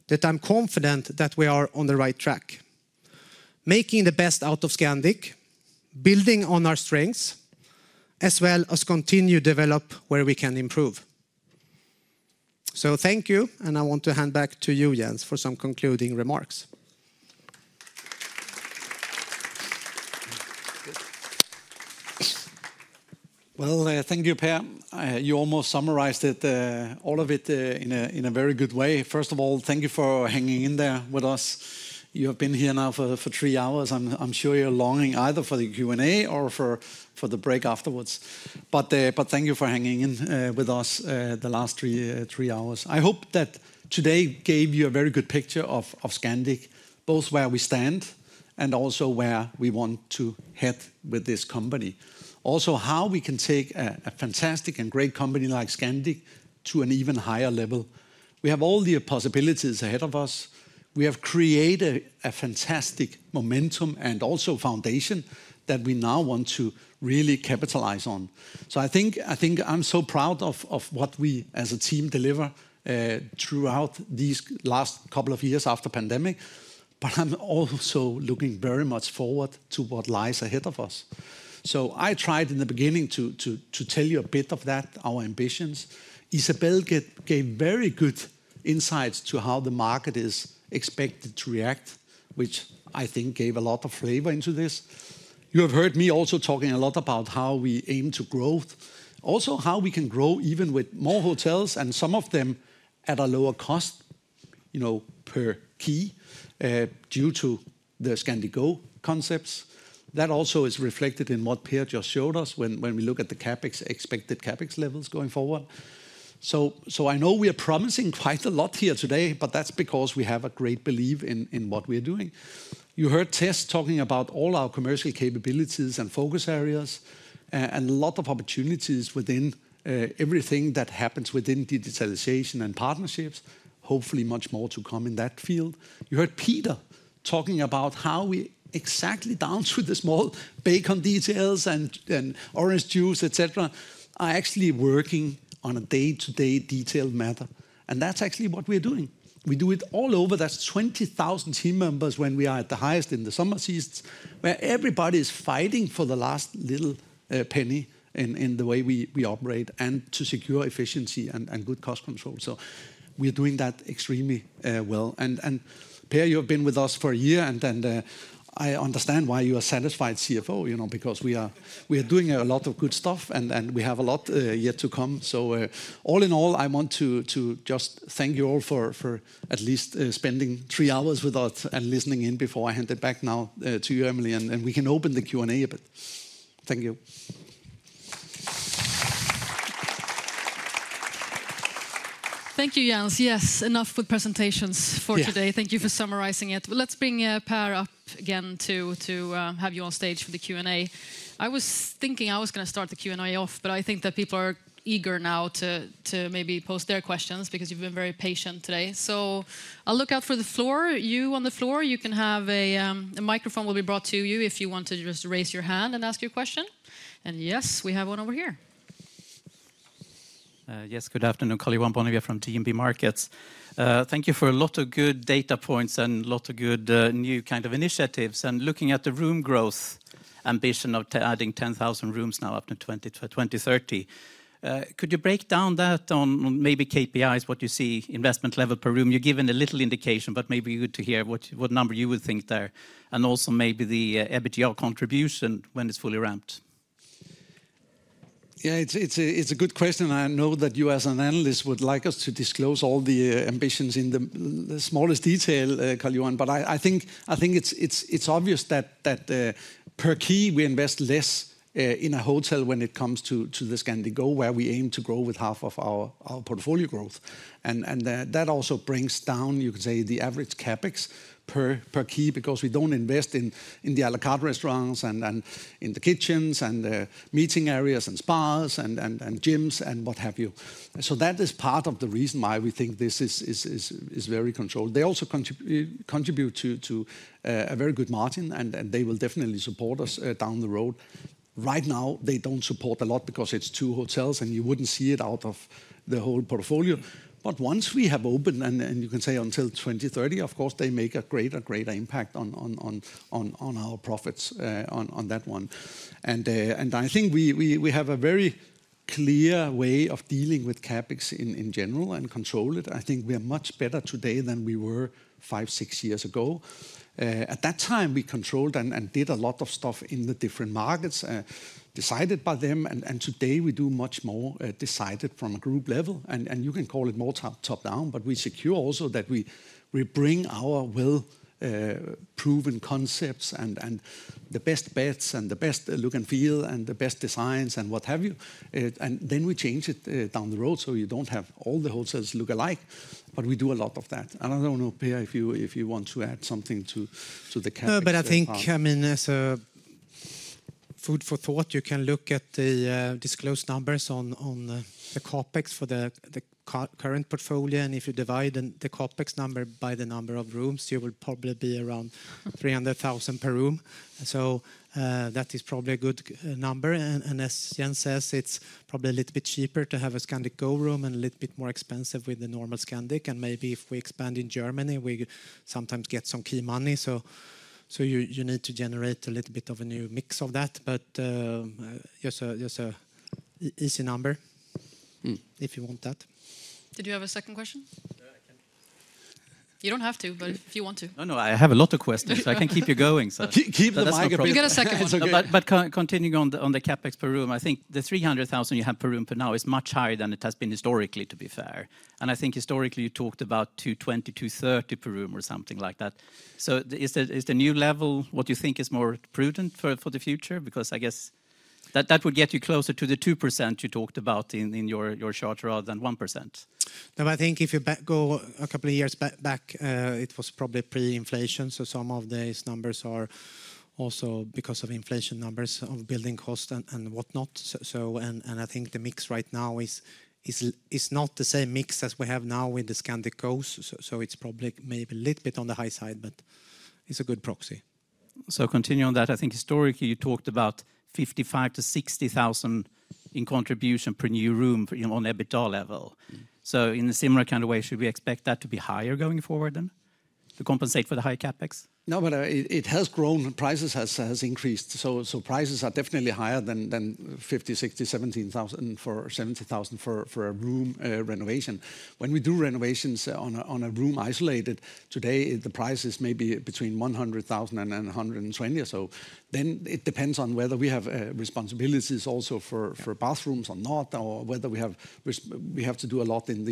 that I'm confident that we are on the right track, making the best out of Scandic, building on our strengths, as well as continue to develop where we can improve. So thank you, and I want to hand back to you, Jens, for some concluding remarks. Well, thank you, Pär. You almost summarized all of it in a very good way. First of all, thank you for hanging in there with us. You have been here now for three hours. I'm sure you're longing either for the Q&A or for the break afterwards. But thank you for hanging in with us the last three hours. I hope that today gave you a very good picture of Scandic, both where we stand and also where we want to head with this company. Also, how we can take a fantastic and great company like Scandic to an even higher level. We have all the possibilities ahead of us. We have created a fantastic momentum and also foundation that we now want to really capitalize on. So I think I'm so proud of what we as a team deliver throughout these last couple of years after the pandemic, but I'm also looking very much forward to what lies ahead of us. So I tried in the beginning to tell you a bit of that, our ambitions. Isabelle gave very good insights to how the market is expected to react, which I think gave a lot of flavor into this. You have heard me also talking a lot about how we aim to grow, also how we can grow even with more hotels and some of them at a lower cost, you know, per key due to the Scandic Go concepts. That also is reflected in what Pär just showed us when we look at the expected CapEx levels going forward. So I know we are promising quite a lot here today, but that's because we have a great belief in what we are doing. You heard Tess talking about all our commercial capabilities and focus areas and a lot of opportunities within everything that happens within digitalization and partnerships, hopefully much more to come in that field. You heard Peter talking about how we exactly down through this small bacon details and orange juice, et cetera, are actually working on a day-to-day detailed matter. And that's actually what we are doing. We do it all over. That's 20,000 team members when we are at the highest in the summer seasons where everybody is fighting for the last little penny in the way we operate and to secure efficiency and good cost control. So we are doing that extremely well. And Pär, you have been with us for a year, and I understand why you are a satisfied CFO, you know, because we are doing a lot of good stuff and we have a lot yet to come. So all in all, I want to just thank you all for at least spending three hours with us and listening in before I hand it back now to you, Emelie, and we can open the Q&A a bit. Thank you. Thank you, Jens. Yes, enough with presentations for today. Thank you for summarizing it. Let's bring Pär up again to have you on stage for the Q&A. I was thinking I was going to start the Q&A off, but I think that people are eager now to maybe post their questions because you've been very patient today. So I'll look out for the floor. You on the floor, you can have a microphone will be brought to you if you want to just raise your hand and ask your question, and yes, we have one over here. Yes, good afternoon, Karl-Johan Bonnevier from DNB Markets. Thank you for a lot of good data points and a lot of good new kind of initiatives and looking at the room growth ambition of adding 10,000 rooms now up to 2030. Could you break down that on maybe KPIs, what you see, investment level per room? You're given a little indication, but maybe good to hear what number you would think there and also maybe the EBITDA contribution when it's fully ramped. Yeah, it's a good question. I know that you as an Analyst would like us to disclose all the ambitions in the smallest detail, Karl-Johan Bonnevier, but I think it's obvious that per key we invest less in a hotel when it comes to the Scandic Go, where we aim to grow with half of our portfolio growth, and that also brings down, you could say, the average CapEx per key because we don't invest in the à la carte restaurants and in the kitchens and meeting areas and spas and gyms and what have you, so that is part of the reason why we think this is very controlled. They also contribute to a very good margin and they will definitely support us down the road. Right now, they don't support a lot because it's two hotels and you wouldn't see it out of the whole portfolio. But once we have opened and you can say until 2030, of course, they make a greater impact on our profits on that one. And I think we have a very clear way of dealing with CapEx in general and control it. I think we are much better today than we were five, six years ago. At that time, we controlled and did a lot of stuff in the different markets decided by them. And today we do much more decided from a group level. And you can call it more top down, but we secure also that we bring our well-proven concepts and the best bets and the best look and feel and the best designs and what have you. And then we change it down the road so you don't have all the hotels look alike, but we do a lot of that. And I don't know, Peter, if you want to add something to the. But I think, I mean, as a food for thought, you can look at the disclosed numbers on the CapEx for the current portfolio. And if you divide the CapEx number by the number of rooms, you will probably be around 300,000 per room. So that is probably a good number. And as Jens says, it's probably a little bit cheaper to have a Scandic Go room and a little bit more expensive with the normal Scandic. And maybe if we expand in Germany, we sometimes get some key money. So you need to generate a little bit of a new mix of that. But just an easy number if you want that. Did you have a second question? You don't have to, but if you want to. No, no, I have a lot of questions. I can keep you going. Keep the microphone. We've got a second. But continuing on the CapEx per room, I think the 300,000 you have per room per now is much higher than it has been historically, to be fair. And I think historically you talked about 220, 230 per room or something like that. So is the new level what you think is more prudent for the future? Because I guess that would get you closer to the 2% you talked about in your chart rather than 1%. No, I think if you go a couple of years back, it was probably pre-inflation. So some of these numbers are also because of inflation numbers of building costs and whatnot. And I think the mix right now is not the same mix as we have now with the Scandic Go's. So it's probably maybe a little bit on the high side, but it's a good proxy. So continuing on that, I think historically you talked about 55,000-60,000 in contribution per new room on EBITDA level. So in a similar kind of way, should we expect that to be higher going forward then to compensate for the high CapEx? No, but it has grown. Prices have increased. So prices are definitely higher than 50,000, 60,000, 170,000 to 200,000 for a room renovation. When we do renovations on a room isolated, today the price is maybe between 100,000 and 120,000 or so. Then it depends on whether we have responsibilities also for bathrooms or not, or whether we have to do a lot in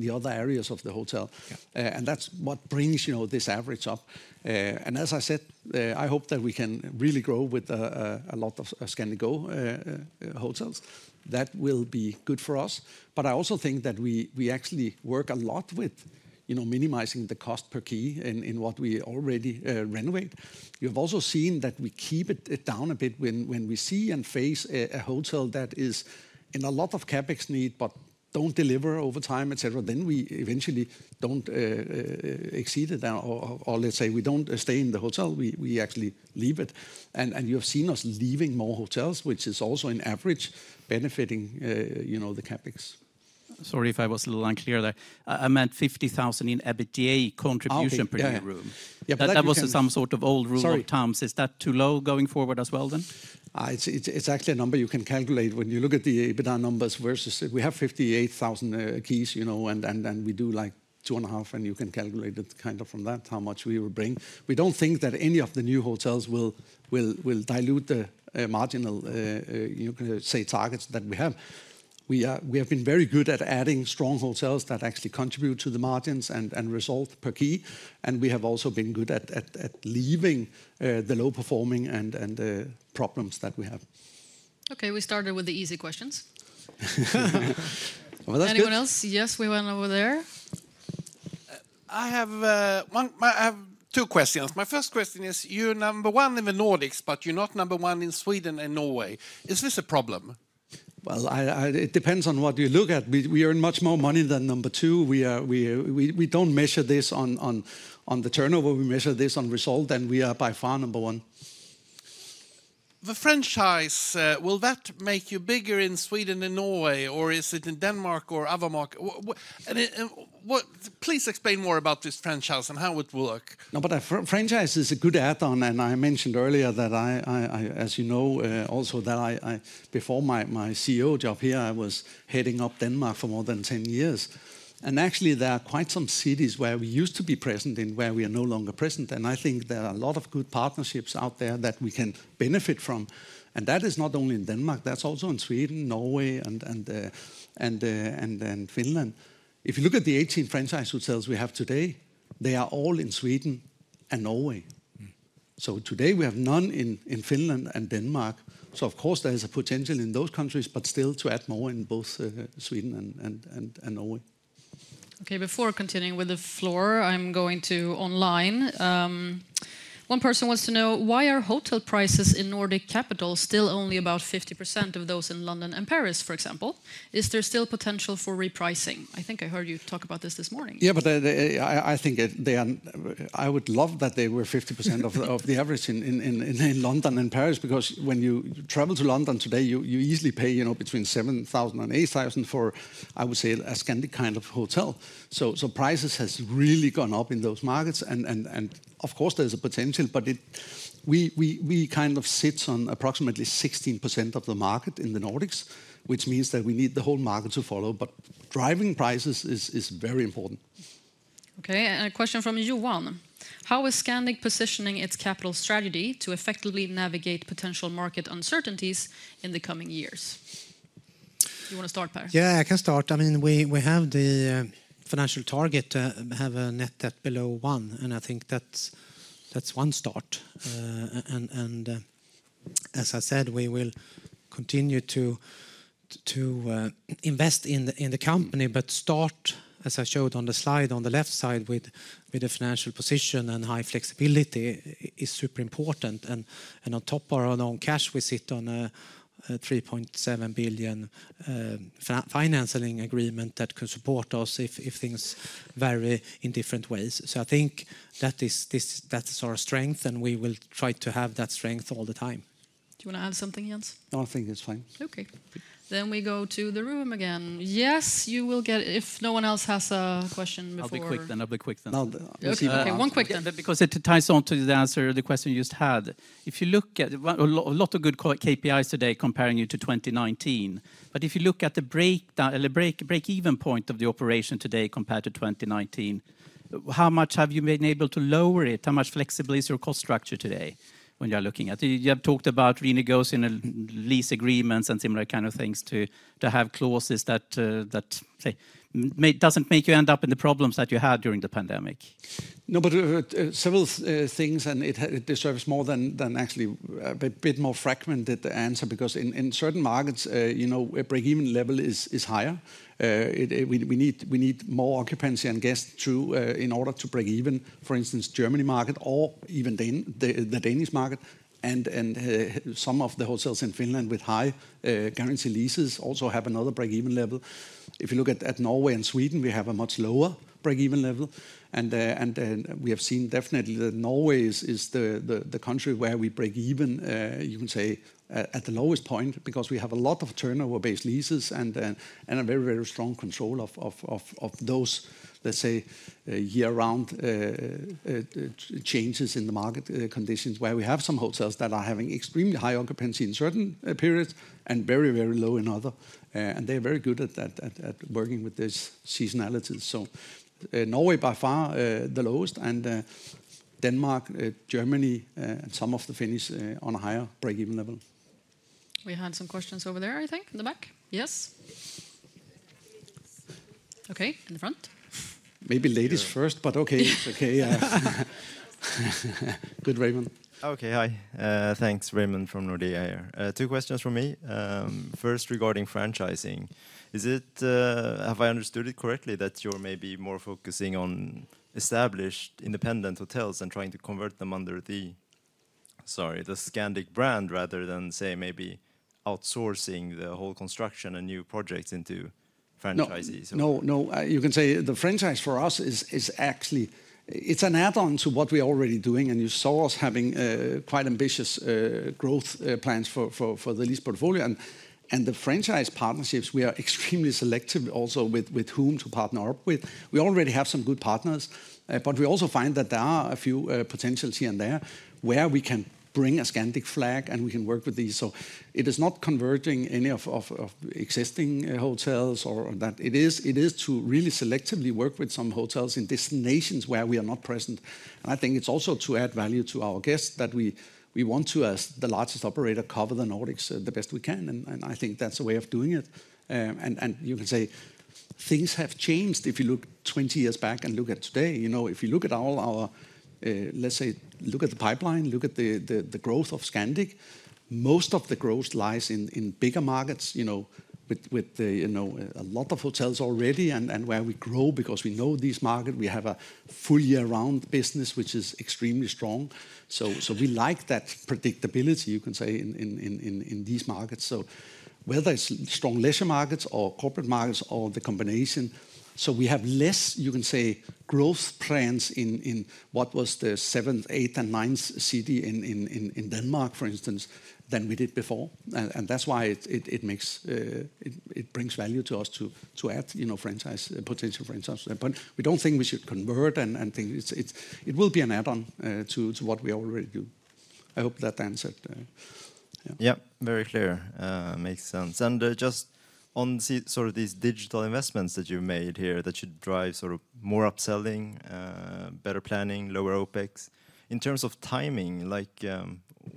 the other areas of the hotel. And that's what brings this average up. And as I said, I hope that we can really grow with a lot of Scandic Go hotels. That will be good for us. But I also think that we actually work a lot with minimizing the cost per key in what we already renovate. You have also seen that we keep it down a bit when we see and face a hotel that is in a lot of CapEx need, but don't deliver over time, et cetera. Then we eventually don't exceed it, or let's say we don't stay in the hotel, we actually leave it. And you have seen us leaving more hotels, which is also on average benefiting the CapEx. Sorry if I was a little unclear there. I meant 50,000 in EBITDA contribution per new room. Yeah, but that was some sort of old rule of thumb. Is that too low going forward as well then? It's actually a number you can calculate when you look at the EBITDA numbers versus we have 58,000 keys, you know, and we do like two and a half, and you can calculate it kind of from that how much we will bring. We don't think that any of the new hotels will dilute the marginal, you can say, targets that we have. We have been very good at adding strong hotels that actually contribute to the margins and result per key, and we have also been good at leaving the low-performing and the problems that we have. Okay, we started with the easy questions. Anyone else? Yes, we went over there. I have two questions. My first question is, you're number one in the Nordics, but you're not number one in Sweden and Norway. Is this a problem? Well, it depends on what you look at. We earn much more money than number two. We don't measure this on the turnover. We measure this on result, and we are by far number one. The franchise, will that make you bigger in Sweden and Norway, or is it in Denmark or other markets? Please explain more about this franchise and how it works. No, but franchise is a good add-on, and I mentioned earlier that I, as you know, also that before my CEO job here, I was heading up Denmark for more than 10 years. And actually, there are quite some cities where we used to be present in where we are no longer present. And I think there are a lot of good partnerships out there that we can benefit from. And that is not only in Denmark. That's also in Sweden, Norway, and Finland. If you look at the 18 franchise hotels we have today, they are all in Sweden and Norway. So today we have none in Finland and Denmark. So of course, there is a potential in those countries, but still to add more in both Sweden and Norway. Okay, before continuing with the floor, I'm going online. One person wants to know why are hotel prices in Nordic capitals still only about 50% of those in London and Paris, for example? Is there still potential for repricing? I think I heard you talk about this this morning. Yeah, but I think they are. I would love that they were 50% of the average in London and Paris, because when you travel to London today, you easily pay between 7,000 and 8,000 for, I would say, a Scandic kind of hotel. So prices have really gone up in those markets, and of course, there's a potential, but we kind of sit on approximately 16% of the market in the Nordics, which means that we need the whole market to follow, but driving prices is very important. Okay, and a question from Xuan. How is Scandic positioning its capital strategy to effectively navigate potential market uncertainties in the coming years? You want to start, Pär? Yeah, I can start. I mean, we have the financial target, have a net debt below one, and I think that's one start. And as I said, we will continue to invest in the company, but start, as I showed on the slide on the left side, with a financial position and high flexibility is super important. And on top of our own cash, we sit on a 3.7 billion financing agreement that could support us if things vary in different ways. So I think that is our strength, and we will try to have that strength all the time. Do you want to add something, Jens? No, I think it's fine. Okay, then we go to the room again. Yes, you will get it if no one else has a question before you. I'll be quick then. Okay, one quick thing. Because it ties on to the answer, the question you just had. If you look at a lot of good KPIs today comparing you to 2019, but if you look at the break-even point of the operation today compared to 2019, how much have you been able to lower it? How much flexible is your cost structure today when you're looking at it? You have talked about renegotiating lease agreements and similar kind of things to have clauses that doesn't make you end up in the problems that you had during the pandemic. No, but several things, and it deserves more than actually a bit more fragmented answer, because in certain markets, you know, a break-even level is higher. We need more occupancy and guests too in order to break even, for instance, Germany market or even the Danish market. And some of the hotels in Finland with high guaranteed leases also have another break-even level. If you look at Norway and Sweden, we have a much lower break-even level. And we have seen definitely that Norway is the country where we break even, you can say, at the lowest point, because we have a lot of turnover-based leases and a very, very strong control of those, let's say, year-round changes in the market conditions where we have some hotels that are having extremely high occupancy in certain periods and very, very low in others. And they are very good at working with this seasonality. So Norway, by far the lowest, and Denmark, Germany, and some of the Finnish on a higher break-even level. We had some questions over there, I think, in the back. Yes? Okay, in the front. Maybe ladies first, but okay. It's okay. Good, Raymond. Okay, hi. Thanks, Raymond from Nordea here. Two questions for me. First, regarding franchising. Have I understood it correctly that you're maybe more focusing on established independent hotels and trying to convert them under the, sorry, the Scandic brand rather than, say, maybe outsourcing the whole construction and new projects into franchisees? No, no. You can say the franchise for us is actually, it's an add-on to what we are already doing. And you saw us having quite ambitious growth plans for the lease portfolio. And the franchise partnerships, we are extremely selective also with whom to partner up with. We already have some good partners, but we also find that there are a few potentials here and there where we can bring a Scandic flag and we can work with these. It is not converting any of existing hotels or that it is to really selectively work with some hotels in destinations where we are not present. I think it's also to add value to our guests that we want to, as the largest operator, cover the Nordics the best we can. I think that's a way of doing it. You can say things have changed if you look 20 years back and look at today. You know, if you look at all our, let's say, look at the pipeline, look at the growth of Scandic, most of the growth lies in bigger markets, you know, with a lot of hotels already and where we grow because we know these markets. We have a full year-round business, which is extremely strong. So we like that predictability, you can say, in these markets. So whether it's strong leisure markets or corporate markets or the combination. So we have less, you can say, growth plans in what was the seventh, eighth, and ninth city in Denmark, for instance, than we did before. And that's why it brings value to us to add potential franchise. But we don't think we should convert and think it will be an add-on to what we already do. I hope that answered. Yeah, very clear. Makes sense. And just on sort of these digital investments that you made here that should drive sort of more upselling, better planning, lower OpEx. In terms of timing, like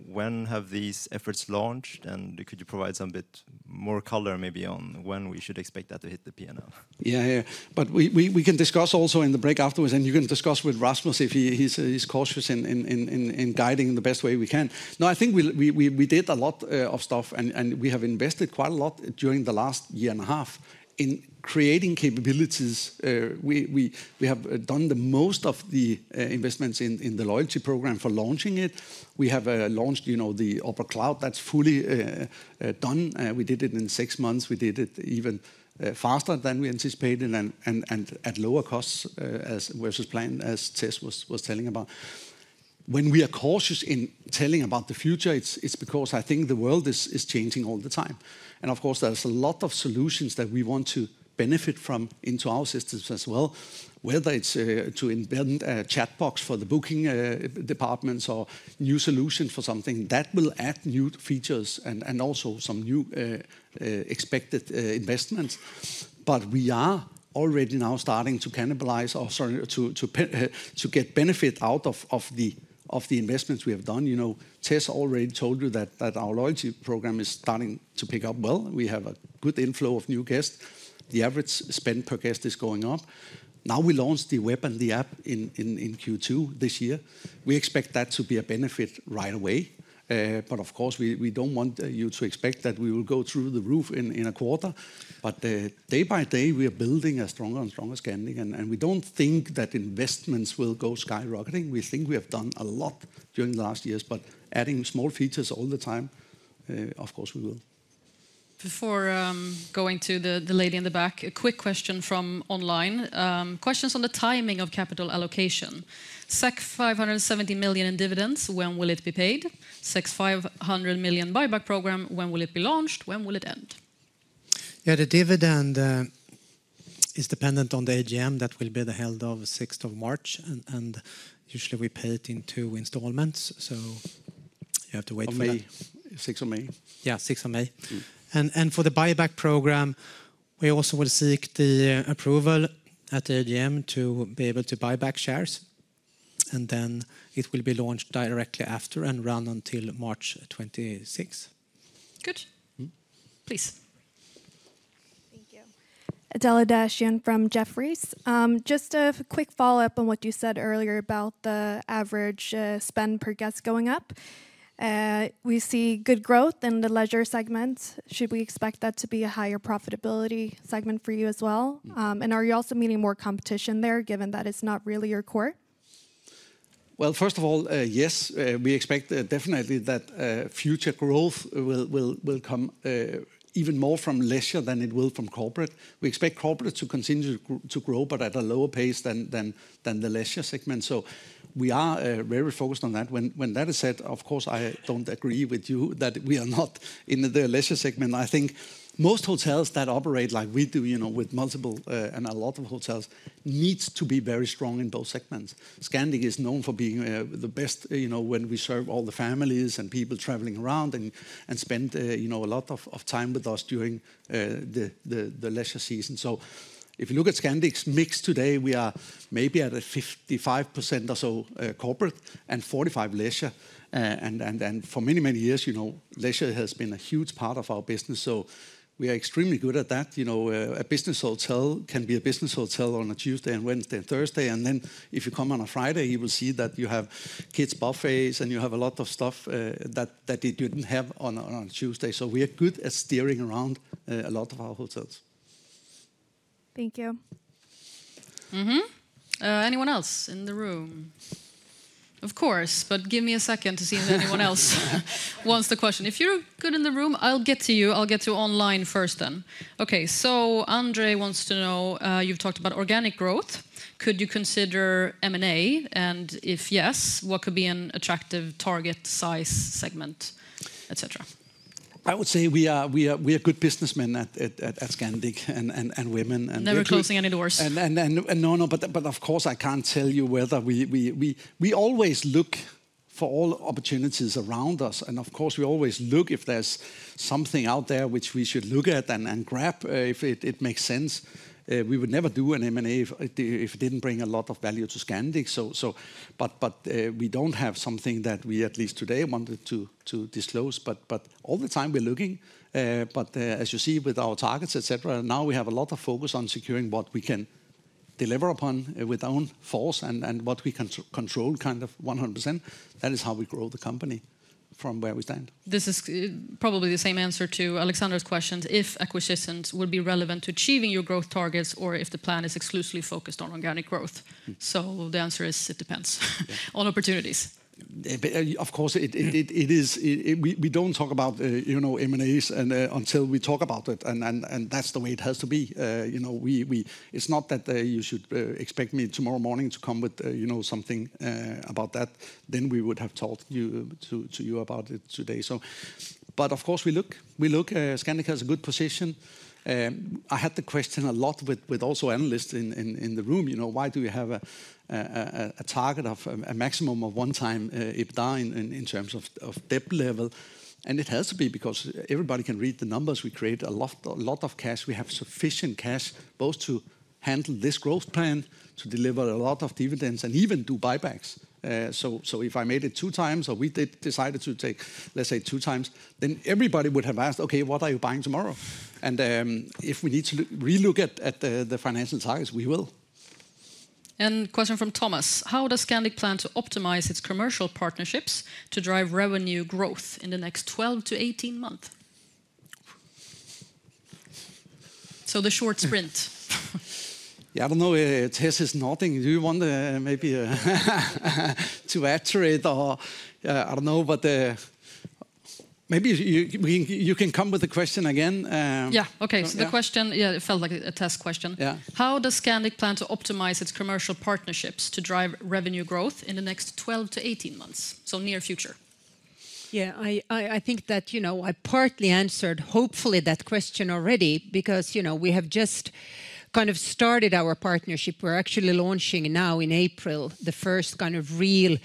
when have these efforts launched? And could you provide some bit more color maybe on when we should expect that to hit the P&L? Yeah, here. But we can discuss also in the break afterwards, and you can discuss with Rasmus if he's cautious in guiding the best way we can. No, I think we did a lot of stuff, and we have invested quite a lot during the last year and a half in creating capabilities. We have done the most of the investments in the loyalty program for launching it. We have launched the Opera Cloud that's fully done. We did it in six months. We did it even faster than we anticipated and at lower costs versus plan, as Tess was telling about. When we are cautious in telling about the future, it's because I think the world is changing all the time, and of course, there's a lot of solutions that we want to benefit from into our systems as well, whether it's to invent a chatbox for the booking departments or new solutions for something that will add new features and also some new expected investments, but we are already now starting to cannibalize or to get benefit out of the investments we have done. You know, Tess already told you that our loyalty program is starting to pick up well. We have a good inflow of new guests. The average spend per guest is going up. Now we launched the web and the app in Q2 this year. We expect that to be a benefit right away. But of course, we don't want you to expect that we will go through the roof in a quarter. But day by day, we are building a stronger and stronger Scandic. And we don't think that investments will go skyrocketing. We think we have done a lot during the last years, but adding small features all the time, of course, we will. Before going to the lady in the back, a quick question from online. Questions on the timing of capital allocation. 570 million in dividends, when will it be paid? 500 million buyback program, when will it be launched? When will it end? Yeah, the dividend is dependent on the AGM that will be held on the 6th of March. And usually, we pay it in two installments. So you have to wait for from May. 6th of May. Yeah, 6th of May. And for the buyback program, we also will seek the approval at the AGM to be able to buy back shares. And then it will be launched directly after and run until March 26. Good. Please. Thank you. Adela Dashian from Jefferies. Just a quick follow-up on what you said earlier about the average spend per guest going up. We see good growth in the leisure segment. Should we expect that to be a higher profitability segment for you as well? And are you also meeting more competition there given that it's not really your core? Well, first of all, yes. We expect definitely that future growth will come even more from leisure than it will from corporate. We expect corporate to continue to grow, but at a lower pace than the leisure segment. So we are very focused on that. When that is said, of course, I don't agree with you that we are not in the leisure segment. I think most hotels that operate like we do, you know, with multiple and a lot of hotels, need to be very strong in both segments. Scandic is known for being the best, you know, when we serve all the families and people traveling around and spend a lot of time with us during the leisure season. So if you look at Scandic's mix today, we are maybe at a 55% or so corporate and 45% leisure. And for many, many years, you know, leisure has been a huge part of our business. So we are extremely good at that. You know, a business hotel can be a business hotel on a Tuesday and Wednesday and Thursday. And then if you come on a Friday, you will see that you have kids' buffets and you have a lot of stuff that you didn't have on a Tuesday. So we are good at steering around a lot of our hotels. Thank you. Anyone else in the room? Of course, but give me a second to see if anyone else wants the question. If you're good in the room, I'll get to you. I'll get to online first then. Okay, so André wants to know, you've talked about organic growth. Could you consider M&A? And if yes, what could be an attractive target size segment, etc.? I would say we are good business men and women at Scandic. Never closing any doors. No, no, but of course, I can't tell you whether we always look for all opportunities around us. Of course, we always look if there's something out there which we should look at and grab if it makes sense. We would never do an M&A if it didn't bring a lot of value to Scandic. But we don't have something that we, at least today, wanted to disclose. But all the time, we're looking. But as you see with our targets, etc., now we have a lot of focus on securing what we can deliver upon with our own force and what we can control kind of 100%. That is how we grow the company from where we stand. This is probably the same answer to Alexander's questions. If acquisitions would be relevant to achieving your growth targets or if the plan is exclusively focused on organic growth. So the answer is it depends. All opportunities. Of course, it is. We don't talk about M&As until we talk about it. And that's the way it has to be. You know, it's not that you should expect me tomorrow morning to come with something about that. Then we would have told you about it today. But of course, we look. Scandic has a good position. I had the question a lot with also analysts in the room. You know, why do you have a target of a maximum of 1x EBITDA in terms of debt level? And it has to be because everybody can read the numbers. We create a lot of cash. We have sufficient cash both to handle this growth plan, to deliver a lot of dividends, and even do buybacks. So if I made it two times or we decided to take, let's say, two times, then everybody would have asked, okay, what are you buying tomorrow? If we need to relook at the financial targets, we will. And question from Thomas. How does Scandic plan to optimize its commercial partnerships to drive revenue growth in the next 12 to 18 months? So the short sprint. Yeah, I don't know. Tess is nodding. Do you want maybe to answer it or I don't know, but maybe you can come with the question again. Yeah, okay. So the question, yeah, it felt like a test question. How does Scandic plan to optimize its commercial partnerships to drive revenue growth in the next 12 to 18 months? So near future. Yeah, I think that, you know, I partly answered hopefully that question already because, you know, we have just kind of started our partnership. We're actually launching now in April the first kind of real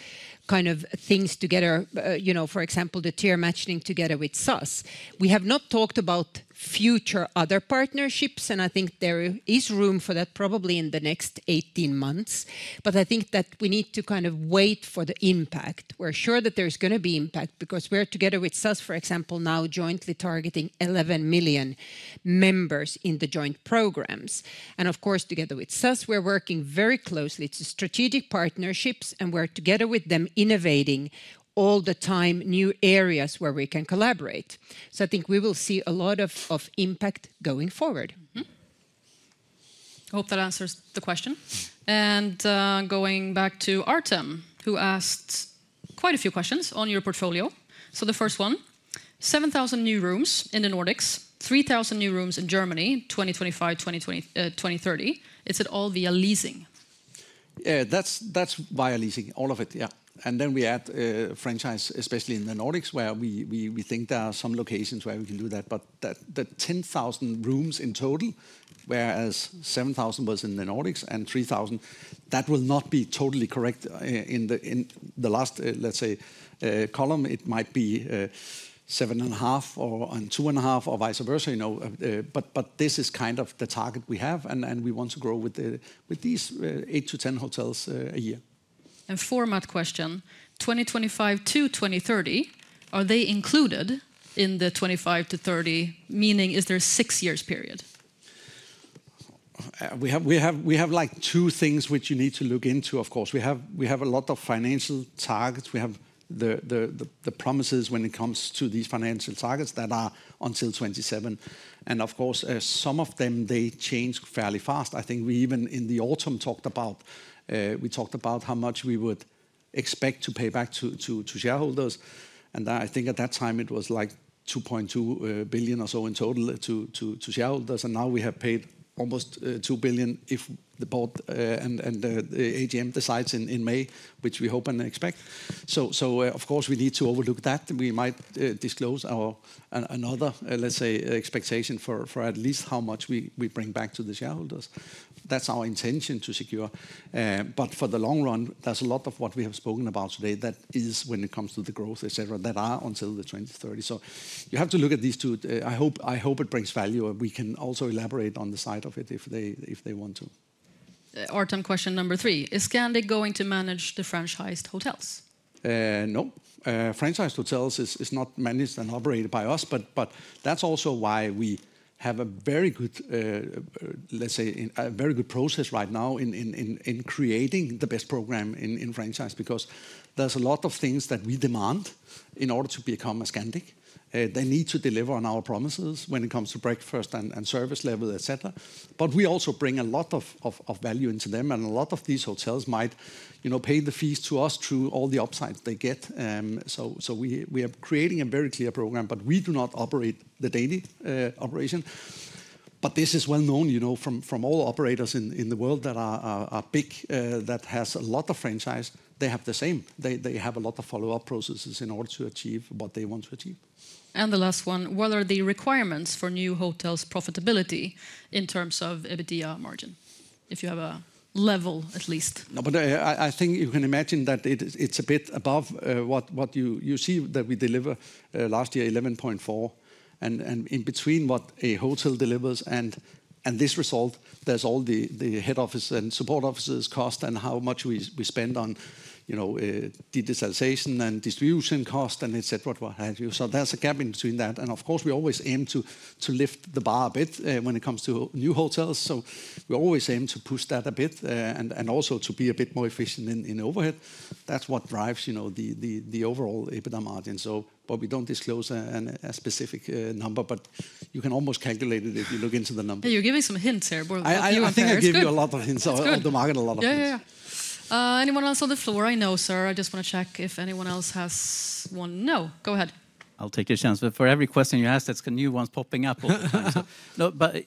kind of things together. You know, for example, the tier matching together with SAS. We have not talked about future other partnerships, and I think there is room for that probably in the next 18 months. But I think that we need to kind of wait for the impact. We're sure that there's going to be impact because we're together with SAS, for example, now jointly targeting 11 million members in the joint programs. And of course, together with SAS, we're working very closely to strategic partnerships, and we're together with them innovating all the time new areas where we can collaborate. So I think we will see a lot of impact going forward. Hope that answers the question. And going back to Artem, who asked quite a few questions on your portfolio. So the first one, 7,000 new rooms in the Nordics, 3,000 new rooms in Germany 2025-2030. It's all via leasing. Yeah, that's via leasing, all of it, yeah. And then we add franchise, especially in the Nordics, where we think there are some locations where we can do that. But the 10,000 rooms in total, whereas 7,000 was in the Nordics and 3,000, that will not be totally correct in the last, let's say, column. It might be 7,500 or 2,500 or vice versa, you know. But this is kind of the target we have, and we want to grow with these 8-10 hotels a year. And format question. 2025 to 2030, are they included in the 25-30, meaning is there a six-year period? We have like two things which you need to look into, of course. We have a lot of financial targets. We have the promises when it comes to these financial targets that are until 27. Of course, some of them, they change fairly fast. I think we even in the autumn talked about, we talked about how much we would expect to pay back to shareholders. I think at that time, it was like 2.2 billion or so in total to shareholders. Now we have paid almost 2 billion if the board and the AGM decides in May, which we hope and expect. Of course, we need to overlook that. We might disclose another, let's say, expectation for at least how much we bring back to the shareholders. That's our intention to secure. For the long run, there's a lot of what we have spoken about today that is when it comes to the growth, etc., that are until the 2030. You have to look at these two. I hope it brings value, and we can also elaborate on the side of it if they want to. Artem, question number three. Is Scandic going to manage the franchised hotels? No. Franchised hotels is not managed and operated by us, but that's also why we have a very good, let's say, a very good process right now in creating the best program in franchise because there's a lot of things that we demand in order to become a Scandic. They need to deliver on our promises when it comes to breakfast and service level, etc. But we also bring a lot of value into them, and a lot of these hotels might pay the fees to us through all the upside they get. So we are creating a very clear program, but we do not operate the daily operation. But this is well known, you know, from all operators in the world that are big, that has a lot of franchise. They have the same. They have a lot of follow-up processes in order to achieve what they want to achieve. And the last one, what are the requirements for new hotels' profitability in terms of EBITDA margin? If you have a level at least. No, but I think you can imagine that it's a bit above what you see that we deliver last year, 11.4%. And in between what a hotel delivers and this result, there's all the head office and support offices cost and how much we spend on, you know, digitalization and distribution cost and etc. So there's a gap in between that. And of course, we always aim to lift the bar a bit when it comes to new hotels. So we always aim to push that a bit and also to be a bit more efficient in overhead. That's what drives, you know, the overall EBITDA margin. But we don't disclose a specific number, but you can almost calculate it if you look into the number. You're giving some hints here. I think I give you a lot of hints. I'll demand a lot of hints. Anyone else on the floor? I know, sir. I just want to check if anyone else has one. No. Go ahead. I'll take your chance. But for every question you ask, that's the new ones popping up. But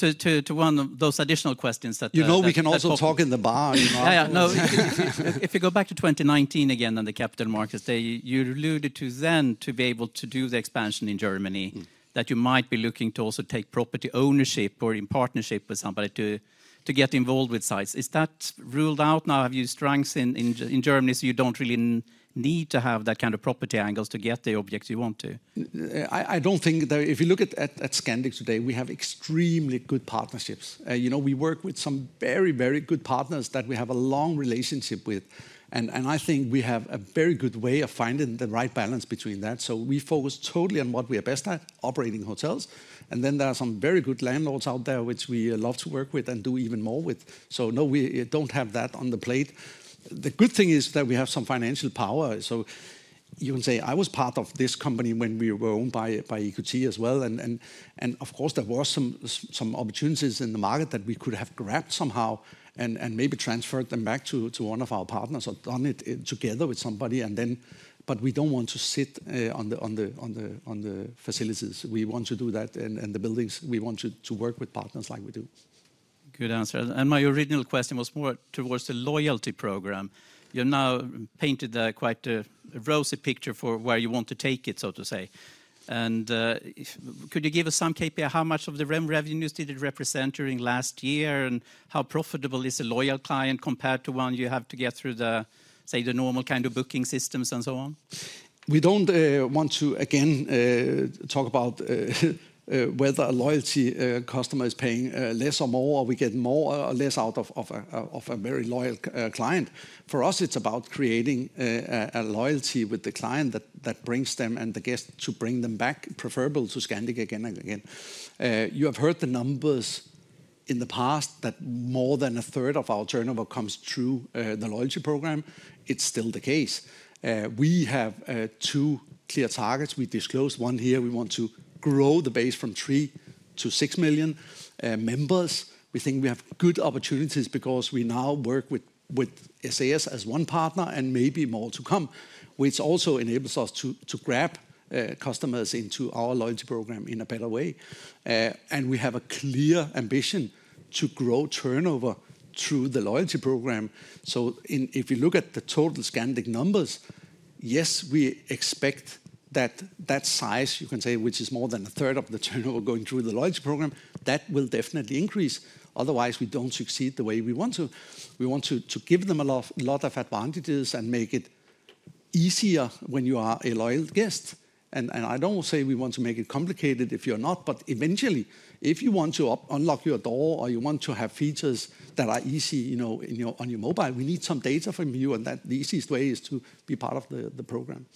to one of those additional questions that. You know, we can also talk in the bar. Yeah, yeah. No. If you go back to 2019 again on the capital markets, you alluded to then to be able to do the expansion in Germany, that you might be looking to also take property ownership or in partnership with somebody to get involved with sites. Is that ruled out now? Have you strengths in Germany so you don't really need to have that kind of property angles to get the objects you want to? I don't think that if you look at Scandic today, we have extremely good partnerships. You know, we work with some very, very good partners that we have a long relationship with. And I think we have a very good way of finding the right balance between that. We focus totally on what we are best at, operating hotels. And then there are some very good landlords out there which we love to work with and do even more with. So no, we don't have that on the plate. The good thing is that we have some financial power. So you can say I was part of this company when we were owned by EQT as well. And of course, there were some opportunities in the market that we could have grabbed somehow and maybe transferred them back to one of our partners or done it together with somebody. But we don't want to sit on the facilities. We want to do that and the buildings. We want to work with partners like we do. Good answer. And my original question was more towards the loyalty program. You've now painted quite a rosy picture for where you want to take it, so to say. Could you give us some KPI? How much of the revenues did it represent during last year? And how profitable is a loyal client compared to one you have to get through the, say, the normal kind of booking systems and so on? We don't want to, again, talk about whether a loyalty customer is paying less or more or we get more or less out of a very loyal client. For us, it's about creating a loyalty with the client that brings them and the guests to bring them back, preferable to Scandic again and again. You have heard the numbers in the past that more than a third of our turnover comes through the loyalty program. It's still the case. We have two clear targets. We disclose one here. We want to grow the base from three to six million members. We think we have good opportunities because we now work with SAS as one partner and maybe more to come, which also enables us to grab customers into our loyalty program in a better way. And we have a clear ambition to grow turnover through the loyalty program. So if you look at the total Scandic numbers, yes, we expect that that size, you can say, which is more than a third of the turnover going through the loyalty program, that will definitely increase. Otherwise, we don't succeed the way we want to. We want to give them a lot of advantages and make it easier when you are a loyal guest. I don't say we want to make it complicated if you're not, but eventually, if you want to unlock your door or you want to have features that are easy on your mobile, we need some data from you, and that the easiest way is to be part of the program.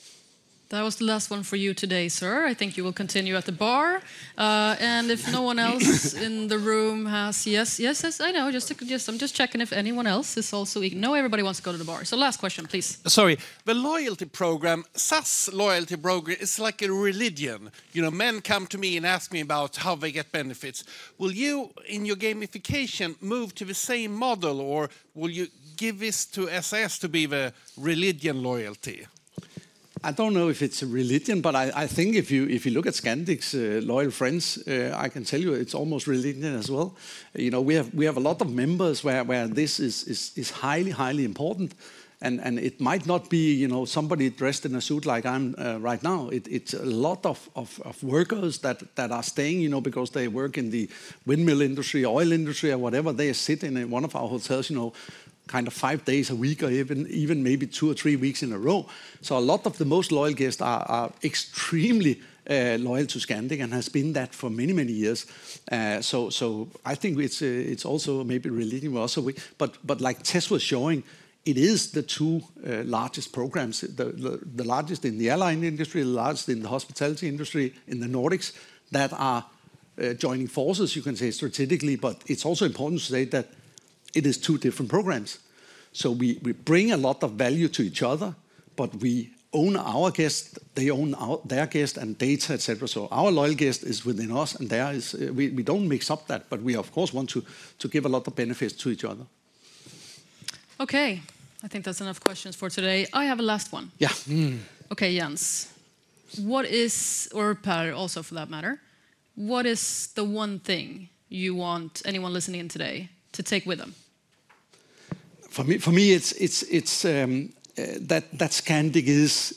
That was the last one for you today, sir. I think you will continue at the bar. If no one else in the room has yes, yes, yes, I know. Just checking if anyone else is also, you know, everybody wants to go to the bar. Last question, please. Sorry. The loyalty program, SAS loyalty program, is like a religion. You know, men come to me and ask me about how they get benefits. Will you, in your gamification, move to the same model, or will you give this to SAS to be the religion loyalty? I don't know if it's a religion, but I think if you look at Scandic's loyal friends, I can tell you it's almost religion as well. You know, we have a lot of members where this is highly, highly important, and it might not be, you know, somebody dressed in a suit like I'm right now. It's a lot of workers that are staying, you know, because they work in the windmill industry, oil industry, or whatever. They sit in one of our hotels, you know, kind of five days a week or even maybe two or three weeks in a row. So a lot of the most loyal guests are extremely loyal to Scandic and have been that for many, many years. So I think it's also maybe religion also. But like Tess was showing, it is the two largest programs, the largest in the airline industry, the largest in the hospitality industry, in the Nordics that are joining forces, you can say, strategically. But it's also important to say that it is two different programs. So we bring a lot of value to each other, but we own our guests, they own their guests and data, etc. So our loyal guest is within us, and there is, we don't mix up that, but we, of course, want to give a lot of benefits to each other. Okay. I think that's enough questions for today. I have a last one. Yeah. Okay, Jens. What is, or Pär also for that matter, what is the one thing you want anyone listening in today to take with them? For me, it's that Scandic is,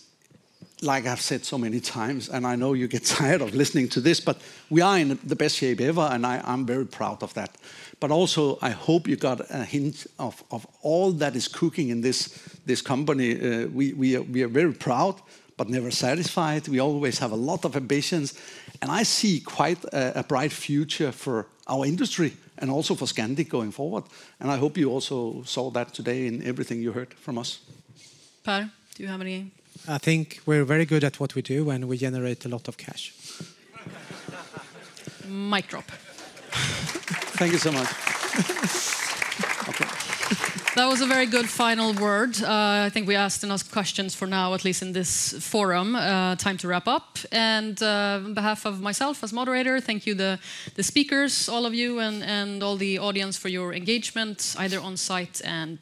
like I've said so many times, and I know you get tired of listening to this, but we are in the best shape ever, and I'm very proud of that. But also, I hope you got a hint of all that is cooking in this company. We are very proud, but never satisfied. We always have a lot of ambitions. And I see quite a bright future for our industry and also for Scandic going forward. And I hope you also saw that today in everything you heard from us. Pär, do you have any? I think we're very good at what we do, and we generate a lot of cash. Mic drop. Thank you so much. Okay. That was a very good final word. I think we asked enough questions for now, at least in this forum. Time to wrap up. On behalf of myself as moderator, thank you to the speakers, all of you, and all the audience for your engagement, either on site and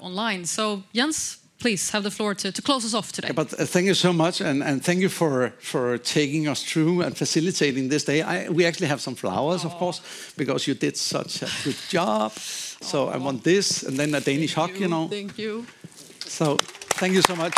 online. Jens, please have the floor to close us off today. Thank you so much, and thank you for taking us through and facilitating this day. We actually have some flowers, of course, because you did such a good job. I want this, and then a Danish hug, you know. Thank you. Thank you so much.